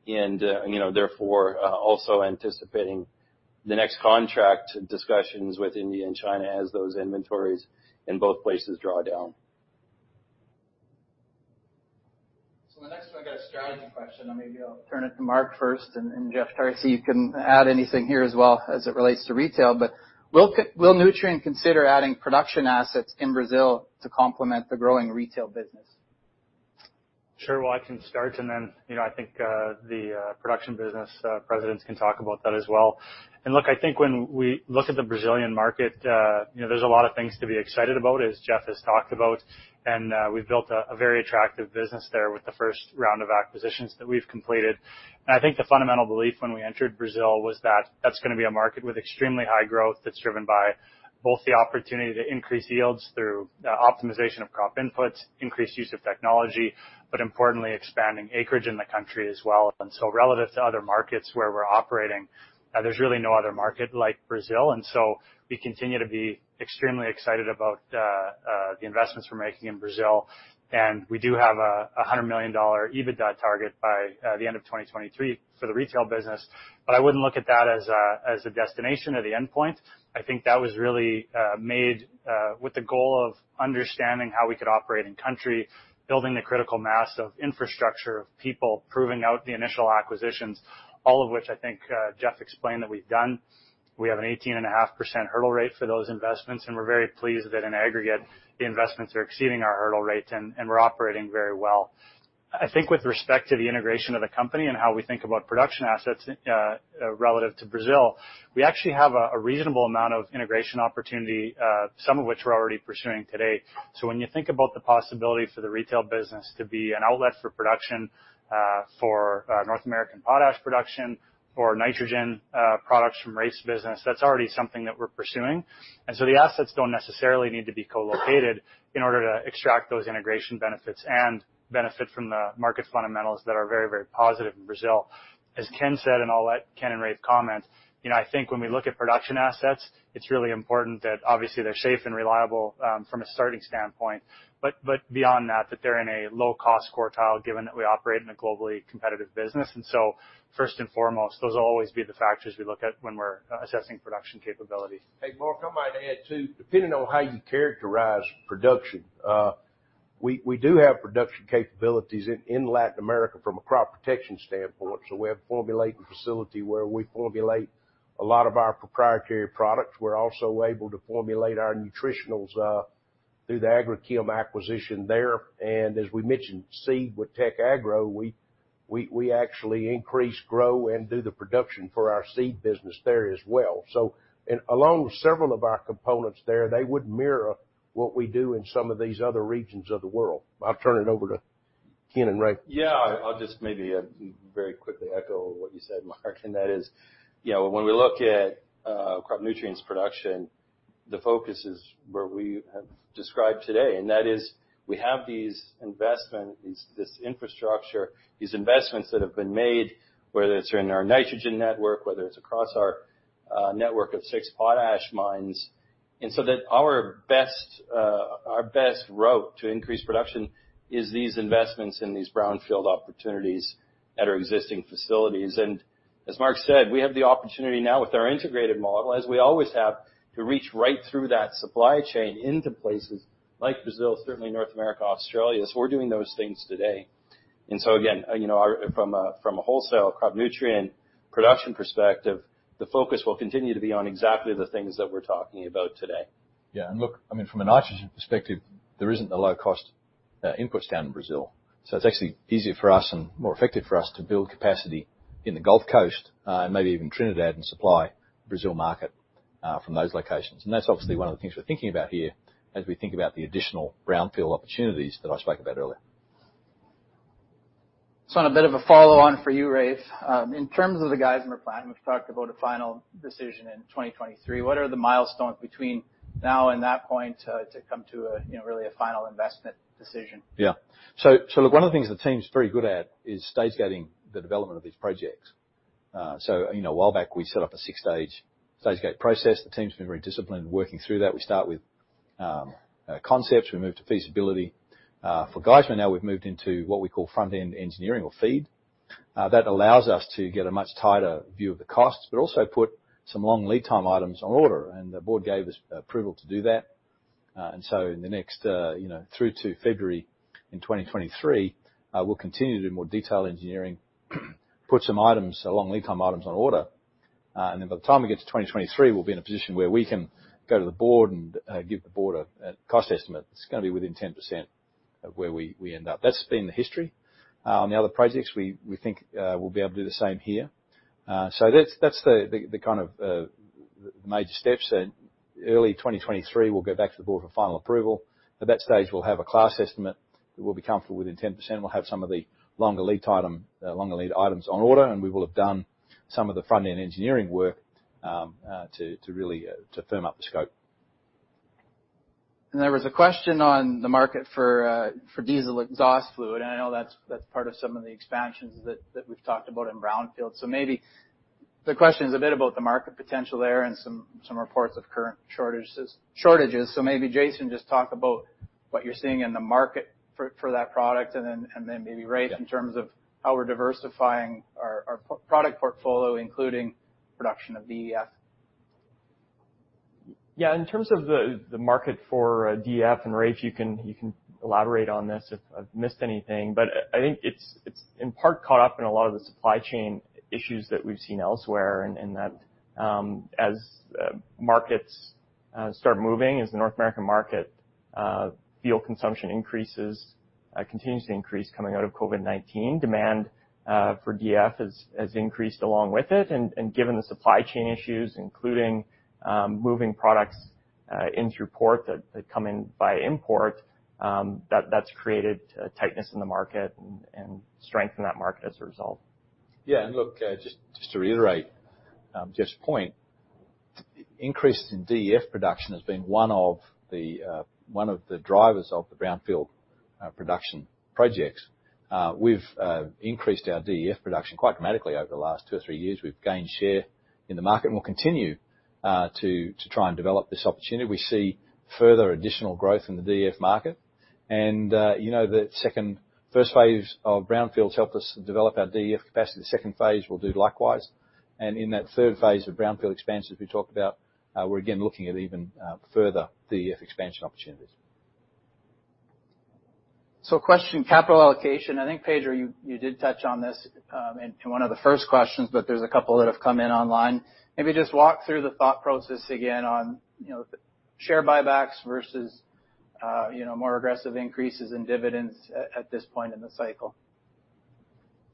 and, you know, therefore, also anticipating the next contract discussions with India and China as those inventories in both places draw down. The next one, I got a strategy question, and maybe I'll turn it to Mark first, and Jeff Tarsi, you can add anything here as well as it relates to retail. Will Nutrien consider adding production assets in Brazil to complement the growing retail business? Sure. Well, I can start, and then, you know, I think the production business presidents can talk about that as well. Look, I think when we look at the Brazilian market, you know, there's a lot of things to be excited about, as Jeff has talked about. We've built a very attractive business there with the first round of acquisitions that we've completed. I think the fundamental belief when we entered Brazil was that that's gonna be a market with extremely high growth that's driven by both the opportunity to increase yields through optimization of crop inputs, increased use of technology, but importantly, expanding acreage in the country as well. Relative to other markets where we're operating, there's really no other market like Brazil. We continue to be extremely excited about the investments we're making in Brazil. We do have a $100 million EBITDA target by the end of 2023 for the retail business. I wouldn't look at that as a destination or the endpoint. I think that was really made with the goal of understanding how we could operate in country, building the critical mass of infrastructure of people, proving out the initial acquisitions, all of which I think Jeff explained that we've done. We have an 18.5% hurdle rate for those investments, and we're very pleased that in aggregate, the investments are exceeding our hurdle rates and we're operating very well. I think with respect to the integration of the company and how we think about production assets, relative to Brazil, we actually have a reasonable amount of integration opportunity, some of which we're already pursuing today. When you think about the possibility for the retail business to be an outlet for production for North American potash production or nitrogen products from Rafe's business, that's already something that we're pursuing. The assets don't necessarily need to be co-located in order to extract those integration benefits and benefit from the market fundamentals that are very, very positive in Brazil. As Ken said, and I'll let Ken and Rafe comment, you know, I think when we look at production assets, it's really important that obviously they're safe and reliable from a starting standpoint. Beyond that, they're in a low-cost quartile given that we operate in a globally competitive business. First and foremost, those will always be the factors we look at when we're assessing production capabilities. Hey, Mark, I might add, too, depending on how you characterize production, we do have production capabilities in Latin America from a crop protection standpoint. We have a formulating facility where we formulate a lot of our proprietary products. We're also able to formulate our nutritionals through the Agrichem acquisition there. As we mentioned, seed with Tec Agro, we actually increase growth and do the production for our seed business there as well. Along with several of our components there, they would mirror what we do in some of these other regions of the world. I'll turn it over to Ken and Raef. Yeah, I'll just maybe very quickly echo what you said, Mark, and that is, you know, when we look at crop nutrients production, the focus is where we have described today, and that is we have these investments that have been made, whether it's in our nitrogen network, whether it's across our network of six potash mines. That our best route to increase production is these investments in these brownfield opportunities at our existing facilities. As Mark said, we have the opportunity now with our integrated model, as we always have, to reach right through that supply chain into places like Brazil, certainly North America, Australia. We're doing those things today. Again, you know, from a wholesale crop nutrient production perspective, the focus will continue to be on exactly the things that we're talking about today. Yeah. Look, I mean, from a nitrogen perspective, there isn't the low-cost inputs down in Brazil. It's actually easier for us and more effective for us to build capacity in the Gulf Coast, and maybe even Trinidad, and supply Brazil market from those locations. That's obviously one of the things we're thinking about here as we think about the additional brownfield opportunities that I spoke about earlier. On a bit of a follow-on for you, Raef. In terms of the Geismar plant, we've talked about a final decision in 2023. What are the milestones between now and that point, to come to a, you know, really a final investment decision? One of the things the team's very good at is stage-gating the development of these projects. You know, a while back, we set up a six-stage stage-gate process. The team's been very disciplined working through that. We start with concepts. We move to feasibility. For Geismar now we've moved into what we call front-end engineering or FEED. That allows us to get a much tighter view of the costs, but also put some long lead time items on order. The board gave us approval to do that. In the next, you know, through to February 2023, we'll continue to do more detailed engineering, put some items, some long lead time items on order. By the time we get to 2023, we'll be in a position where we can go to the board and give the board a cost estimate that's gonna be within 10% of where we end up. That's been the history on the other projects. We think we'll be able to do the same here. That's the kind of major steps that early 2023 we'll go back to the board for final approval. At that stage, we'll have a class estimate that we'll be comfortable within 10%. We'll have some of the longer lead items on order, and we will have done some of the front-end engineering work to really firm up the scope. There was a question on the market for diesel exhaust fluid. I know that's part of some of the expansions that we've talked about in brownfield. Maybe the question is a bit about the market potential there and some reports of current shortages. Maybe Jason just talk about what you're seeing in the market for that product and then maybe Raef in terms of how we're diversifying our product portfolio, including production of DEF. Yeah. In terms of the market for DEF, and Raef, you can elaborate on this if I've missed anything, but I think it's in part caught up in a lot of the supply chain issues that we've seen elsewhere in that, as markets start moving, as the North American market fuel consumption increases, continues to increase coming out of COVID-19, demand for DEF has increased along with it. Given the supply chain issues, including moving products in through port that come in by import, that's created a tightness in the market and strength in that market as a result. Yeah. Look, just to reiterate, Jeff's point, increases in DEF production has been one of the drivers of the brownfield production projects. We've increased our DEF production quite dramatically over the last 2 or 3 years. We've gained share in the market and will continue to try and develop this opportunity. We see further additional growth in the DEF market. You know, the first phase of brownfields helped us develop our DEF capacity. The second phase will do likewise. In that third phase of brownfield expansion we talked about, we're again looking at even further DEF expansion opportunities. Question, capital allocation. I think, Pedro, you did touch on this in one of the first questions, but there's a couple that have come in online. Maybe just walk through the thought process again on, you know, share buybacks versus, you know, more aggressive increases in dividends at this point in the cycle.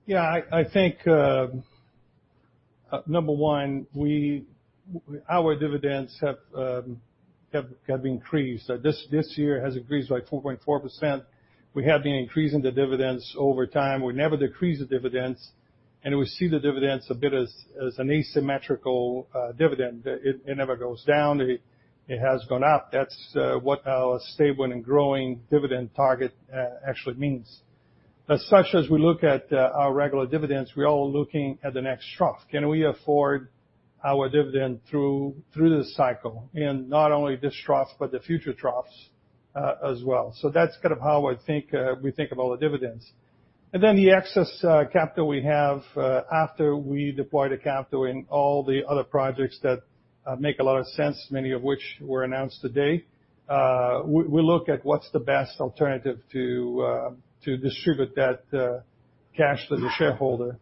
Yeah. I think number one, our dividends have increased. This year has increased by 4.4%. We have been increasing the dividends over time. We never decrease the dividends, and we see the dividends a bit as an asymmetrical dividend. It never goes down. It has gone up. That's what our stable and growing dividend target actually means. As such as we look at our regular dividends, we're all looking at the next trough. Can we afford our dividend through this cycle, in not only this trough but the future troughs as well? That's kind of how I think we think about the dividends. The excess capital we have after we deploy the capital in all the other projects that make a lot of sense, many of which were announced today, we look at what's the best alternative to distribute that cash to the shareholder.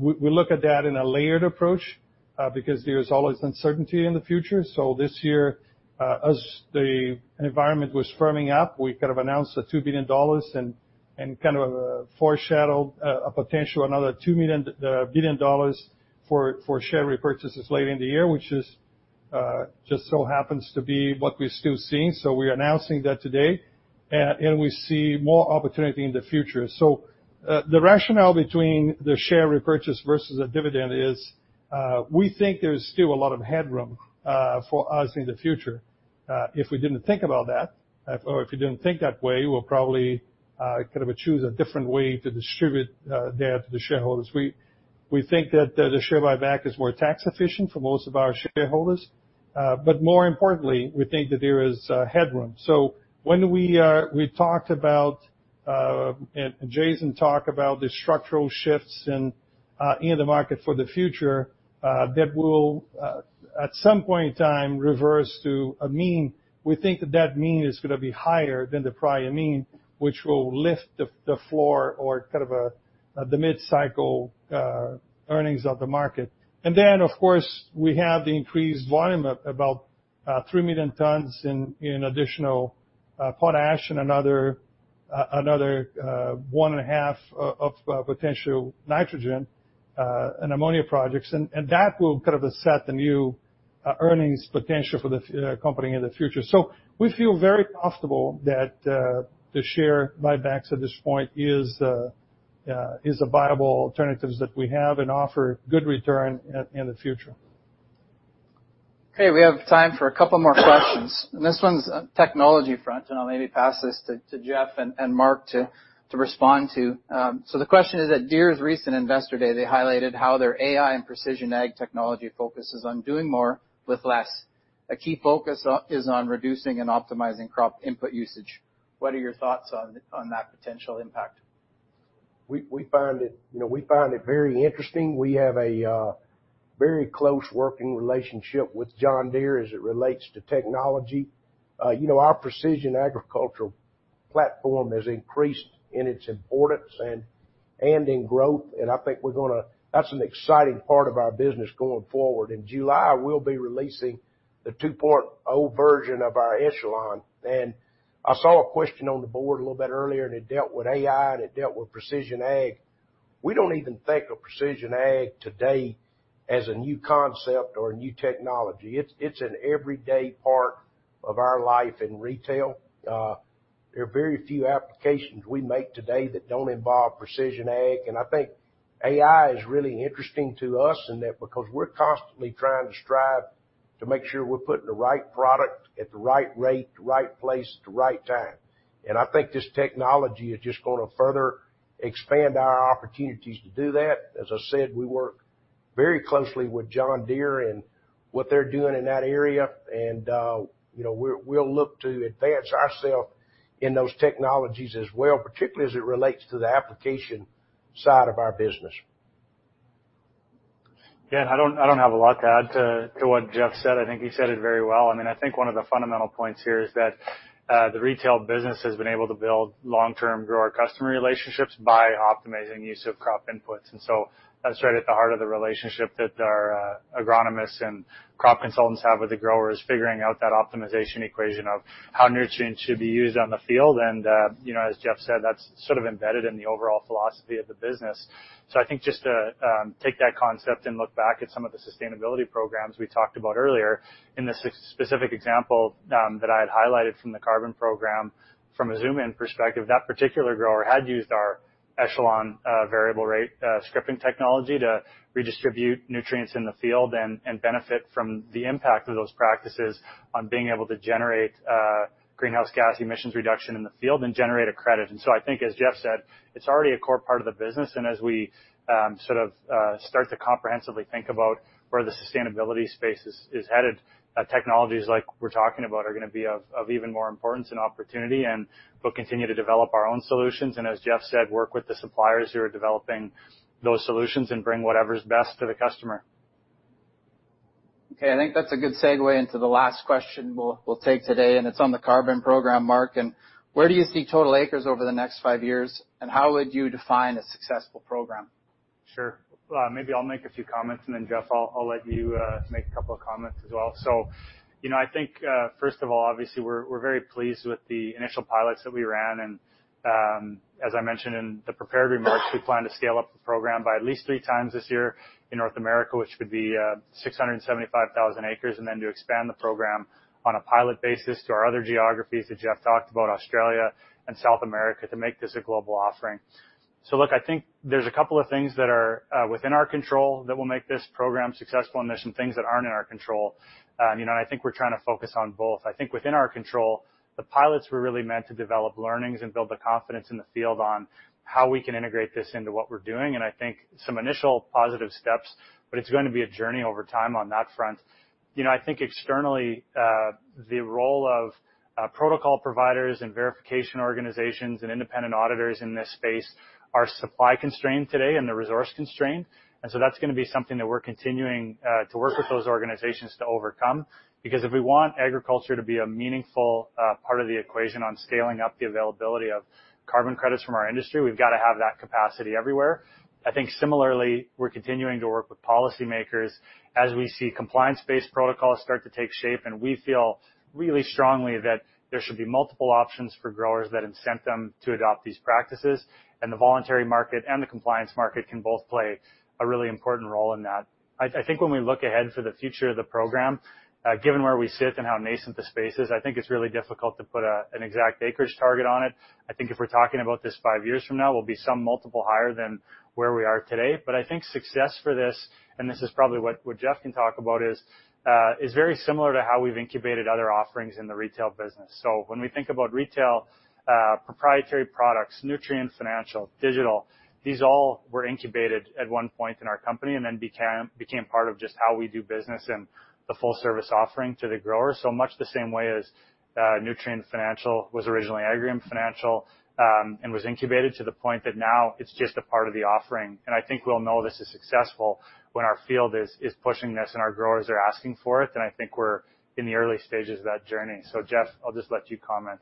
We look at that in a layered approach because there is always uncertainty in the future. This year, as the environment was firming up, we kind of announced the $2 billion and kind of foreshadowed a potential another $2 billion for share repurchases later in the year, which just so happens to be what we're still seeing. We're announcing that today, and we see more opportunity in the future. The rationale between the share repurchase versus a dividend is we think there is still a lot of headroom for us in the future. If we didn't think about that or if you didn't think that way, we'll probably kind of choose a different way to distribute that to the shareholders. We think that the share buyback is more tax efficient for most of our shareholders. But more importantly, we think that there is headroom. We talked about and Jason talked about the structural shifts in the market for the future that will at some point in time reverse to a mean. We think that mean is gonna be higher than the prior mean, which will lift the floor or kind of the mid-cycle earnings of the market. Then, of course, we have the increased volume of about 3 million tons in additional potash and another 1.5 of potential nitrogen and ammonia projects. That will kind of set the new earnings potential for the company in the future. We feel very comfortable that the share buybacks at this point is a viable alternatives that we have and offer good return in the future. Okay. We have time for a couple more questions. This one's on the technology front, and I'll maybe pass this to Jeff and Mark to respond to. So the question is: At John Deere's recent Investor Day, they highlighted how their AI and precision ag technology focuses on doing more with less. A key focus is on reducing and optimizing crop input usage. What are your thoughts on that potential impact? You know, we find it very interesting. We have a very close working relationship with John Deere as it relates to technology. You know, our precision agricultural platform has increased in its importance and in growth. That's an exciting part of our business going forward. In July, we'll be releasing the 2.0 version of our Echelon. I saw a question on the board a little bit earlier, and it dealt with AI, and it dealt with precision ag. We don't even think of precision ag today as a new concept or a new technology. It's an everyday part of our life in retail. There are very few applications we make today that don't involve precision ag, and I think AI is really interesting to us in that because we're constantly trying to strive to make sure we're putting the right product at the right rate, the right place, at the right time. I think this technology is just gonna further expand our opportunities to do that. As I said, we work very closely with John Deere and what they're doing in that area. You know, we'll look to advance ourself in those technologies as well, particularly as it relates to the application side of our business. Yeah. I don't have a lot to add to what Jeff said. I think he said it very well. I mean, I think one of the fundamental points here is that the retail business has been able to build long-term grower-customer relationships by optimizing use of crop inputs. That's right at the heart of the relationship that our agronomists and crop consultants have with the growers, figuring out that optimization equation of how nutrients should be used on the field. You know, as Jeff said, that's sort of embedded in the overall philosophy of the business. I think just to take that concept and look back at some of the sustainability programs we talked about earlier, in the specific example that I had highlighted from the carbon program, from a zoom-in perspective, that particular grower had used our Echelon variable rate scripting technology to redistribute nutrients in the field and benefit from the impact of those practices on being able to generate greenhouse gas emissions reduction in the field and generate a credit. I think, as Jeff said, it's already a core part of the business, and as we sort of start to comprehensively think about where the sustainability space is headed, technologies like we're talking about are gonna be of even more importance and opportunity, and we'll continue to develop our own solutions, and as Jeff said, work with the suppliers who are developing those solutions and bring whatever's best to the customer. Okay, I think that's a good segue into the last question we'll take today, and it's on the carbon program, Mark. Where do you see total acres over the next five years, and how would you define a successful program? Sure. Maybe I'll make a few comments, and then Jeff, I'll let you make a couple of comments as well. You know, I think first of all, obviously we're very pleased with the initial pilots that we ran and, as I mentioned in the prepared remarks, we plan to scale up the program by at least three times this year in North America, which would be 675,000 acres, and then to expand the program on a pilot basis to our other geographies that Jeff talked about, Australia and South America, to make this a global offering. Look, I think there's a couple of things that are within our control that will make this program successful, and there's some things that aren't in our control. You know, I think we're trying to focus on both. I think within our control, the pilots were really meant to develop learnings and build the confidence in the field on how we can integrate this into what we're doing. I think some initial positive steps, but it's gonna be a journey over time on that front. You know, I think externally, the role of protocol providers and verification organizations and independent auditors in this space are supply constrained today and they're resource constrained. That's gonna be something that we're continuing to work with those organizations to overcome because if we want agriculture to be a meaningful part of the equation on scaling up the availability of carbon credits from our industry, we've gotta have that capacity everywhere. I think similarly, we're continuing to work with policymakers as we see compliance-based protocols start to take shape, and we feel really strongly that there should be multiple options for growers that incent them to adopt these practices. The voluntary market and the compliance market can both play a really important role in that. I think when we look ahead to the future of the program, given where we sit and how nascent the space is, I think it's really difficult to put an exact acreage target on it. I think if we're talking about this five years from now, we'll be some multiple higher than where we are today. I think success for this, and this is probably what Jeff can talk about, is very similar to how we've incubated other offerings in the retail business. When we think about retail, proprietary products, Nutrien, financial, digital, these all were incubated at one point in our company and then became part of just how we do business and the full service offering to the grower. Much the same way as, Nutrien Financial was originally Agrium Financial, and was incubated to the point that now it's just a part of the offering. I think we'll know this is successful when our field is pushing this and our growers are asking for it, and I think we're in the early stages of that journey. Jeff, I'll just let you comment.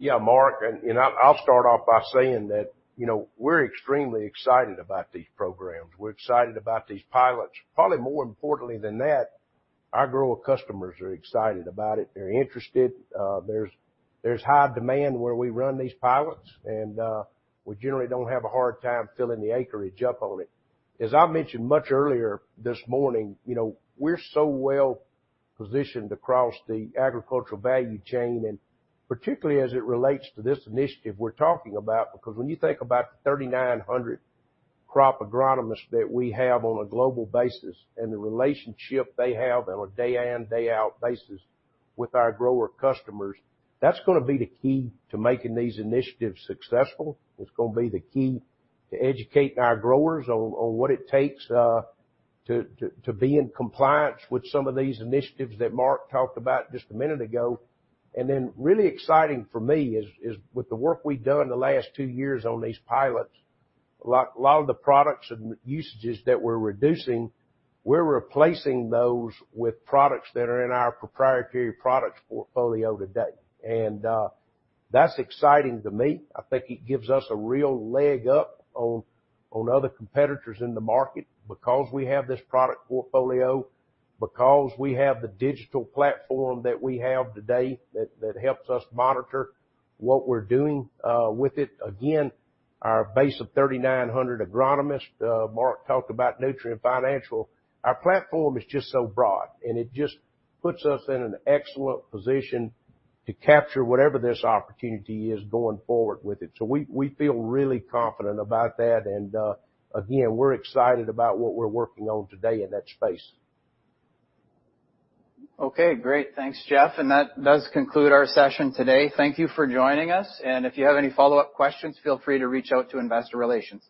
Yeah, Mark, you know, I'll start off by saying that, you know, we're extremely excited about these programs. We're excited about these pilots. Probably more importantly than that, our grower customers are excited about it. They're interested. There's high demand where we run these pilots and we generally don't have a hard time filling the acreage up on it. As I mentioned much earlier this morning, you know, we're so well positioned across the agricultural value chain, and particularly as it relates to this initiative we're talking about, because when you think about the 3,900 crop agronomists that we have on a global basis and the relationship they have on a day in, day out basis with our grower customers, that's gonna be the key to making these initiatives successful. It's gonna be the key to educate our growers on what it takes to be in compliance with some of these initiatives that Mark talked about just a minute ago. Really exciting for me is with the work we've done the last two years on these pilots, lot of the products and usages that we're reducing, we're replacing those with products that are in our proprietary products portfolio today. That's exciting to me. I think it gives us a real leg up on other competitors in the market because we have this product portfolio, because we have the digital platform that we have today that helps us monitor what we're doing with it. Again, our base of 3,900 agronomists, Mark talked about Nutrien Financial. Our platform is just so broad, and it just puts us in an excellent position to capture whatever this opportunity is going forward with it. We feel really confident about that. Again, we're excited about what we're working on today in that space. Okay, great. Thanks, Jeff. That does conclude our session today. Thank you for joining us, and if you have any follow-up questions, feel free to reach out to investor relations.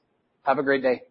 Have a great day.